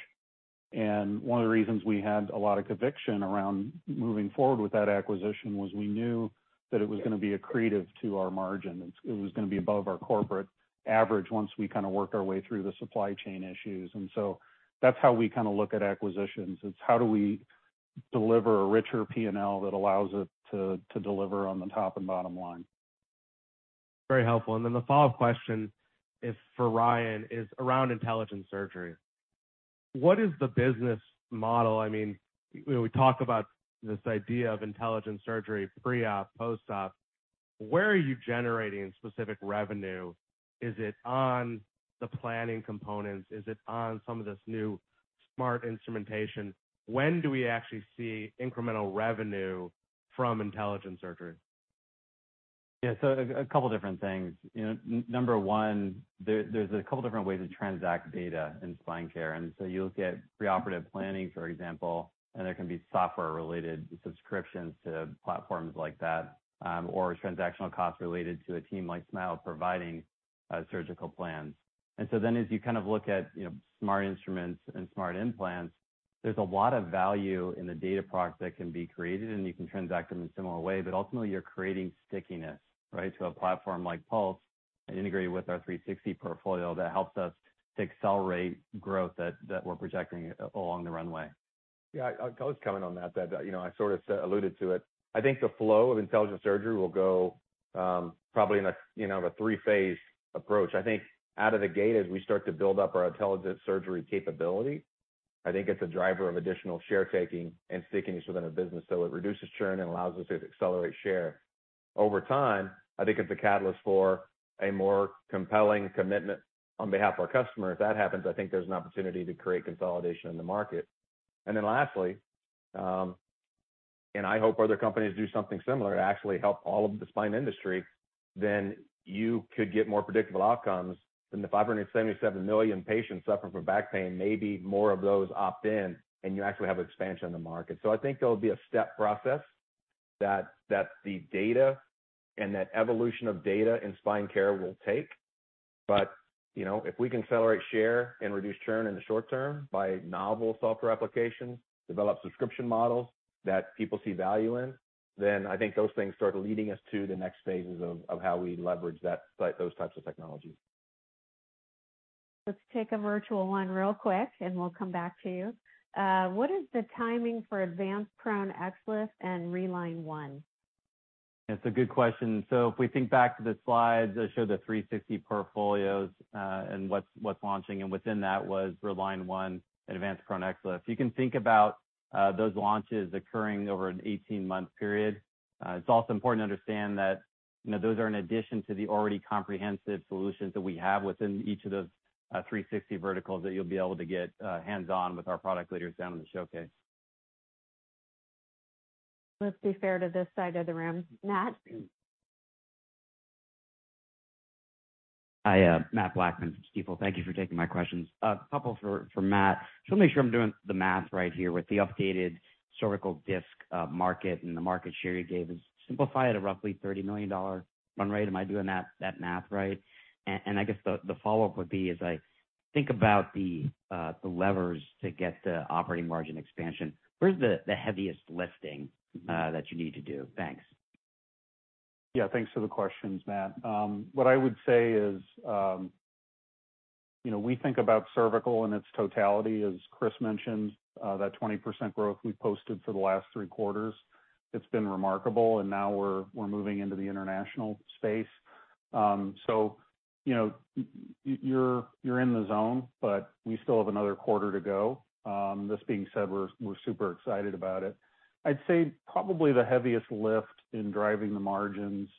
One of the reasons we had a lot of conviction around moving forward with that acquisition was we knew that it was gonna be accretive to our margin.It was gonna be above our corporate average once we kinda worked our way through the supply chain issues. That's how we kinda look at acquisitions. It's how do we deliver a richer P&L that allows it to deliver on the top and bottom line. Very helpful. Then the follow-up question is for Ryan, is around intelligent surgery. What is the business model? I mean, when we talk about this idea of intelligent surgery, pre-op, post-op, where are you generating specific revenue? Is it on the planning components? Is it on some of this new smart instrumentation? When do we actually see incremental revenue from intelligent surgery? Yeah. A couple different things. Number one, there's a couple different ways to transact data in spine care. You'll get preoperative planning, for example, and there can be software-related subscriptions to platforms like that, or transactional costs related to a team like SMAIO providing surgical plans. As you kind of look at smart instruments and smart implants, there's a lot of value in the data products that can be created, and you can transact them in a similar way, but ultimately you're creating stickiness, right, to a platform like Pulse and integrated with our X360 portfolio that helps us to accelerate growth that we're projecting along the runway. Yeah. I'll just comment on that, you know, I sort of alluded to it. I think the flow of intelligent surgery will go probably in a, you know, three-phase approach. I think out of the gate, as we start to build up our intelligent surgery capability, I think it's a driver of additional share taking and stickiness within a business, so it reduces churn and allows us to accelerate share. Over time, I think it's a catalyst for a more compelling commitment on behalf of our customer. If that happens, I think there's an opportunity to create consolidation in the market. I hope other companies do something similar to actually help all of the spine industry. Then you could get more predictable outcomes for the 577 million patients suffering from back pain. Maybe more of those opt in, and you actually have expansion in the market. I think there'll be a step process that the data and that evolution of data in spine care will take. You know, if we can accelerate share and reduce churn in the short term by novel software applications, develop subscription models that people see value in, then I think those things start leading us to the next phases of how we leverage those types of technologies. Let's take a virtual one real quick, and we'll come back to you. What is the timing for advanced Prone XLIF and Reline One? It's a good question. If we think back to the slides that showed the X360 portfolios, and what's launching and within that was Reline One and advanced Prone XLIF. You can think about those launches occurring over an 18-month period. It's also important to understand that, you know, those are in addition to the already comprehensive solutions that we have within each of those X360 verticals that you'll be able to get hands-on with our product leaders down in the showcase. Let's be fair to this side of the room. Matt? Hi, Mathew Blackman from Stifel. Thank you for taking my questions. A couple for Matt. Just wanna make sure I'm doing the math right here. With the updated cervical disc market and the market share you gave is Simplify at a roughly $30 million run rate. Am I doing that math right? I guess the follow-up would be, as I think about the levers to get the operating margin expansion, where's the heaviest lifting that you need to do? Thanks. Yeah. Thanks for the questions, Matt. What I would say is, you know, we think about cervical in its totality, as Chris mentioned. That 20% growth we posted for the last three quarters, it's been remarkable, and now we're moving into the international space. So, you know, you're in the zone, but we still have another quarter to go. This being said, we're super excited about it. I'd say probably the heaviest lift in driving the margins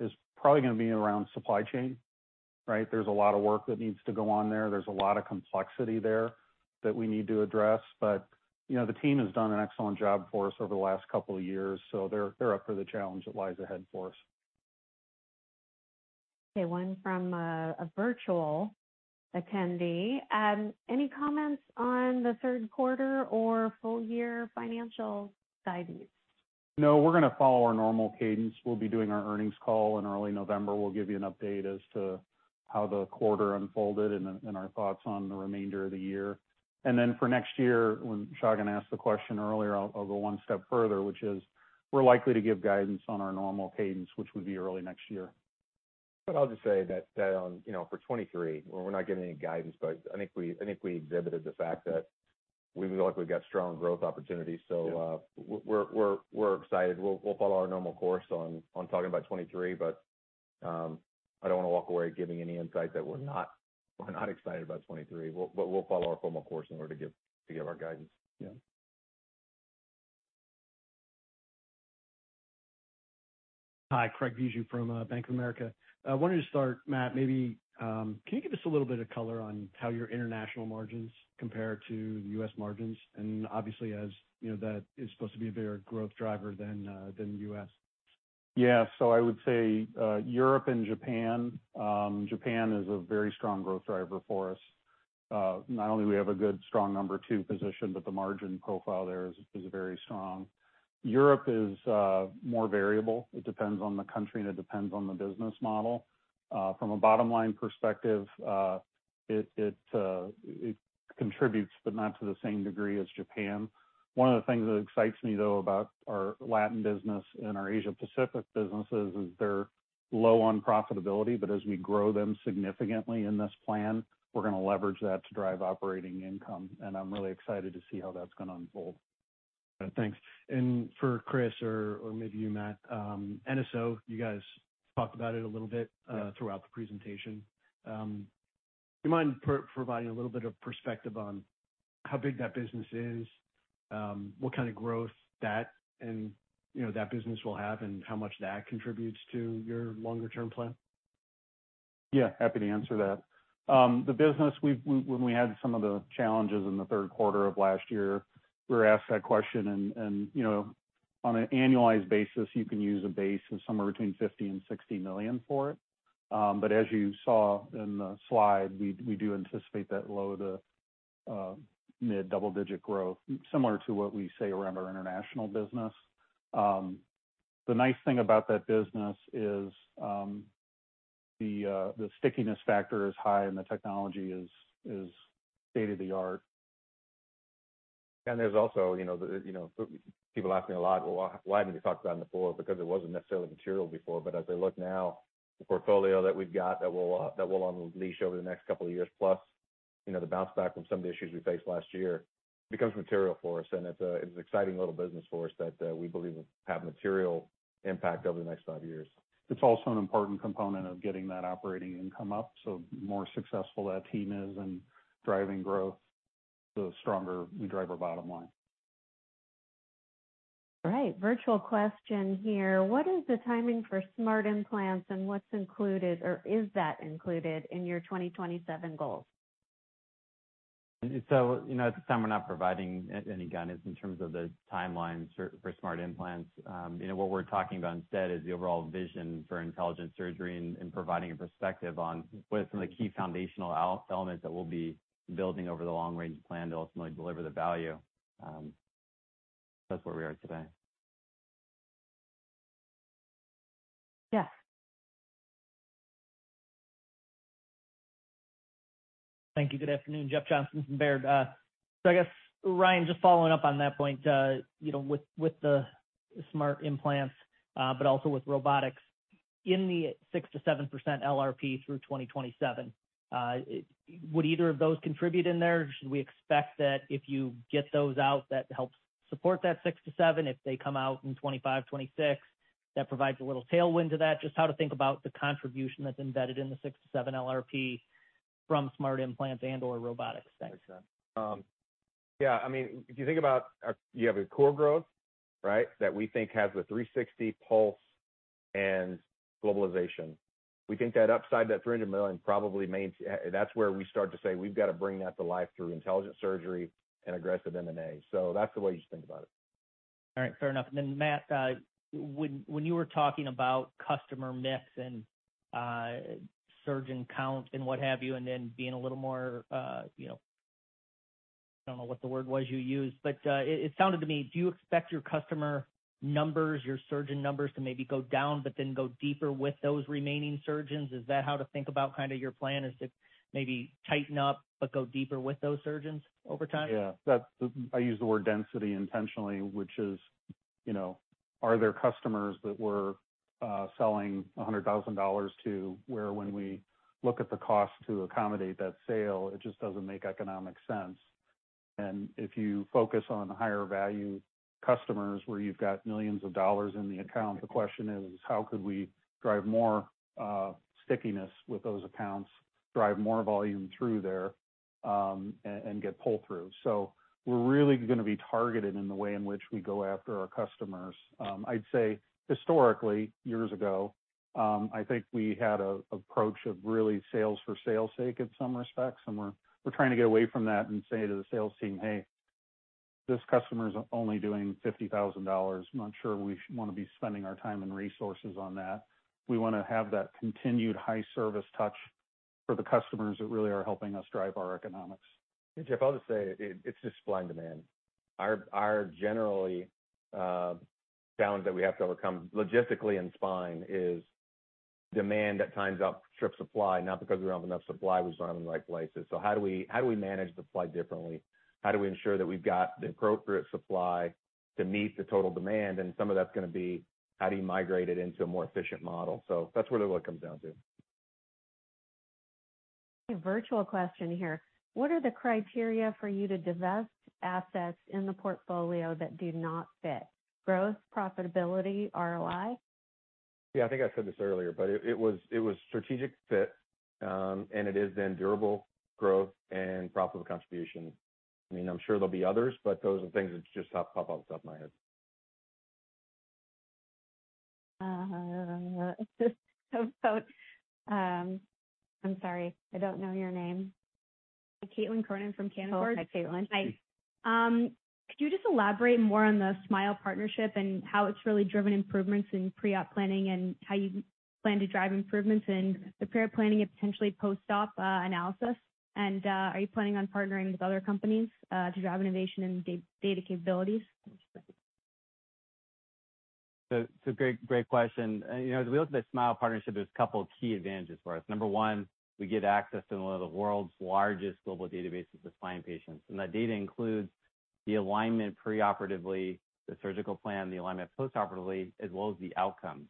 is probably gonna be around supply chain, right? There's a lot of work that needs to go on there. There's a lot of complexity there that we need to address. You know, the team has done an excellent job for us over the last couple of years, so they're up for the challenge that lies ahead for us. Okay, one from a virtual attendee. Any comments on the third quarter or full year financial guidance? No, we're gonna follow our normal cadence. We'll be doing our earnings call in early November. We'll give you an update as to how the quarter unfolded and our thoughts on the remainder of the year. Then for next year, when Shagun asked the question earlier, I'll go one step further, which is we're likely to give guidance on our normal cadence, which would be early next year. I'll just say that on, you know, for 2023 where we're not giving any guidance, but I think we exhibited the fact that we've likely got strong growth opportunities. We're excited. We'll follow our normal course on talking about 2023, but I don't wanna walk away giving any insight that we're not excited about 2023. We'll follow our formal course in order to give our guidance. Yeah. Hi, Craig Bijou from Bank of America. I wanted to start, Matt, maybe can you give us a little bit of color on how your international margins compare to the U.S. margins? Obviously, as you know, that is supposed to be a bigger growth driver than U.S. Yeah. I would say Europe and Japan. Japan is a very strong growth driver for us. Not only do we have a good strong number two position, but the margin profile there is very strong. Europe is more variable. It depends on the country, and it depends on the business model. From a bottom-line perspective, it contributes, but not to the same degree as Japan. One of the things that excites me, though, about our Latin business and our Asia Pacific businesses is they're low on profitability, but as we grow them significantly in this plan, we're gonna leverage that to drive operating income. I'm really excited to see how that's gonna unfold. Thanks. For Chris or maybe you, Matt, NSO, you guys talked about it a little bit throughout the presentation. Do you mind providing a little bit of perspective on how big that business is? What kind of growth that and, you know, that business will have and how much that contributes to your longer-term plan? Yeah, happy to answer that. When we had some of the challenges in the third quarter of last year, we were asked that question and, you know, on an annualized basis, you can use a base of somewhere between $50 million-$60 million for it. But as you saw in the slide, we do anticipate low- to mid-double-digit growth, similar to what we say around our international business. The nice thing about that business is the stickiness factor is high and the technology is state-of-the-art. There's also, you know, people ask me a lot, "Well, why haven't you talked about it before?" Because it wasn't necessarily material before, but as I look now, the portfolio that we've got that we'll unleash over the next couple of years, plus, you know, the bounce back from some of the issues we faced last year, becomes material for us. It's an exciting little business for us that we believe will have material impact over the next five years. It's also an important component of getting that operating income up. The more successful that team is in driving growth, the stronger we drive our bottom line. All right. Virtual question here. What is the timing for smart implants and what's included or is that included in your 2027 goals? You know, at this time we're not providing any guidance in terms of the timelines for smart implants. You know, what we're talking about instead is the overall vision for intelligent surgery and providing a perspective on what are some of the key foundational elements that we'll be building over the long-range plan to ultimately deliver the value. That's where we are today. Yes. Thank you. Good afternoon, Jeff Johnson from Baird. I guess, Ryan, just following up on that point, you know, with the smart implants, but also with robotics. In the 6%-7% LRP through 2027, would either of those contribute in there, or should we expect that if you get those out, that helps support that 6%-7%, if they come out in 2025, 2026, that provides a little tailwind to that? Just how to think about the contribution that's embedded in the 6%-7% LRP from smart implants and/or robotics. Thanks. Yeah. I mean, if you think about our. You have your core growth, right? That we think has the X360, Pulse, and globalization. We think that upside, that $300 million. That's where we start to say, "We've got to bring that to life through intelligent surgery and aggressive M&A." That's the way you should think about it. All right. Fair enough. Matt, when you were talking about customer mix and surgeon count and what have you, and then being a little more, you know, I don't know what the word was you used, but it sounded to me, do you expect your customer numbers, your surgeon numbers to maybe go down, but then go deeper with those remaining surgeons? Is that how to think about kind of your plan is to maybe tighten up but go deeper with those surgeons over time? Yeah. That's the I use the word density intentionally, which is, you know, are there customers that we're selling $100,000 to where when we look at the cost to accommodate that sale, it just doesn't make economic sense. If you focus on higher value customers where you've got millions dollars in the account, the question is, how could we drive more stickiness with those accounts, drive more volume through there, and get pull through? We're really gonna be targeted in the way in which we go after our customers. I'd say historically, years ago, I think we had an approach of really sales for sale's sake in some respects, and we're trying to get away from that and say to the sales team, "Hey, this customer's only doing $50,000. I'm not sure we wanna be spending our time and resources on that. We wanna have that continued high service touch for the customers that really are helping us drive our economics. Jeff, I'll just say it's just supply and demand. Our generally challenge that we have to overcome logistically in spine is demand at times outpaces supply, not because we don't have enough supply, but it's not run in the right places. How do we manage the supply differently? How do we ensure that we've got the appropriate supply to meet the total demand? Some of that's gonna be how do you migrate it into a more efficient model. That's really what it comes down to. A virtual question here. What are the criteria for you to divest assets in the portfolio that do not fit? Growth, profitability, ROI? Yeah. I think I said this earlier, but it was strategic fit, and it is then durable growth and profitable contribution. I mean, I'm sure there'll be others, but those are things that just pop off the top of my head. It's just so, I'm sorry, I don't know your name. Caitlin Cronin from Canaccord Genuity. Oh, hi, Caitlin. Hi. Could you just elaborate more on the SMAIO partnership and how it's really driven improvements in pre-op planning and how you plan to drive improvements in the pre-op planning and potentially post-op analysis? Are you planning on partnering with other companies to drive innovation and data capabilities? It's a great question. You know, as we look at the SMAIO partnership, there's a couple of key advantages for us. Number one, we get access to one of the world's largest global databases of spine patients, and that data includes the alignment pre-operatively, the surgical plan, the alignment post-operatively, as well as the outcomes,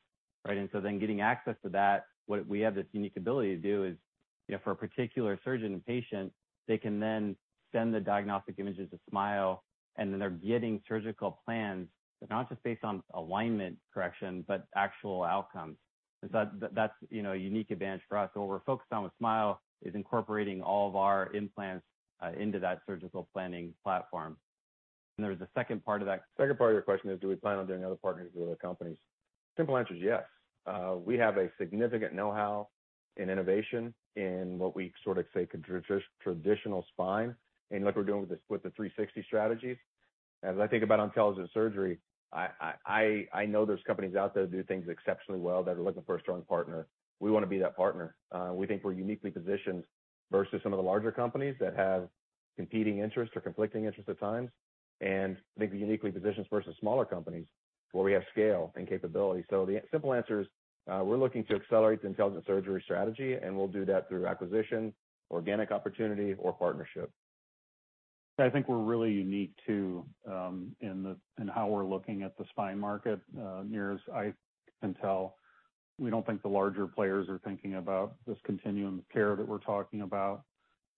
right? Getting access to that, what we have this unique ability to do is, you know, for a particular surgeon and patient, they can then send the diagnostic images to SMAIO, and then they're getting surgical plans, but not just based on alignment correction, but actual outcomes. That, you know, a unique advantage for us. What we're focused on with SMAIO is incorporating all of our implants into that surgical planning platform. There's a second part of that. Second part of your question is, do we plan on doing other partnerships with other companies? Simple answer is yes. We have a significant know-how in innovation in what we sort of say contrary to traditional spine, and like we're doing with the 360 strategies. As I think about intelligent surgery, I know there's companies out there that do things exceptionally well that are looking for a strong partner. We wanna be that partner. We think we're uniquely positioned versus some of the larger companies that have competing interests or conflicting interests at times.I think we're uniquely positioned versus smaller companies where we have scale and capability. The simple answer is, we're looking to accelerate the intelligent surgery strategy, and we'll do that through acquisition, organic opportunity or partnership. I think we're really unique too, in how we're looking at the spine market. Near as I can tell, we don't think the larger players are thinking about this continuum of care that we're talking about.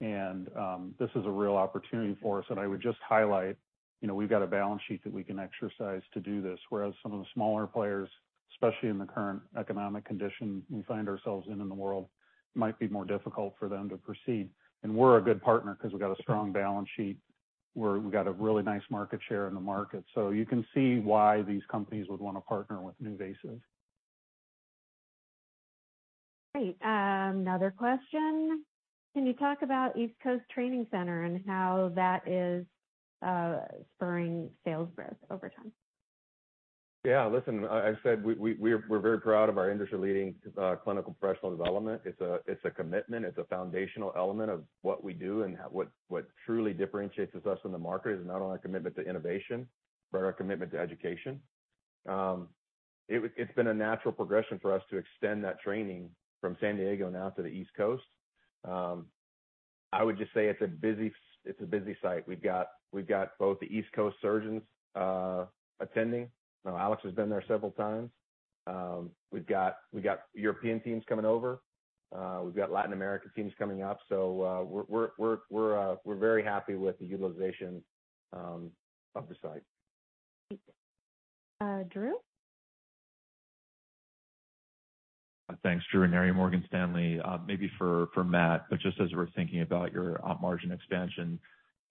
This is a real opportunity for us. I would just highlight, you know, we've got a balance sheet that we can exercise to do this, whereas some of the smaller players, especially in the current economic condition we find ourselves in the world, might be more difficult for them to proceed. We're a good partner because we've got a strong balance sheet. We've got a really nice market share in the market. You can see why these companies would wanna partner with NuVasive. Great. Another question. Can you talk about East Coast Training Center and how that is spurring sales growth over time? I said we're very proud of our industry-leading clinical professional development. It's a commitment, it's a foundational element of what we do and what truly differentiates us in the market is not only our commitment to innovation, but our commitment to education. It's been a natural progression for us to extend that training from San Diego now to the East Coast. I would just say it's a busy site. We've got both the East Coast surgeons attending. I know Alex has been there several times. We've got European teams coming over. We've got Latin American teams coming up. We're very happy with the utilization of the site. Great. Drew? Thanks. Drew Ranieri, Morgan Stanley. Maybe for Matt, but just as we're thinking about your op margin expansion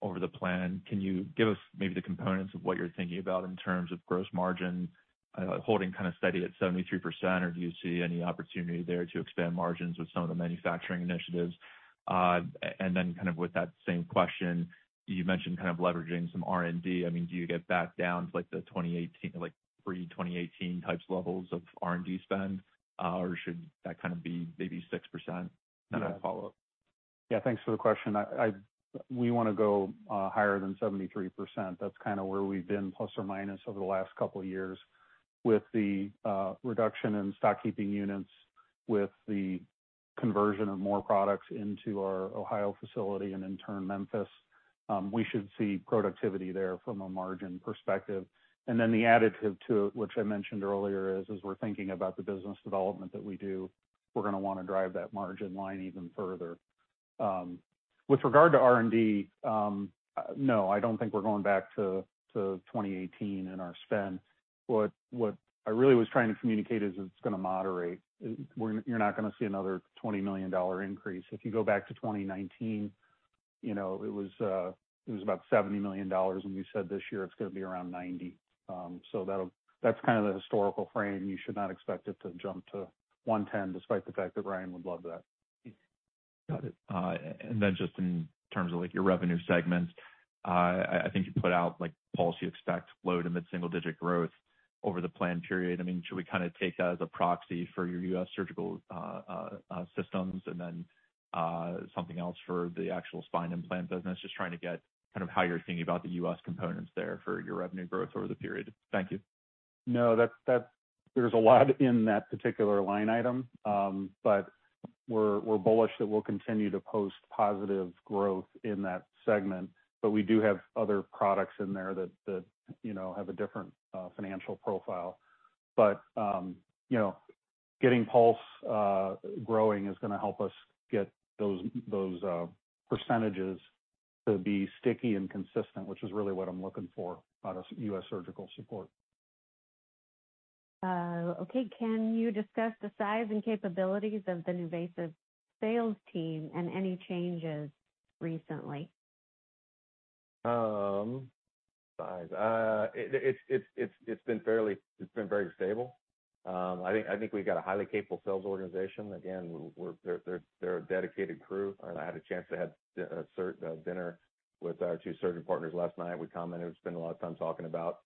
over the plan, can you give us maybe the components of what you're thinking about in terms of gross margin holding kinda steady at 73%? Or do you see any opportunity there to expand margins with some of the manufacturing initiatives? And then kind of with that same question, you mentioned kind of leveraging some R&D. I mean, do you get back down to, like, the 2018, like, pre-2018 types levels of R&D spend? Or should that kind of be maybe 6%? Then I follow up. Yeah, thanks for the question. We wanna go higher than 73%. That's kinda where we've been plus or minus over the last couple of years. With the reduction in stock keeping units, with the conversion of more products into our Ohio facility and in turn, Memphis, we should see productivity there from a margin perspective. The additive to it, which I mentioned earlier, is as we're thinking about the business development that we do, we're gonna wanna drive that margin line even further. With regard to R&D, no, I don't think we're going back to 2018 in our spend. What I really was trying to communicate is it's gonna moderate. You're not gonna see another $20 million increase. If you go back to 2019, you know, it was about $70 million, and we said this year it's gonna be around $90 million. That's kind of the historical frame. You should not expect it to jump to $110 million, despite the fact that Ryan would love that. Got it. Then just in terms of, like, your revenue segments, I think you put out, like, guidance expects low- to mid-single-digit growth over the plan period. I mean, should we kinda take that as a proxy for your U.S. surgical systems and then something else for the actual spine implant business? Just trying to get kind of how you're thinking about the U.S. components there for your revenue growth over the period. Thank you. No, that's. There's a lot in that particular line item, but we're bullish that we'll continue to post positive growth in that segment. We do have other products in there that you know have a different financial profile. You know, getting Pulse growing is gonna help us get those percentages to be sticky and consistent, which is really what I'm looking for out of U.S. Surgical support. Okay. Can you discuss the size and capabilities of the NuVasive sales team and any changes recently? Size. It's been very stable. I think we've got a highly capable sales organization. Again, we're – they're a dedicated crew. I had a chance to have dinner with our two surgeon partners last night. We commented, we spent a lot of time talking about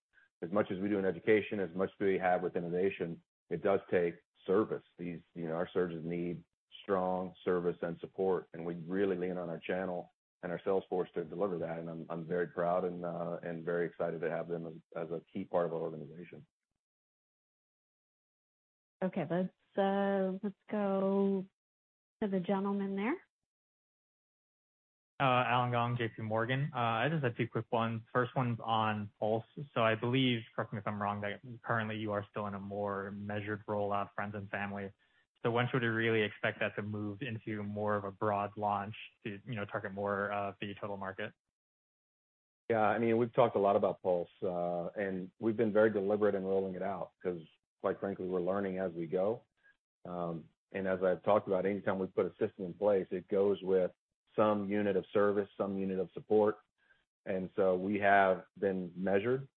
as much as we do in education, as much as we have with innovation, it does take service. You know, our surgeons need strong service and support, and we really lean on our channel and our sales force to deliver that. I'm very proud and very excited to have them as a key part of our organization. Okay. Let's go to the gentleman there. Allen Gong, J.P. Morgan. I just have two quick ones. First one's on Pulse. I believe, correct me if I'm wrong, that currently you are still in a more measured rollout, friends and family. When should we really expect that to move into more of a broad launch to, you know, target more, the total market? Yeah, I mean, we've talked a lot about Pulse, and we've been very deliberate in rolling it out because quite frankly, we're learning as we go. As I've talked about, anytime we put a system in place, it goes with some unit of service, some unit of support. We have been measured.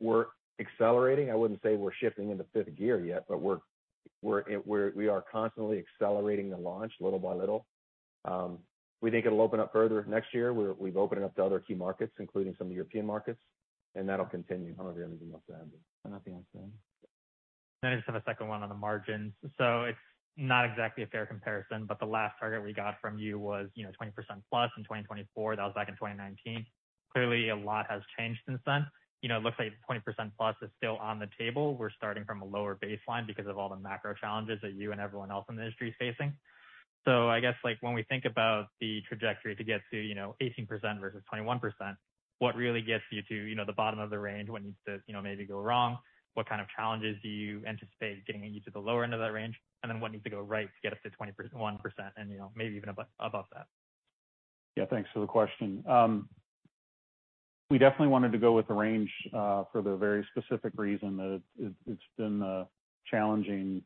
We're accelerating. I wouldn't say we're shifting into fifth gear yet, but we are constantly accelerating the launch little by little. We think it'll open up further next year. We've opened it up to other key markets, including some of the European markets, and that'll continue. I don't know if you have anything else to add. Nothing else to add. I just have a second one on the margins. It's not exactly a fair comparison, but the last target we got from you was, you know, 20%+ in 2024. That was back in 2019. Clearly, a lot has changed since then. You know, it looks like 20%+ is still on the table. We're starting from a lower baseline because of all the macro challenges that you and everyone else in the industry is facing. I guess, like, when we think about the trajectory to get to, you know, 18% versus 21%, what really gets you to, you know, the bottom of the range? What needs to, you know, maybe go wrong? What kind of challenges do you anticipate getting you to the lower end of that range? What needs to go right to get us to 20.1% and, you know, maybe even above that? Yeah. Thanks for the question. We definitely wanted to go with the range for the very specific reason that it's been a challenging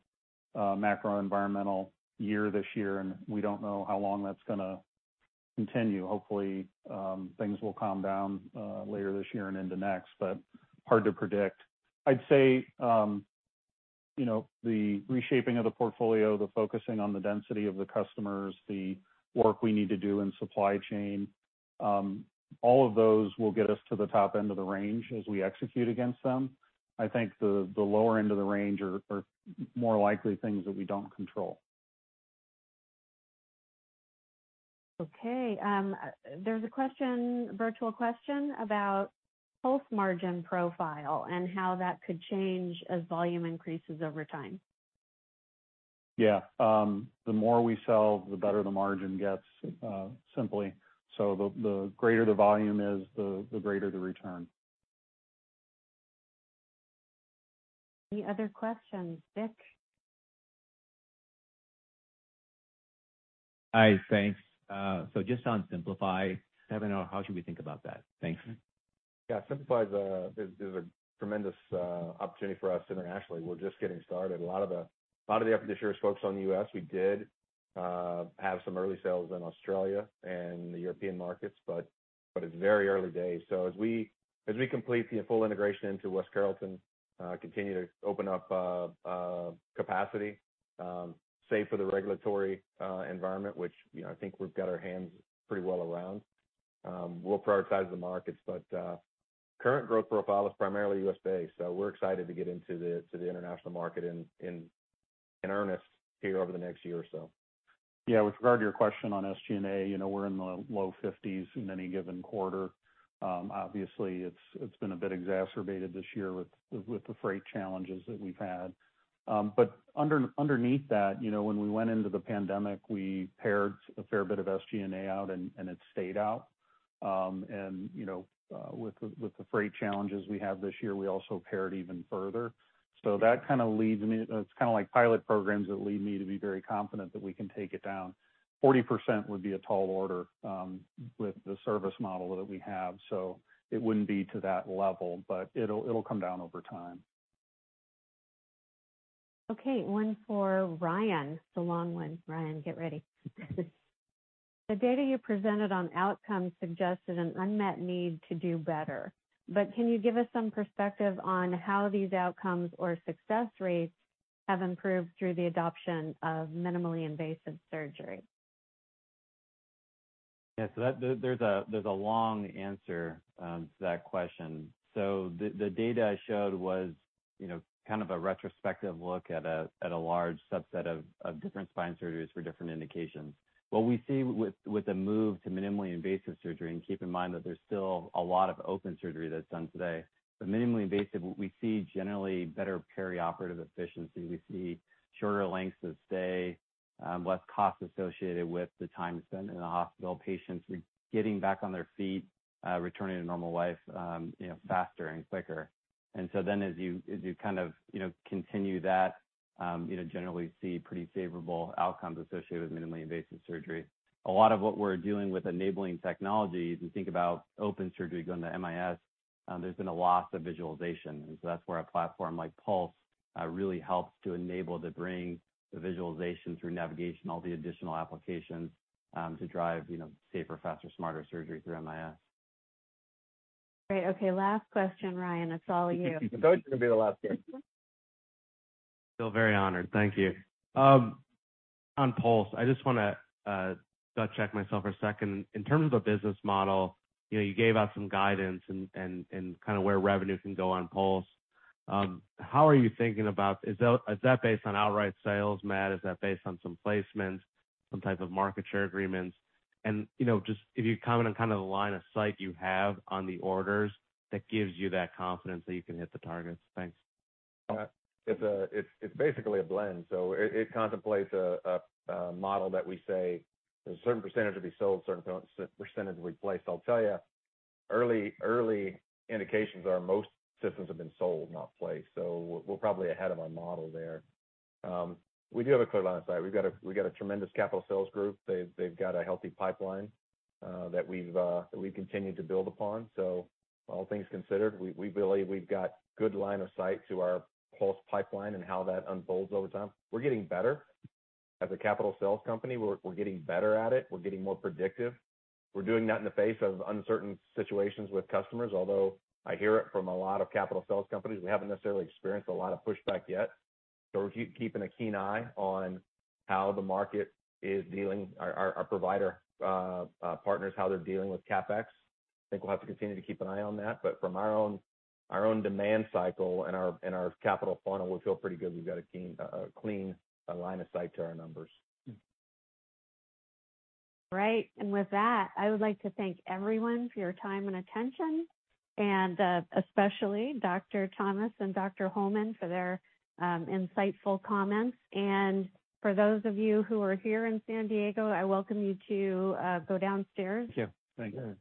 macro environmental year this year, and we don't know how long that's gonna continue. Hopefully, things will calm down later this year and into next, but hard to predict. I'd say, you know, the reshaping of the portfolio, the focusing on the density of the customers, the work we need to do in supply chain, all of those will get us to the top end of the range as we execute against them. I think the lower end of the range are more likely things that we don't control. Okay, there's a question, virtual question about Pulse margin profile and how that could change as volume increases over time. Yeah. The more we sell, the better the margin gets, simply. The greater the volume is, the greater the return. Any other questions? Vik? Hi. Thanks. Just on Simplify, Kevin, how should we think about that? Thanks. Yeah. Simplify is a tremendous opportunity for us internationally. We're just getting started. A lot of the effort this year has focused on the U.S. We did have some early sales in Australia and the European markets, but it's very early days. As we complete the full integration into West Carrollton, continue to open up capacity, save for the regulatory environment, which, you know, I think we've got our hands pretty well around, we'll prioritize the markets. Current growth profile is primarily U.S.-based, so we're excited to get into the international market in earnest here over the next year or so. Yeah. With regard to your question on SG&A, you know, we're in the low 50s% in any given quarter. Obviously, it's been a bit exacerbated this year with the freight challenges that we've had. Underneath that, you know, when we went into the pandemic, we pared a fair bit of SG&A out and it stayed out. You know, with the freight challenges we have this year, we also pared even further. That kinda leads me to be very confident that we can take it down. It's kinda like pilot programs that lead me to be very confident that we can take it down. 40% would be a tall order with the service model that we have, so it wouldn't be to that level, but it'll come down over time. Okay. One for Ryan. It's a long one, Ryan, get ready. The data you presented on outcomes suggested an unmet need to do better, but can you give us some perspective on how these outcomes or success rates have improved through the adoption of minimally invasive surgery? Yeah. There is a long answer to that question. The data I showed was, you know, kind of a retrospective look at a large subset of different spine surgeries for different indications. What we see with the move to minimally invasive surgery, and keep in mind that there is still a lot of open surgery that is done today. But minimally invasive, we see generally better perioperative efficiency. We see shorter lengths of stay. Less cost associated with the time spent in the hospital, patients getting back on their feet, returning to normal life, you know, faster and quicker. As you kind of, you know, continue that, you know, generally see pretty favorable outcomes associated with minimally invasive surgery. A lot of what we're doing with enabling technologies, we think about open surgery going to MIS, there's been a loss of visualization. That's where a platform like Pulse really helps to enable to bring the visualization through navigation, all the additional applications, to drive, you know, safer, faster, smarter surgery through MIS. Great. Okay, last question, Ryan. It's all you. It's always gonna be the last question. Feel very honored. Thank you. On Pulse, I just wanna double-check myself for a second. In terms of a business model, you know, you gave out some guidance and kind of where revenue can go on Pulse. How are you thinking about. Is that based on outright sales, Matt? Is that based on some placements, some type of market share agreements? You know, just if you comment on kind of the line of sight you have on the orders that gives you that confidence that you can hit the targets. Thanks. It's basically a blend. It contemplates a model that we say a certain percentage will be sold, a certain percentage will be placed. I'll tell you, early indications are most systems have been sold, not placed. We're probably ahead of our model there. We do have a clear line of sight. We've got a tremendous capital sales group. They've got a healthy pipeline that we've continued to build upon. All things considered, we believe we've got good line of sight to our Pulse pipeline and how that unfolds over time. We're getting better as a capital sales company. We're getting better at it. We're getting more predictive. We're doing that in the face of uncertain situations with customers. Although I hear it from a lot of capital sales companies, we haven't necessarily experienced a lot of pushback yet. We're keeping a keen eye on how the market is dealing. Our provider partners, how they're dealing with CapEx. I think we'll have to continue to keep an eye on that. From our own demand cycle and our capital funnel, we feel pretty good we've got a clean line of sight to our numbers. Great. With that, I would like to thank everyone for your time and attention, and especially Dr. Thomas and Dr. Holman for their insightful comments. For those of you who are here in San Diego, I welcome you to go downstairs. Thank you. Thanks.